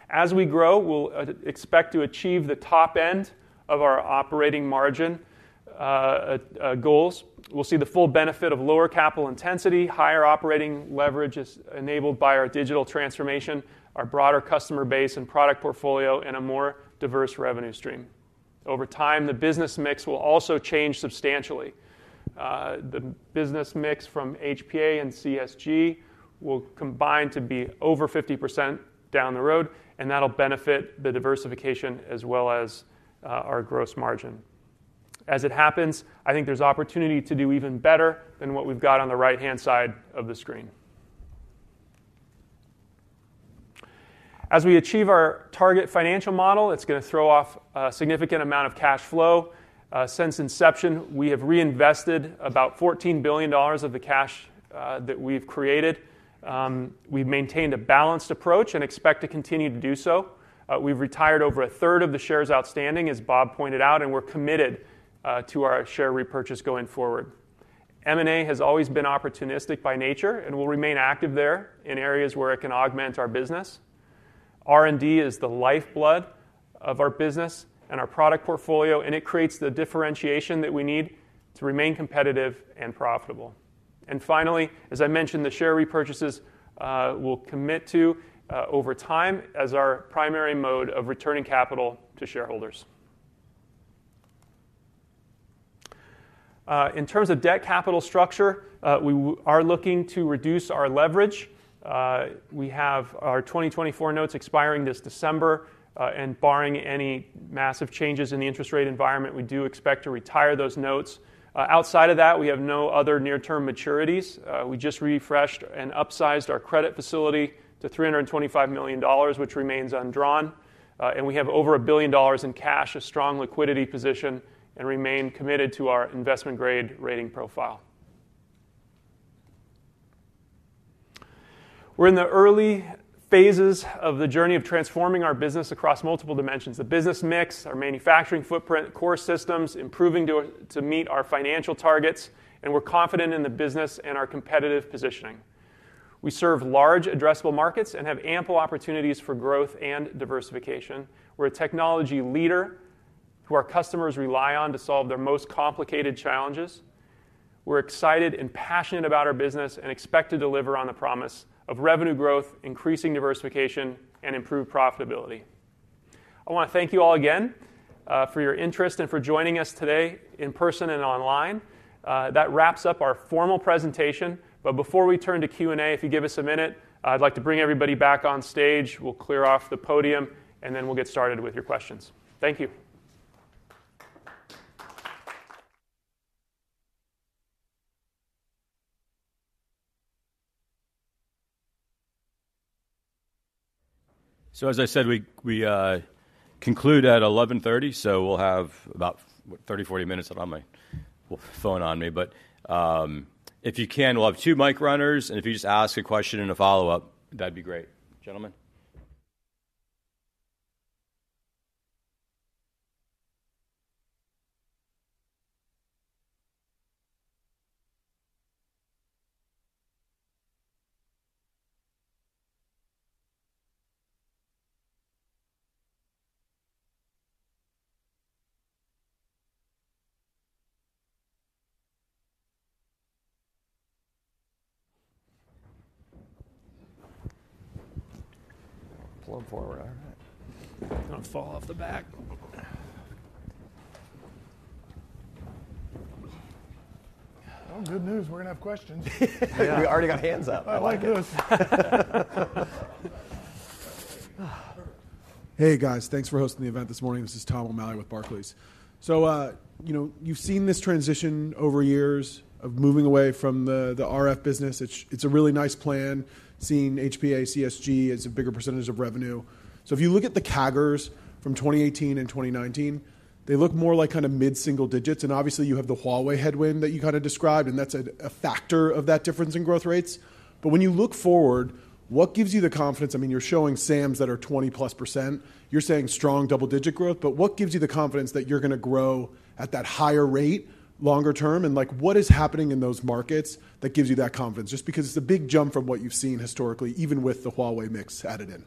As we grow, we'll expect to achieve the top end of our operating margin goals. We'll see the full benefit of lower capital intensity, higher operating leverage enabled by our digital transformation, our broader customer base and product portfolio, and a more diverse revenue stream. Over time, the business mix will also change substantially. The business mix from HPA and CSG will combine to be over 50% down the road, and that'll benefit the diversification as well as our gross margin. As it happens, I think there's opportunity to do even better than what we've got on the right-hand side of the screen. As we achieve our target financial model, it's going to throw off a significant amount of cash flow. Since inception, we have reinvested about $14 billion of the cash that we've created. We've maintained a balanced approach and expect to continue to do so. We've retired over a third of the shares outstanding, as Bob pointed out, and we're committed to our share repurchase going forward. M&A has always been opportunistic by nature and will remain active there in areas where it can augment our business. R&D is the lifeblood of our business and our product portfolio, and it creates the differentiation that we need to remain competitive and profitable. And finally, as I mentioned, the share repurchases will commit to over time as our primary mode of returning capital to shareholders. In terms of debt capital structure, we are looking to reduce our leverage. We have our 2024 notes expiring this December, and barring any massive changes in the interest rate environment, we do expect to retire those notes. Outside of that, we have no other near-term maturities. We just refreshed and upsized our credit facility to $325 million, which remains undrawn. We have over $1 billion in cash, a strong liquidity position, and remain committed to our investment grade rating profile. We're in the early phases of the journey of transforming our business across multiple dimensions: the business mix, our manufacturing footprint, core systems, improving to meet our financial targets, and we're confident in the business and our competitive positioning. We serve large addressable markets and have ample opportunities for growth and diversification. We're a technology leader who our customers rely on to solve their most complicated challenges. We're excited and passionate about our business and expect to deliver on the promise of revenue growth, increasing diversification, and improved profitability. I want to thank you all again, for your interest and for joining us today in person and online. That wraps up our formal presentation. But before we turn to Q and A, if you give us a minute, I'd like to bring everybody back on stage. We'll clear off the podium, and then we'll get started with your questions. Thank you. So, as I said, we conclude at 11:30, so we'll have about 30, 40 minutes on my phone on me. But, if you can, we'll have two mic runners, and if you just ask a question and a follow-up, that'd be great. Gentlemen. Pull them forward. All right. Don't fall off the back. Well, good news. We're going to have questions. We already got hands up. I like this. Hey guys, thanks for hosting the event this morning. This is Tom O'Malley with Barclays. So, you know, you've seen this transition over years of moving away from the RF business. It's a really nice plan seeing HPA, CSG as a bigger percentage of revenue. So, if you look at the CAGRs from 2018 and 2019, they look more like kind of mid-single digits. And obviously, you have the Huawei headwind that you kind of described, and that's a factor of that difference in growth rates. But when you look forward, what gives you the confidence? I mean, you're showing SAMs that are 20%+. You're saying strong double-digit growth. But what gives you the confidence that you're going to grow at that higher rate longer term? And like, what is happening in those markets that gives you that confidence? Just because it's a big jump from what you've seen historically, even with the Huawei mix added in.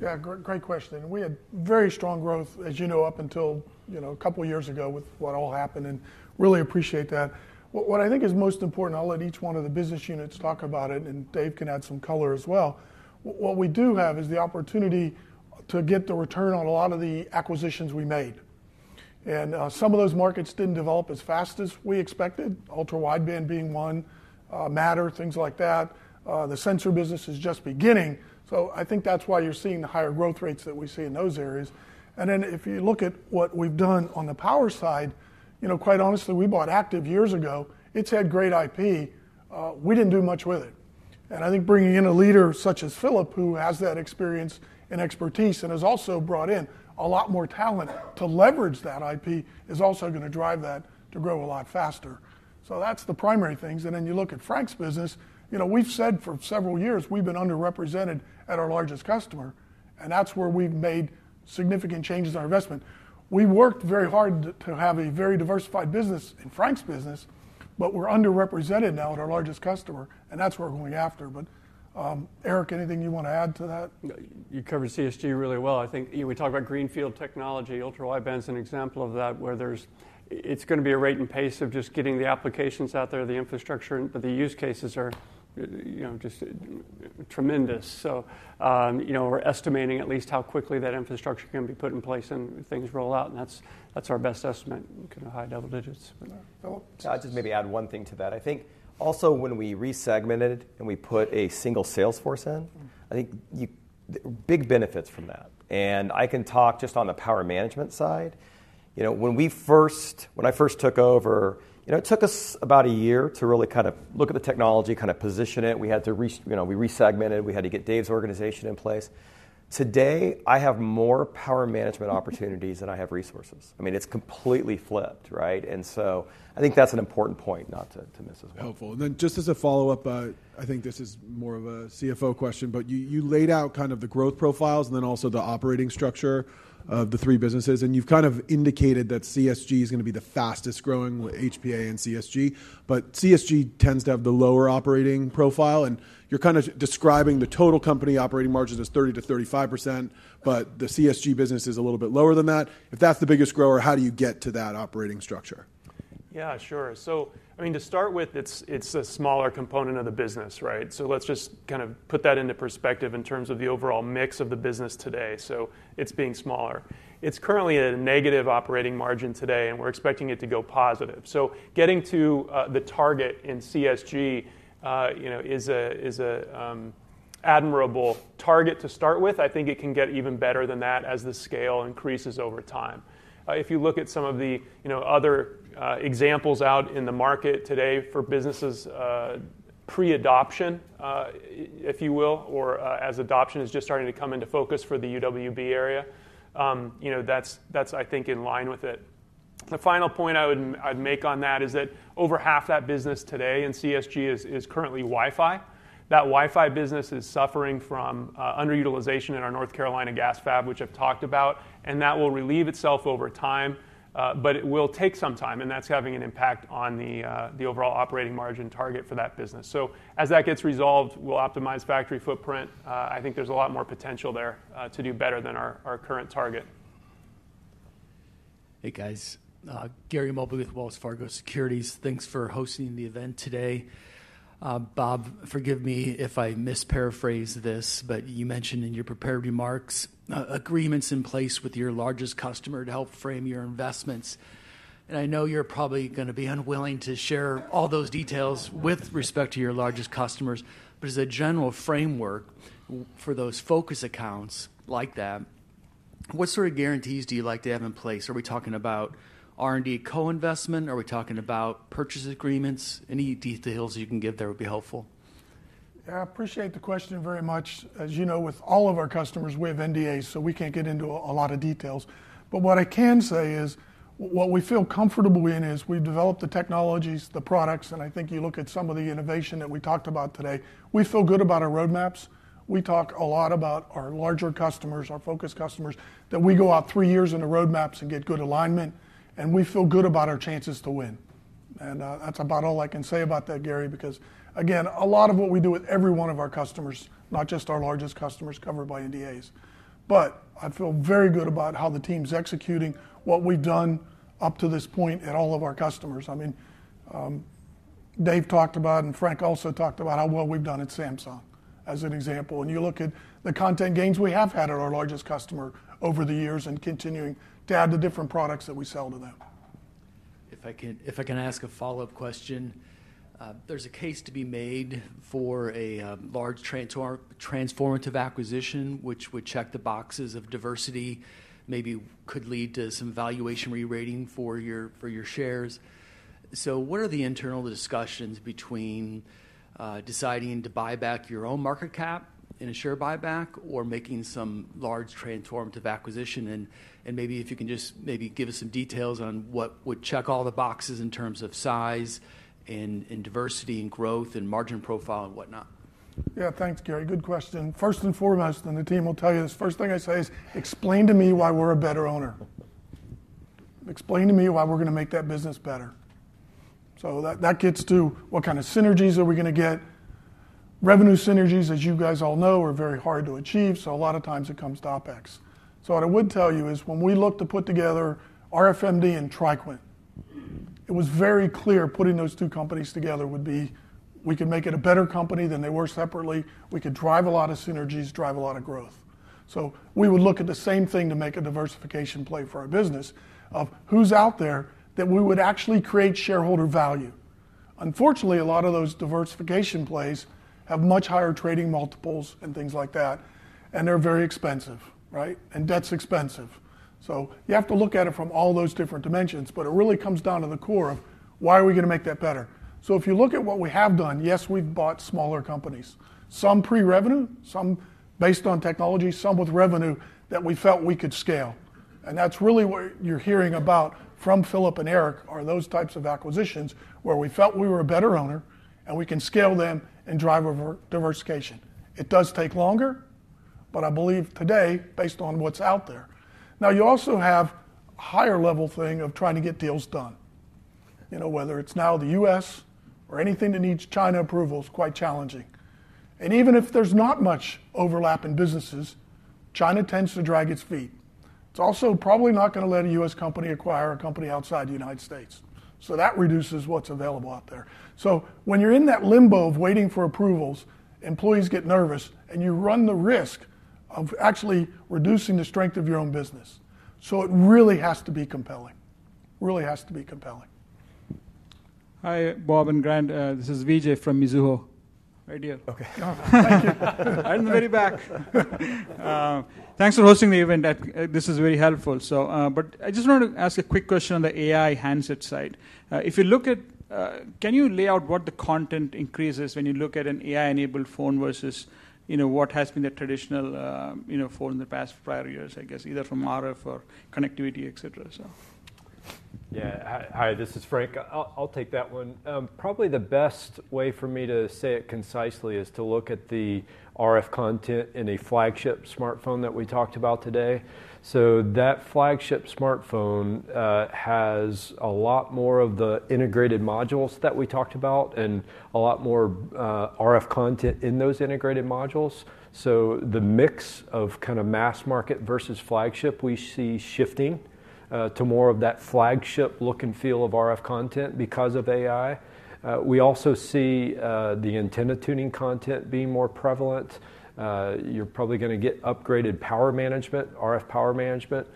Yeah, great, great question. We had very strong growth, as you know, up until, you know, a couple of years ago with what all happened. Really appreciate that. What I think is most important, I'll let each one of the business units talk about it, and Dave can add some color as well. What we do have is the opportunity to get the return on a lot of the acquisitions we made. Some of those markets didn't develop as fast as we expected. Ultra-wideband being one, Matter, things like that. The sensor business is just beginning. So, I think that's why you're seeing the higher growth rates that we see in those areas. Then if you look at what we've done on the power side, you know, quite honestly, we bought Active years ago. It's had great IP. We didn't do much with it. I think bringing in a leader such as Philip, who has that experience and expertise and has also brought in a lot more talent to leverage that IP is also going to drive that to grow a lot faster. So, that's the primary things. And then you look at Frank's business, you know, we've said for several years we've been underrepresented at our largest customer, and that's where we've made significant changes in our investment. We worked very hard to have a very diversified business in Frank's business, but we're underrepresented now at our largest customer, and that's what we're going after. But, Eric, anything you want to add to that? You covered CSG really well. I think, you know, we talked about Greenfield technology. Ultra-wideband's an example of that where there's, it's going to be a rate and pace of just getting the applications out there, the infrastructure, but the use cases are, you know, just tremendous. So, you know, we're estimating at least how quickly that infrastructure can be put in place and things roll out. And that's, that's our best estimate. We can high double digits. Philip. I'll just maybe add one thing to that. I think also when we resegmented and we put a single Salesforce in, I think you'll see big benefits from that. And I can talk just on the power management side. You know, when we first, when I first took over, you know, it took us about a year to really kind of look at the technology, kind of position it. We had to re, you know, we resegmented. We had to get Dave's organization in place. Today, I have more power management opportunities than I have resources. I mean, it's completely flipped, right? And so, I think that's an important point not to, to miss as well. Helpful. Then just as a follow-up, I think this is more of a CFO question, but you laid out kind of the growth profiles and then also the operating structure of the three businesses. And you've kind of indicated that CSG is going to be the fastest growing with HPA and CSG, but CSG tends to have the lower operating profile. And you're kind of describing the total company operating margin as 30%-35%, but the CSG business is a little bit lower than that. If that's the biggest grower, how do you get to that operating structure? Yeah, sure. So, I mean, to start with, it's a smaller component of the business, right? So, let's just kind of put that into perspective in terms of the overall mix of the business today. So, it's being smaller. It's currently at a negative operating margin today, and we're expecting it to go positive. So, getting to the target in CSG, you know, is a admirable target to start with. I think it can get even better than that as the scale increases over time. If you look at some of the, you know, other examples out in the market today for businesses, pre-adoption, if you will, or as adoption is just starting to come into focus for the UWB area, you know, that's, that's, I think, in line with it. The final point I'd make on that is that over half that business today in CSG is currently Wi-Fi. That Wi-Fi business is suffering from underutilization in our North Carolina GaAs fab, which I've talked about, and that will relieve itself over time, but it will take some time, and that's having an impact on the overall operating margin target for that business. So, as that gets resolved, we'll optimize factory footprint. I think there's a lot more potential there to do better than our current target. Hey guys, Gary Mobley with Wells Fargo Securities. Thanks for hosting the event today. Bob, forgive me if I misparaphrased this, but you mentioned in your prepared remarks agreements in place with your largest customer to help frame your investments. I know you're probably going to be unwilling to share all those details with respect to your largest customers, but as a general framework for those focus accounts like that, what sort of guarantees do you like to have in place? Are we talking about R&D co-investment? Are we talking about purchase agreements? Any details you can give there would be helpful. Yeah, I appreciate the question very much. As you know, with all of our customers, we have NDA, so we can't get into a lot of details. But what I can say is what we feel comfortable in is we've developed the technologies, the products, and I think you look at some of the innovation that we talked about today, we feel good about our roadmaps. We talk a lot about our larger customers, our focus customers, that we go out three years in the roadmaps and get good alignment, and we feel good about our chances to win. That's about all I can say about that, Gary, because again, a lot of what we do with every one of our customers, not just our largest customers covered by NDAs. I feel very good about how the team's executing what we've done up to this point at all of our customers. I mean, Dave talked about, and Frank also talked about how well we've done at Samsung as an example. You look at the content gains we have had at our largest customer over the years and continuing to add the different products that we sell to them. If I can ask a follow-up question, there's a case to be made for a large transformative acquisition, which would check the boxes of diversity, maybe could lead to some valuation re-rating for your shares. So, what are the internal discussions between deciding to buy back your own market cap in a share buyback or making some large transformative acquisition? And maybe if you can just give us some details on what would check all the boxes in terms of size and diversity and growth and margin profile and whatnot. Yeah, thanks, Gary. Good question. First and foremost, and the team will tell you this, first thing I say is explain to me why we're a better owner. Explain to me why we're going to make that business better. So, that gets to what kind of synergies are we going to get. Revenue synergies, as you guys all know, are very hard to achieve. So, a lot of times it comes to OpEx. So, what I would tell you is when we looked to put together RFMD and TriQuint, it was very clear putting those two companies together would be, we could make it a better company than they were separately. We could drive a lot of synergies, drive a lot of growth. So, we would look at the same thing to make a diversification play for our business of who's out there that we would actually create shareholder value. Unfortunately, a lot of those diversification plays have much higher trading multiples and things like that, and they're very expensive, right? And that's expensive. So, you have to look at it from all those different dimensions, but it really comes down to the core of why are we going to make that better. So, if you look at what we have done, yes, we've bought smaller companies, some pre-revenue, some based on technology, some with revenue that we felt we could scale. And that's really what you're hearing about from Philip and Eric are those types of acquisitions where we felt we were a better owner and we can scale them and drive a diversification. It does take longer, but I believe today, based on what's out there. Now, you also have a higher level thing of trying to get deals done. You know, whether it's now the U.S. or anything that needs China approval is quite challenging. And even if there's not much overlap in businesses, China tends to drag its feet. It's also probably not going to let a U.S. company acquire a company outside the United States. So, that reduces what's available out there. So, when you're in that limbo of waiting for approvals, employees get nervous, and you run the risk of actually reducing the strength of your own business. So, it really has to be compelling. Really has to be compelling. Hi, Bob and Grant. This is Vijay from Mizuho. Right here. Thank you. I'm in the very back. Thanks for hosting the event. This is very helpful. So, but I just wanted to ask a quick question on the AI handset side. If you look at, can you lay out what the content increases when you look at an AI-enabled phone versus, you know, what has been the traditional, you know, phone in the past prior years, I guess, either from RF or connectivity, et cetera, so? Yeah. Hi, this is Frank. I'll take that one. Probably the best way for me to say it concisely is to look at the RF content in a flagship smartphone that we talked about today. So, that flagship smartphone has a lot more of the integrated modules that we talked about and a lot more RF content in those integrated modules. So, the mix of kind of mass market versus flagship we see shifting to more of that flagship look and feel of RF content because of AI. We also see the antenna tuning content being more prevalent. You're probably going to get upgraded power management, RF power management,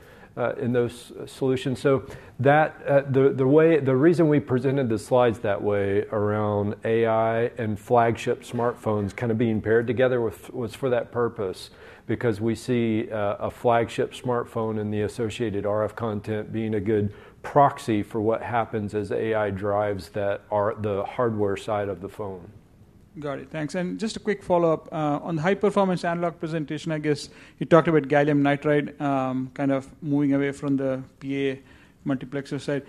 in those solutions. So, the way, the reason we presented the slides that way around AI and flagship smartphones kind of being paired together was for that purpose because we see a flagship smartphone and the associated RF content being a good proxy for what happens as AI drives that are the hardware side of the phone. Got it. Thanks. And just a quick follow-up on the High Performance Analog presentation. I guess you talked about gallium nitride, kind of moving away from the PA multiplexer side.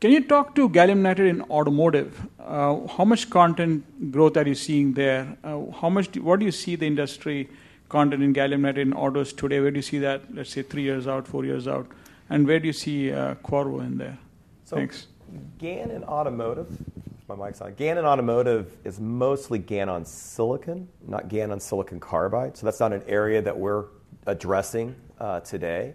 Can you talk to gallium nitride in automotive? How much content growth are you seeing there? How much, what do you see the industry content in gallium nitride in autos today? Where do you see that, let's say, three years out, four years out? And where do you see Qorvo in there? So, GaN in automotive, my mic's on. GaN in automotive is mostly GaN on silicon, not GaN on silicon carbide. So, that's not an area that we're addressing today.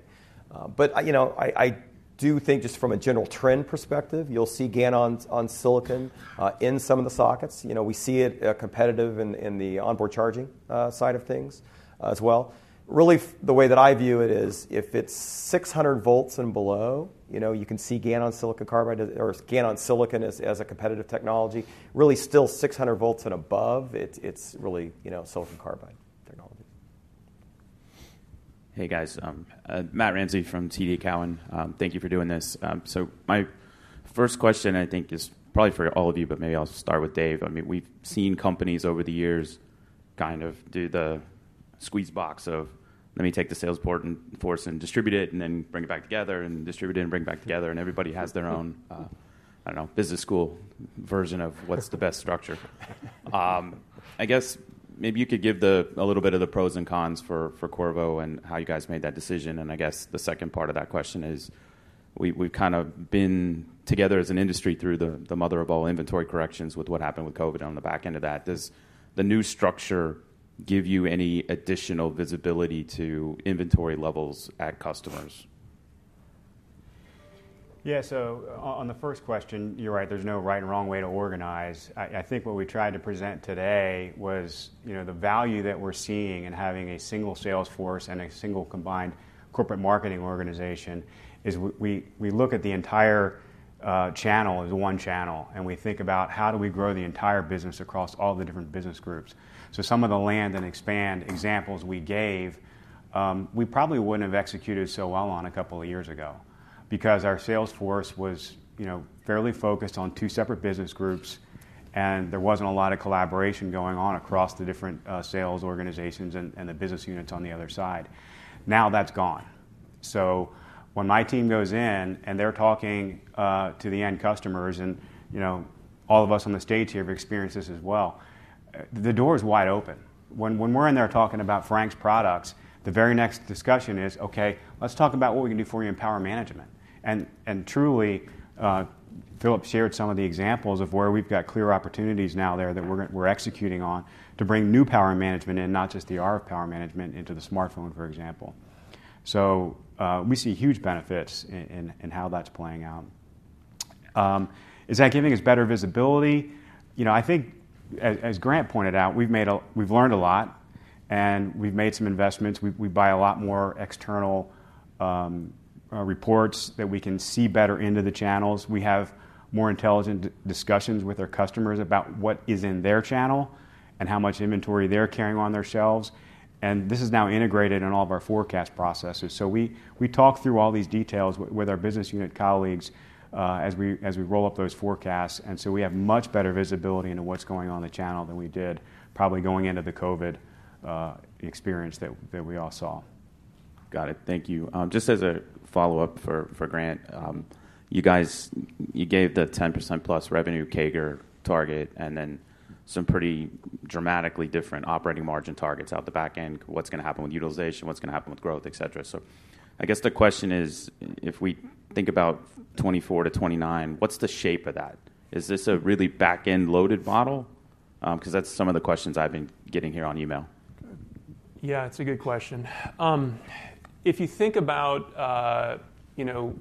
But I, you know, I do think just from a general trend perspective, you'll see GaN on silicon in some of the sockets. You know, we see it competitive in the onboard charging side of things, as well. Really, the way that I view it is if it's 600 V and below, you know, you can see GaN on silicon carbide or GaN on silicon as a competitive technology. Really, still 600 V and above, it's really, you know, silicon carbide technology. Hey guys, Matt Ramsay from TD Cowen. Thank you for doing this. So my first question I think is probably for all of you, but maybe I'll start with Dave. I mean, we've seen companies over the years kind of do the squeeze box of, let me take the sales force and distribute it and then bring it back together and distribute it and bring it back together. And everybody has their own, I don't know, business school version of what's the best structure. I guess maybe you could give the, a little bit of the pros and cons for, for Qorvo and how you guys made that decision. And I guess the second part of that question is we, we've kind of been together as an industry through the, the mother of all inventory corrections with what happened with COVID on the back end of that. Does the new structure give you any additional visibility to inventory levels at customers? Yeah. So, on the first question, you're right. There's no right and wrong way to organize. I think what we tried to present today was, you know, the value that we're seeing in having a single sales force and a single combined corporate marketing organization is we look at the entire channel as one channel and we think about how do we grow the entire business across all the different business groups. So, some of the land and expand examples we gave, we probably wouldn't have executed so well on a couple of years ago because our sales force was, you know, fairly focused on two separate business groups and there wasn't a lot of collaboration going on across the different sales organizations and the business units on the other side. Now that's gone. So, when my team goes in and they're talking to the end customers and, you know, all of us on the stage here have experienced this as well, the door's wide open. When we're in there talking about Frank's products, the very next discussion is, okay, let's talk about what we can do for you in power management. And truly, Philip shared some of the examples of where we've got clear opportunities now there that we're gonna, we're executing on to bring new power management and not just the RF power management into the smartphone, for example. So, we see huge benefits in how that's playing out. Is that giving us better visibility? You know, I think as Grant pointed out, we've made a, we've learned a lot and we've made some investments. We buy a lot more external reports that we can see better into the channels. We have more intelligent discussions with our customers about what is in their channel and how much inventory they're carrying on their shelves. And this is now integrated in all of our forecast processes. So, we talk through all these details with our business unit colleagues, as we roll up those forecasts. And so, we have much better visibility into what's going on in the channel than we did probably going into the COVID experience that we all saw. Got it. Thank you. Just as a follow-up for, for Grant, you guys, you gave the 10%+ revenue CAGR target and then some pretty dramatically different operating margin targets out the back end. What's going to happen with utilization? What's going to happen with growth, et cetera? So, I guess the question is, if we think about 2024 to 2029, what's the shape of that? Is this a really back-end loaded model? Because that's some of the questions I've been getting here on email. Yeah, it's a good question. If you think about, you know,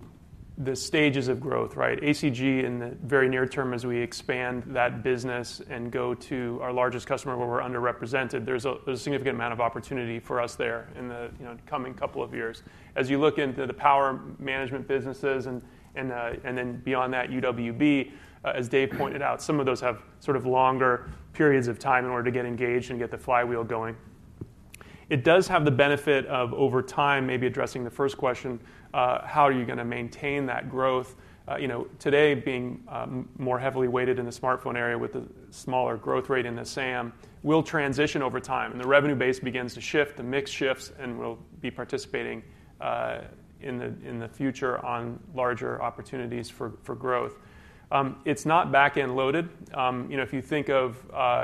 the stages of growth, right? ACG in the very near term as we expand that business and go to our largest customer where we're underrepresented, there's a significant amount of opportunity for us there in the, you know, coming couple of years. As you look into the power management businesses and then beyond that, UWB, as Dave pointed out, some of those have sort of longer periods of time in order to get engaged and get the flywheel going. It does have the benefit of over time maybe addressing the first question, how are you going to maintain that growth? You know, today being more heavily weighted in the smartphone area with the smaller growth rate in the SAM will transition over time and the revenue base begins to shift, the mix shifts, and we'll be participating in the future on larger opportunities for growth. It's not back-end loaded. You know, if you think of,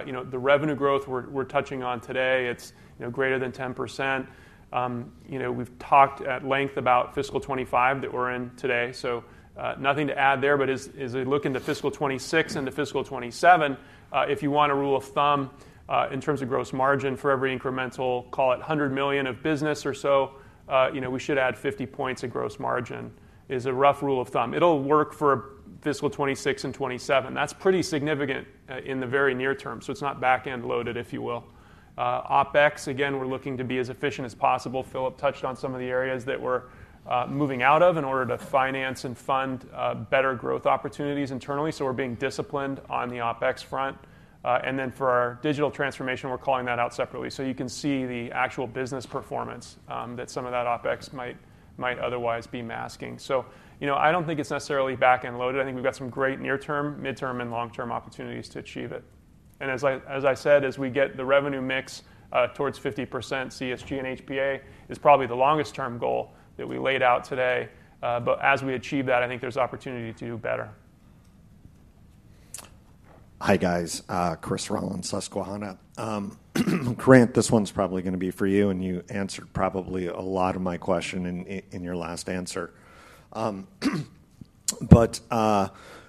you know, the revenue growth we're touching on today, it's, you know, greater than 10%. You know, we've talked at length about fiscal 2025 that we're in today. So, nothing to add there, but as we look into fiscal 2026 and fiscal 2027, if you want a rule of thumb, in terms of gross margin for every incremental, call it $100 million of business or so, you know, we should add 50 points of gross margin is a rough rule of thumb. It'll work for fiscal 2026 and 2027. That's pretty significant, in the very near term. So, it's not back-end loaded, if you will. OpEx, again, we're looking to be as efficient as possible. Philip touched on some of the areas that we're moving out of in order to finance and fund better growth opportunities internally. So, we're being disciplined on the OpEx front. Then for our digital transformation, we're calling that out separately. So, you can see the actual business performance, that some of that OpEx might otherwise be masking. So, you know, I don't think it's necessarily back-end loaded. I think we've got some great near-term, mid-term, and long-term opportunities to achieve it. And as I said, as we get the revenue mix towards 50% CSG and HPA is probably the longest-term goal that we laid out today. But as we achieve that, I think there's opportunity to do better. Hi guys. Chris Rolland, Susquehanna. Grant, this one's probably going to be for you and you answered probably a lot of my question in your last answer.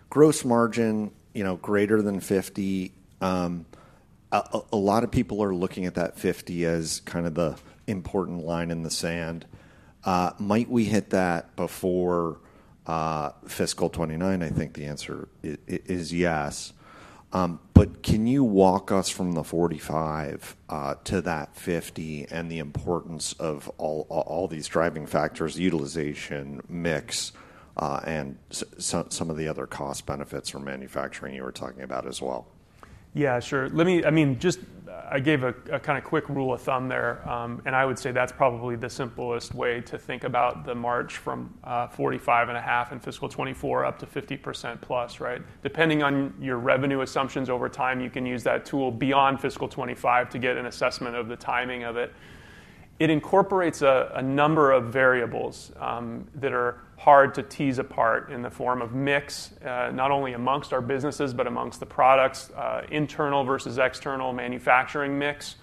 Gross margin, you know, greater than 50%. A lot of people are looking at that 50% as kind of the important line in the sand. Might we hit that before fiscal 2029? I think the answer is yes. Can you walk us from the 45% to that 50% and the importance of all these driving factors, utilization mix, and some of the other cost benefits or manufacturing you were talking about as well? Yeah, sure. Let me, I gave a, a kind of quick rule of thumb there. I would say that's probably the simplest way to think about the march from 45.5% and fiscal 2024 up to 50%+, right? Depending on your revenue assumptions over time, you can use that tool beyond fiscal 2025 to get an assessment of the timing of it. It incorporates a number of variables that are hard to tease apart in the form of mix, not only amongst our businesses, but amongst the products, internal versus external manufacturing mix,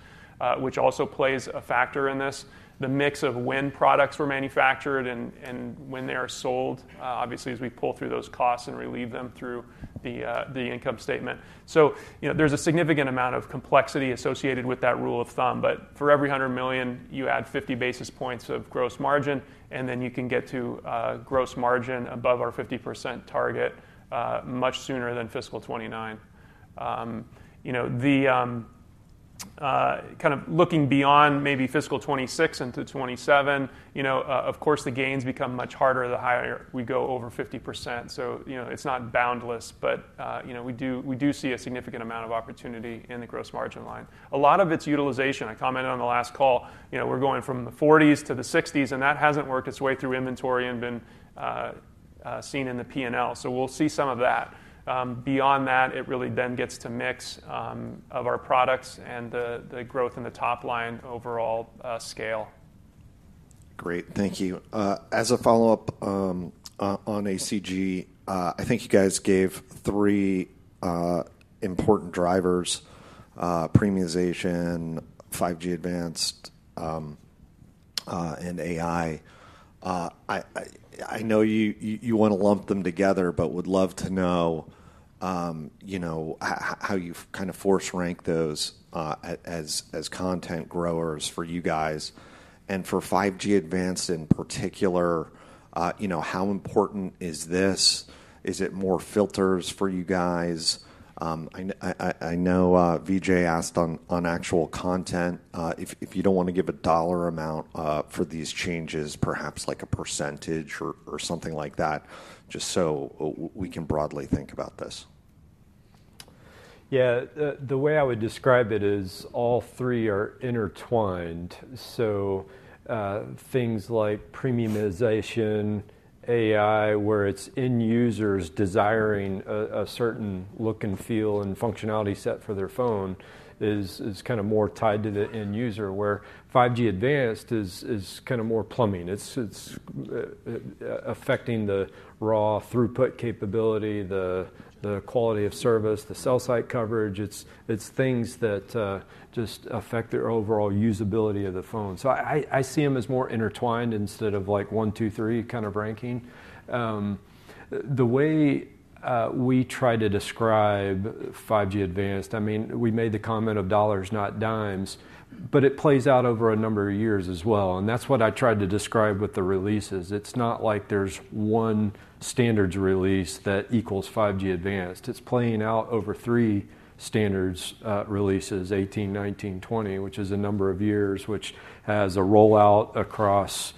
which also plays a factor in this. The mix of when products were manufactured and when they are sold, obviously as we pull through those costs and relieve them through the income statement. So, you know, there's a significant amount of complexity associated with that rule of thumb, but for every 100 million, you add 50 basis points of gross margin and then you can get to gross margin above our 50% target much sooner than fiscal 2029. You know, the, kind of looking beyond maybe fiscal 2026 into 2027, you know, of course the gains become much harder the higher we go over 50%. So, you know, it's not boundless, but, you know, we do, we do see a significant amount of opportunity in the gross margin line. A lot of it's utilization. I commented on the last call, you know, we're going from the 40s to the 60s and that hasn't worked its way through inventory and been seen in the P&L. So, we'll see some of that. Beyond that, it really then gets to mix of our products and the growth in the top line overall, scale. Great. Thank you. As a follow-up, on ACG, I think you guys gave three important drivers, premiumization, 5G Advanced, and AI. I know you want to lump them together, but would love to know, you know, how you've kind of force ranked those as content growers for you guys and for 5G Advanced in particular, you know, how important is this? Is it more filters for you guys? I know Vijay asked on actual content, if you don't want to give a dollar amount for these changes, perhaps like a percentage or something like that, just so we can broadly think about this. Yeah. The way I would describe it is all three are intertwined. So, things like premiumization, AI, where it's end users desiring a certain look and feel and functionality set for their phone is kind of more tied to the end user where 5G Advanced is kind of more plumbing. It's affecting the raw throughput capability, the quality of service, the cell site coverage. It's things that just affect their overall usability of the phone. So, I see 'em as more intertwined instead of like one, two, three kind of ranking. The way we try to describe 5G Advanced, I mean, we made the comment of dollars, not dimes, but it plays out over a number of years as well. And that's what I tried to describe with the releases. It's not like there's one standards release that equals 5G Advanced. It's playing out over three standards, Releases 18, 19, 20, which is a number of years, which has a rollout across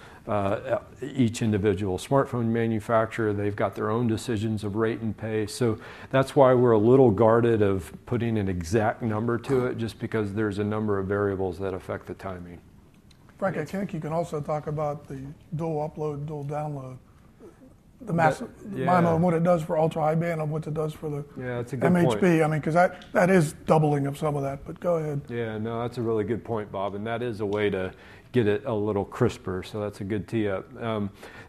each individual smartphone manufacturer. They've got their own decisions of rate and pace. So, that's why we're a little guarded about putting an exact number to it just because there's a number of variables that affect the timing. Frank, I think you can also talk about the dual upload, dual download, the max, the min, what it does for ultra high band and what it does for the MHB. I mean, 'cause that, that is doubling of some of that, but go ahead. Yeah. No, that's a really good point, Bob. And that is a way to get it a little crisper. So, that's a good tee up.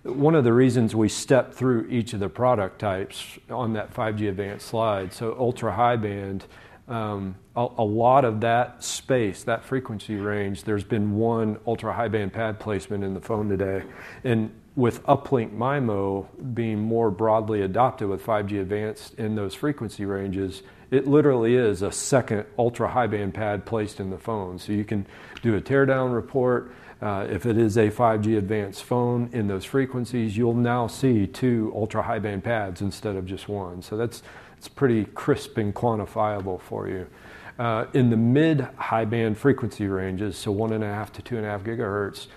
One of the reasons we step through each of the product types on that 5G Advanced slide. So, ultra-high band, a lot of that space, that frequency range, there's been one ultra-high band pad placement in the phone today. And with Uplink MIMO being more broadly adopted with 5G Advanced in those frequency ranges, it literally is a second ultra-high band pad placed in the phone. So, you can do a teardown report. If it is a 5G Advanced phone in those frequencies, you'll now see two ultra-high band pads instead of just one. So, that's, it's pretty crisp and quantifiable for you. In the mid-high band frequency ranges, so 1.5 GHz-2.5 GHz,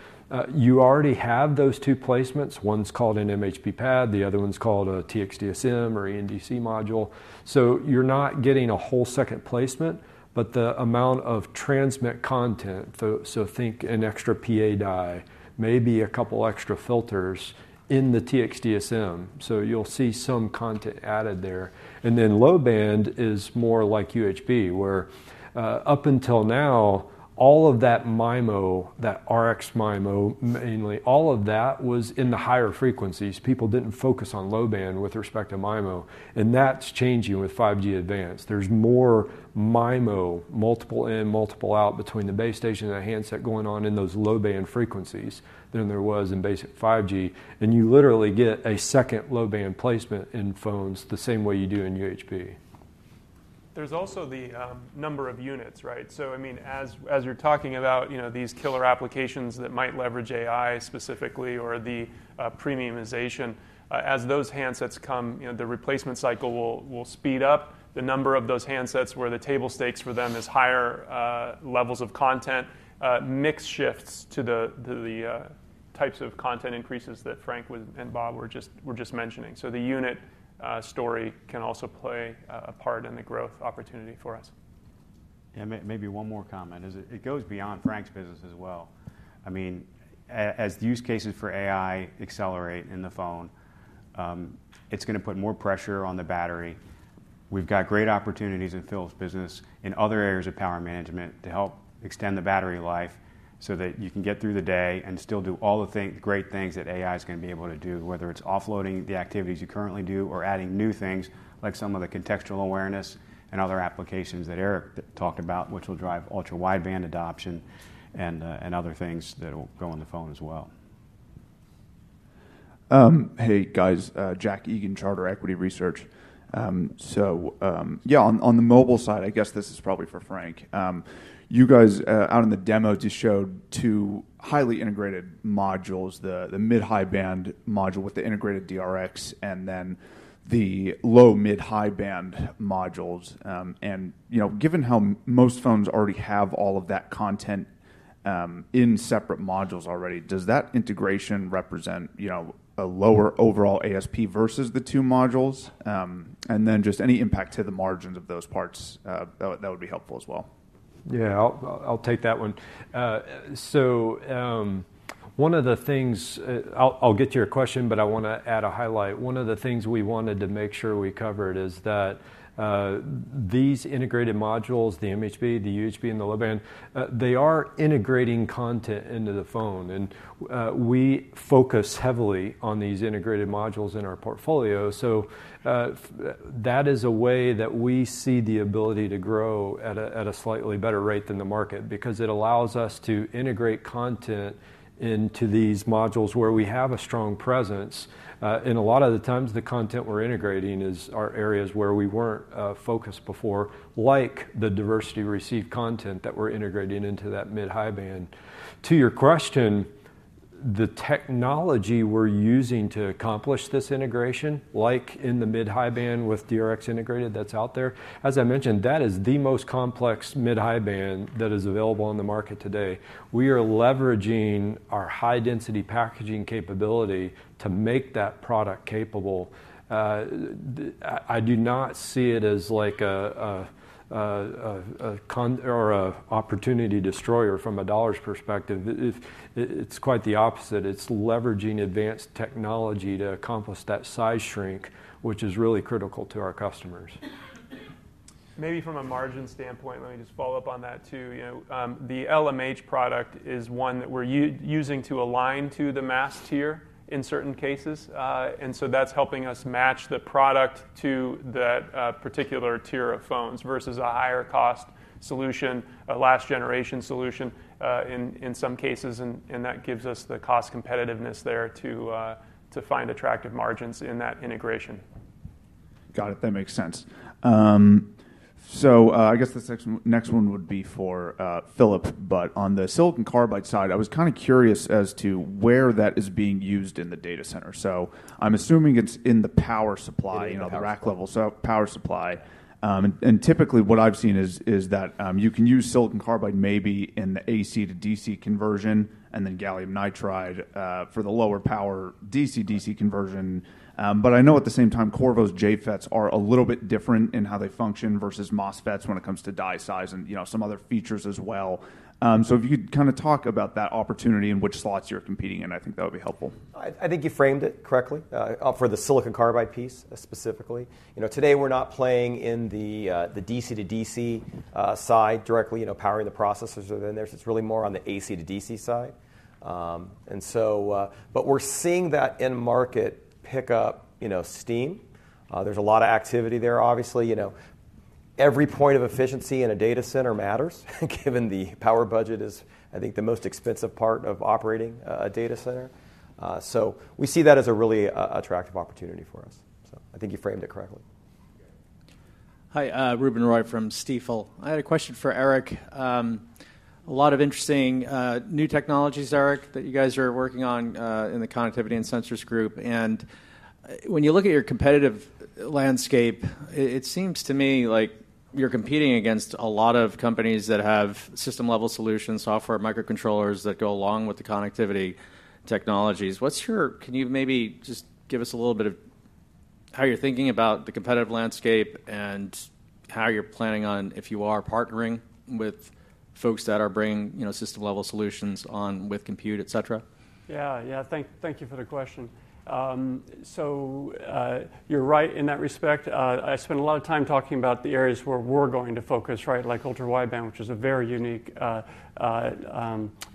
you already have those two placements. One's called an MHB pad. The other one's called a Tx-DSM or EN-DC module. So, you're not getting a whole second placement, but the amount of transmit content. So, so think an extra PA die, maybe a couple extra filters in the Tx-DSM. So, you'll see some content added there. And then low band is more like UHB where, up until now, all of that MIMO, that Rx MIMO, mainly all of that was in the higher frequencies. People didn't focus on low band with respect to MIMO. And that's changing with 5G Advanced. There's more MIMO, multiple in, multiple out between the base station and the handset going on in those low band frequencies than there was in basic 5G. You literally get a second low band placement in phones the same way you do in UHB. There's also the number of units, right? So, I mean, as you're talking about, you know, these killer applications that might leverage AI specifically or the premiumization, as those handsets come, you know, the replacement cycle will speed up the number of those handsets where the table stakes for them is higher levels of content, mix shifts to the to the types of content increases that Frank and Bob were just mentioning. So, the unit story can also play a part in the growth opportunity for us. Yeah. Maybe one more comment is it goes beyond Frank's business as well. I mean, as the use cases for AI accelerate in the phone, it's going to put more pressure on the battery. We've got great opportunities in Phil's business in other areas of power management to help extend the battery life so that you can get through the day and still do all the things, great things that AI is going to be able to do, whether it's offloading the activities you currently do or adding new things like some of the contextual awareness and other applications that Eric talked about, which will drive ultra-wideband adoption and, and other things that will go on the phone as well. Hey guys, Jack Egan, Charter Equity Research. So, yeah, on the mobile side, I guess this is probably for Frank. You guys out in the demo just showed two highly integrated modules, the mid-high band module with the integrated DRx and then the low mid-high band modules. And you know, given how most phones already have all of that content in separate modules already, does that integration represent, you know, a lower overall ASP versus the two modules? And then just any impact to the margins of those parts, that would be helpful as well. Yeah, I'll take that one. One of the things, I'll get to your question, but I want to add a highlight. One of the things we wanted to make sure we covered is that, these integrated modules, the MHB, the UHB, and the low band, they are integrating content into the phone. We focus heavily on these integrated modules in our portfolio. That is a way that we see the ability to grow at a slightly better rate than the market because it allows us to integrate content into these modules where we have a strong presence. And a lot of the times the content we're integrating is our areas where we weren't focused before, like the diversity receive content that we're integrating into that mid-high band. To your question, the technology we're using to accomplish this integration, like in the mid-high band with DRx integrated that's out there, as I mentioned, that is the most complex mid-high band that is available on the market today. We are leveraging our high density packaging capability to make that product capable. I do not see it as like a con or an opportunity destroyer from a dollar's perspective. It's quite the opposite, it's leveraging advanced technology to accomplish that size shrink, which is really critical to our customers. Maybe from a margin standpoint, let me just follow up on that too. You know, the LMH product is one that we're using to align to the mass tier in certain cases and so that's helping us match the product to that particular tier of phones versus a higher cost solution, a last generation solution, in some cases. And that gives us the cost competitiveness there to find attractive margins in that integration. Got it. That makes sense. I guess the next one would be for Philip, but on the silicon carbide side, I was kind of curious as to where that is being used in the data center. So, I'm assuming it's in the power supply, you know, the rack level power supply. Typically what I've seen is that you can use silicon carbide maybe in the AC-to-DC conversion and then gallium nitride for the lower power DC-DC conversion. But I know at the same time Qorvo's JFETs are a little bit different in how they function versus MOSFETs when it comes to die size and, you know, some other features as well. If you could kind of talk about that opportunity and which slots you're competing in, I think that would be helpful. I think you framed it correctly for the silicon carbide piece specifically. You know, today we're not playing in the DC-to-DC side directly, you know, powering the processors within there. So, it's really more on the AC-to-DC side. But we're seeing that market pick up steam. There's a lot of activity there, obviously. You know, every point of efficiency in a data center matters given the power budget is, I think, the most expensive part of operating a data center. So we see that as a really attractive opportunity for us. So, I think you framed it correctly. Hi, Ruben Roy from Stifel. I had a question for Eric. A lot of interesting, new technologies, Eric, that you guys are working on, in the Connectivity and Sensors Group. And when you look at your competitive landscape, it seems to me like you're competing against a lot of companies that have system level solutions, software, microcontrollers that go along with the connectivity technologies. Can you maybe just give us a little bit of how you're thinking about the competitive landscape and how you're planning on if you are partnering with folks that are bringing, you know, system level solutions on with compute, et cetera? Yeah. Yeah. Thank, thank you for the question. So, you're right in that respect. I spent a lot of time talking about the areas where we're going to focus, right? Like ultra-wideband, which is a very unique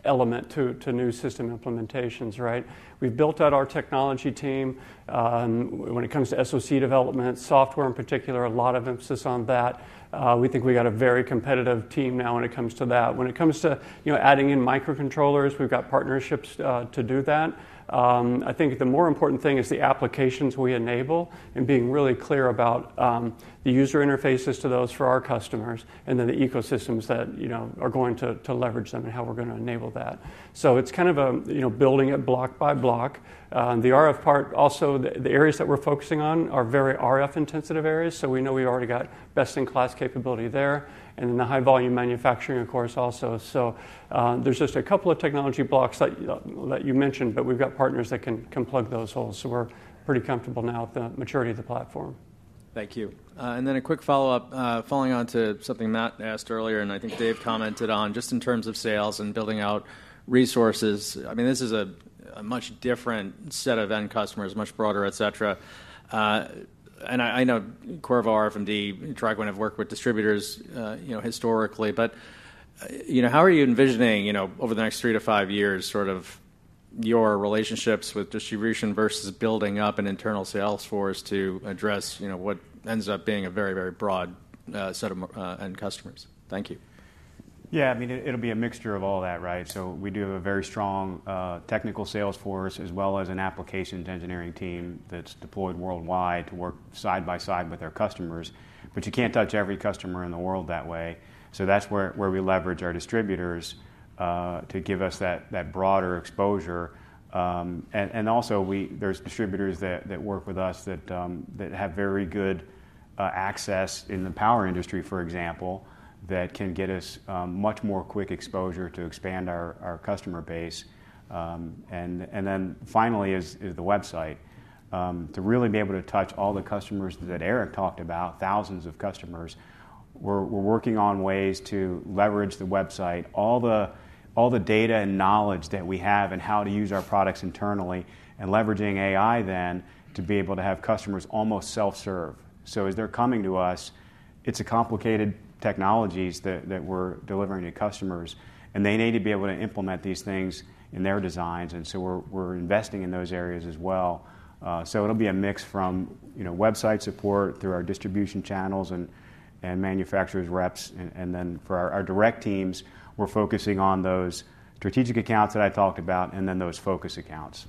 element to new system implementations, right? We've built out our technology team when it comes to SoC development software in particular, a lot of emphasis on that. We think we got a very competitive team now when it comes to that. When it comes to, you know, adding in microcontrollers, we've got partnerships to do that. I think the more important thing is the applications we enable and being really clear about the user interfaces to those for our customers and then the ecosystems that, you know, are going to to leverage them and how we're going to enable that. So, it's kind of a, you know, building it block by block. The RF part also, the areas that we're focusing on are very RF intensive areas. So, we know we already got best in class capability there and then the high volume manufacturing, of course, also. So, there's just a couple of technology blocks that you mentioned, but we've got partners that can plug those holes. So, we're pretty comfortable now with the maturity of the platform. Thank you. And then a quick follow up, following on to something Matt asked earlier and I think Dave commented on just in terms of sales and building out resources. I mean, this is a much different set of end customers, much broader, et cetera. I know Qorvo, RFMD, TriQuint have worked with distributors, you know, historically, but you know, how are you envisioning, you know, over the next 3-5 years, sort of your relationships with distribution versus building up an internal sales force to address, you know, what ends up being a very, very broad set of end customers? Thank you. Yeah. I mean, it'll be a mixture of all that, right? So, we do have a very strong, technical sales force as well as an applications engineering team that's deployed worldwide to work side by side with our customers, but you can't touch every customer in the world that way. So, that's where we leverage our distributors, to give us that broader exposure. And also we, there's distributors that work with us that have very good access in the power industry, for example, that can get us much more quick exposure to expand our customer base. And then finally is the website, to really be able to touch all the customers that Eric talked about, thousands of customers. We're working on ways to leverage the website, all the data and knowledge that we have and how to use our products internally and leveraging AI then to be able to have customers almost self-serve. So, as they're coming to us, it's a complicated technologies that we're delivering to customers and they need to be able to implement these things in their designs. And so, we're investing in those areas as well. So it'll be a mix from, you know, website support through our distribution channels and manufacturers reps. And then for our direct teams, we're focusing on those strategic accounts that I talked about and then those focus accounts.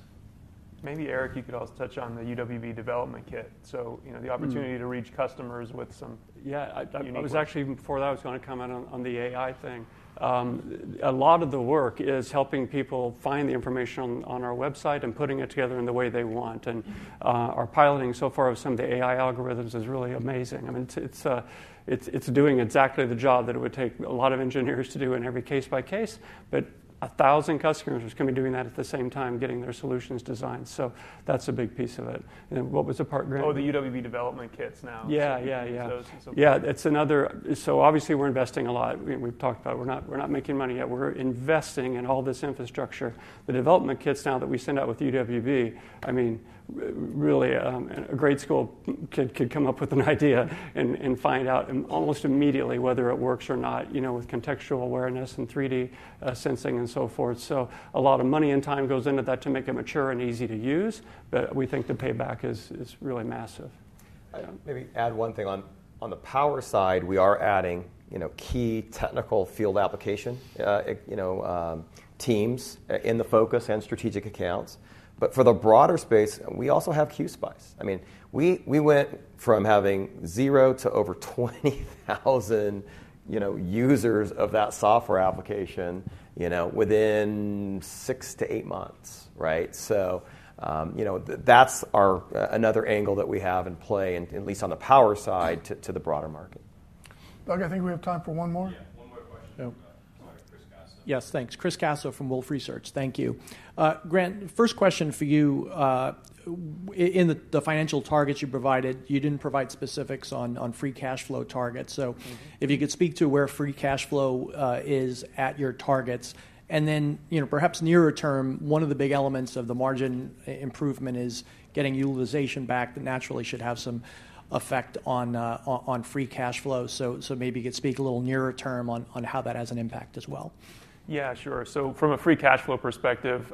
Maybe Eric, you could also touch on the UWB development kit. So, you know, the opportunity to reach customers with some. Yeah. I was actually before that was going to come out on the AI thing. A lot of the work is helping people find the information on our website and putting it together in the way they want. And our piloting so far of some of the AI algorithms is really amazing. I mean, it's doing exactly the job that it would take a lot of engineers to do in every case by case, but 1,000 customers are going to be doing that at the same time, getting their solutions designed. So that's a big piece of it. And what was the part, Grant? Oh, the UWB development kits now. Yeah. Yeah. Yeah. Yeah. It's another, so obviously we're investing a lot. We've talked about, we're not making money yet. We're investing in all this infrastructure. The development kits now that we send out with UWB, I mean, really, a grade school kid could come up with an idea and find out almost immediately whether it works or not, you know, with contextual awareness and 3D sensing and so forth. So, a lot of money and time goes into that to make it mature and easy to use, but we think the payback is really massive. Maybe add one thing on the power side. We are adding, you know, key technical field application, you know, teams in the focus and strategic accounts. But for the broader space, we also have QSPICE. I mean, we went from having zero to over 20,000, you know, users of that software application, you know, within 6-8 months, right? So, you know, that's our another angle that we have in play and at least on the power side to the broader market. Doug, I think we have time for one more. Yes. Thanks. Chris Caso from Wolfe Research. Thank you. Grant, first question for you. In the financial targets you provided, you didn't provide specifics on free cash flow targets. So, if you could speak to where free cash flow is at your targets and then, you know, perhaps nearer term, one of the big elements of the margin improvement is getting utilization back that naturally should have some effect on free cash flow. So, maybe you could speak a little nearer term on how that has an impact as well. Yeah, sure. So, from a free cash flow perspective,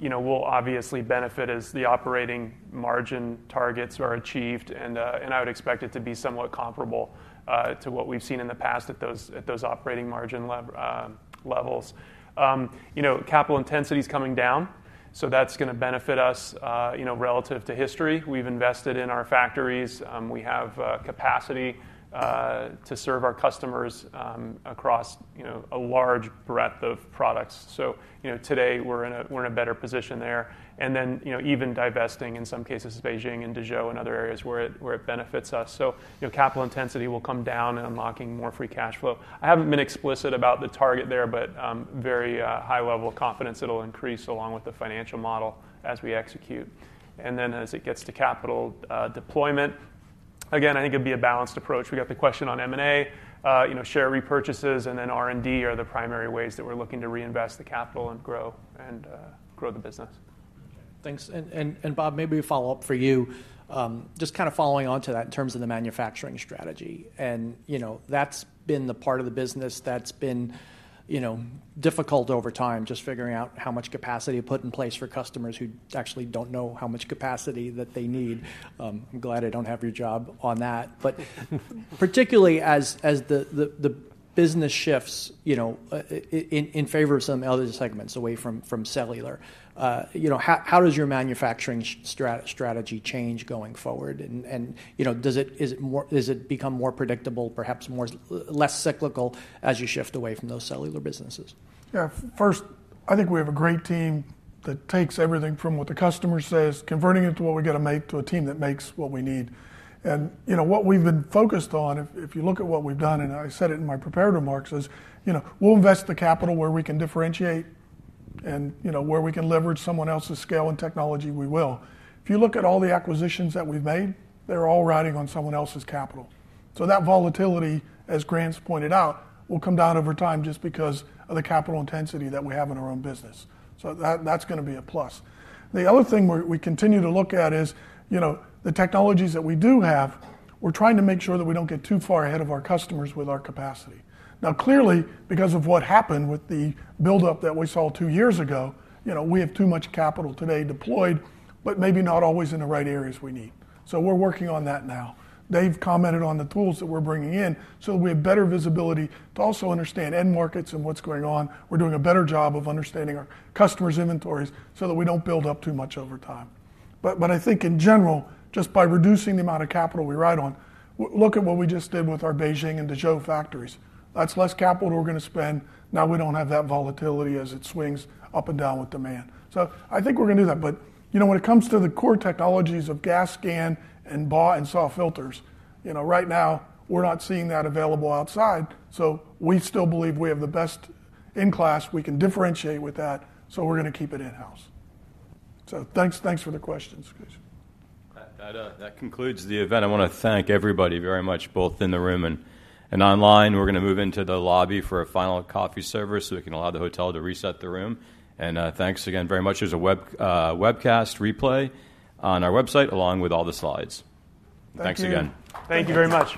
you know, we'll obviously benefit as the operating margin targets are achieved. And I would expect it to be somewhat comparable to what we've seen in the past at those operating margin levels. You know, capital intensity is coming down. So, that's going to benefit us, you know, relative to history. We've invested in our factories. We have capacity to serve our customers across, you know, a large breadth of products. So, you know, today we're in a better position there. And then, you know, even divesting in some cases of Beijing and Dezhou and other areas where it benefits us. So, you know, capital intensity will come down and unlocking more free cash flow. I haven't been explicit about the target there, but very high level of confidence it'll increase along with the financial model as we execute. And then as it gets to capital deployment, again, I think it'd be a balanced approach. We got the question on M&A, you know, share repurchases and then R&D are the primary ways that we're looking to reinvest the capital and grow and grow the business. Thanks. And Bob, maybe a follow-up for you, just kind of following onto that in terms of the manufacturing strategy. And, you know, that's been the part of the business that's been, you know, difficult over time, just figuring out how much capacity to put in place for customers who actually don't know how much capacity that they need. I'm glad I don't have your job on that, but particularly as the business shifts, you know, in favor of some other segments away from cellular, you know, how does your manufacturing strategy change going forward? And, you know, does it become more predictable, perhaps more less cyclical as you shift away from those cellular businesses? Yeah. First, I think we have a great team that takes everything from what the customer says, converting it to what we got to make to a team that makes what we need. You know, what we've been focused on, if you look at what we've done, and I said it in my prepared remarks is, you know, we'll invest the capital where we can differentiate and, you know, where we can leverage someone else's scale and technology, we will. If you look at all the acquisitions that we've made, they're all riding on someone else's capital. So, that volatility, as Grant's pointed out, will come down over time just because of the capital intensity that we have in our own business. So, that, that's going to be a plus. The other thing we continue to look at is, you know, the technologies that we do have. We're trying to make sure that we don't get too far ahead of our customers with our capacity. Now, clearly, because of what happened with the buildup that we saw two years ago, you know, we have too much capital today deployed, but maybe not always in the right areas we need. So, we're working on that now. They've commented on the tools that we're bringing in so that we have better visibility to also understand end markets and what's going on. We're doing a better job of understanding our customers' inventories so that we don't build up too much over time. But I think in general, just by reducing the amount of capital we ride on, look at what we just did with our Beijing and Dezhou factories. That's less capital we're going to spend. Now, we don't have that volatility as it swings up and down with demand. So, I think we're going to do that. But, you know, when it comes to the core technologies of GaAs and BAW and SAW filters, you know, right now we're not seeing that available outside. So, we still believe we have the best in class. We can differentiate with that. So, we're going to keep it in-house. So, thanks, thanks for the questions. That concludes the event. I want to thank everybody very much, both in the room and online. We're going to move into the lobby for a final coffee service so we can allow the hotel to reset the room. Thanks again very much. There's a webcast replay on our website along with all the slides. Thanks again. Thank you very much.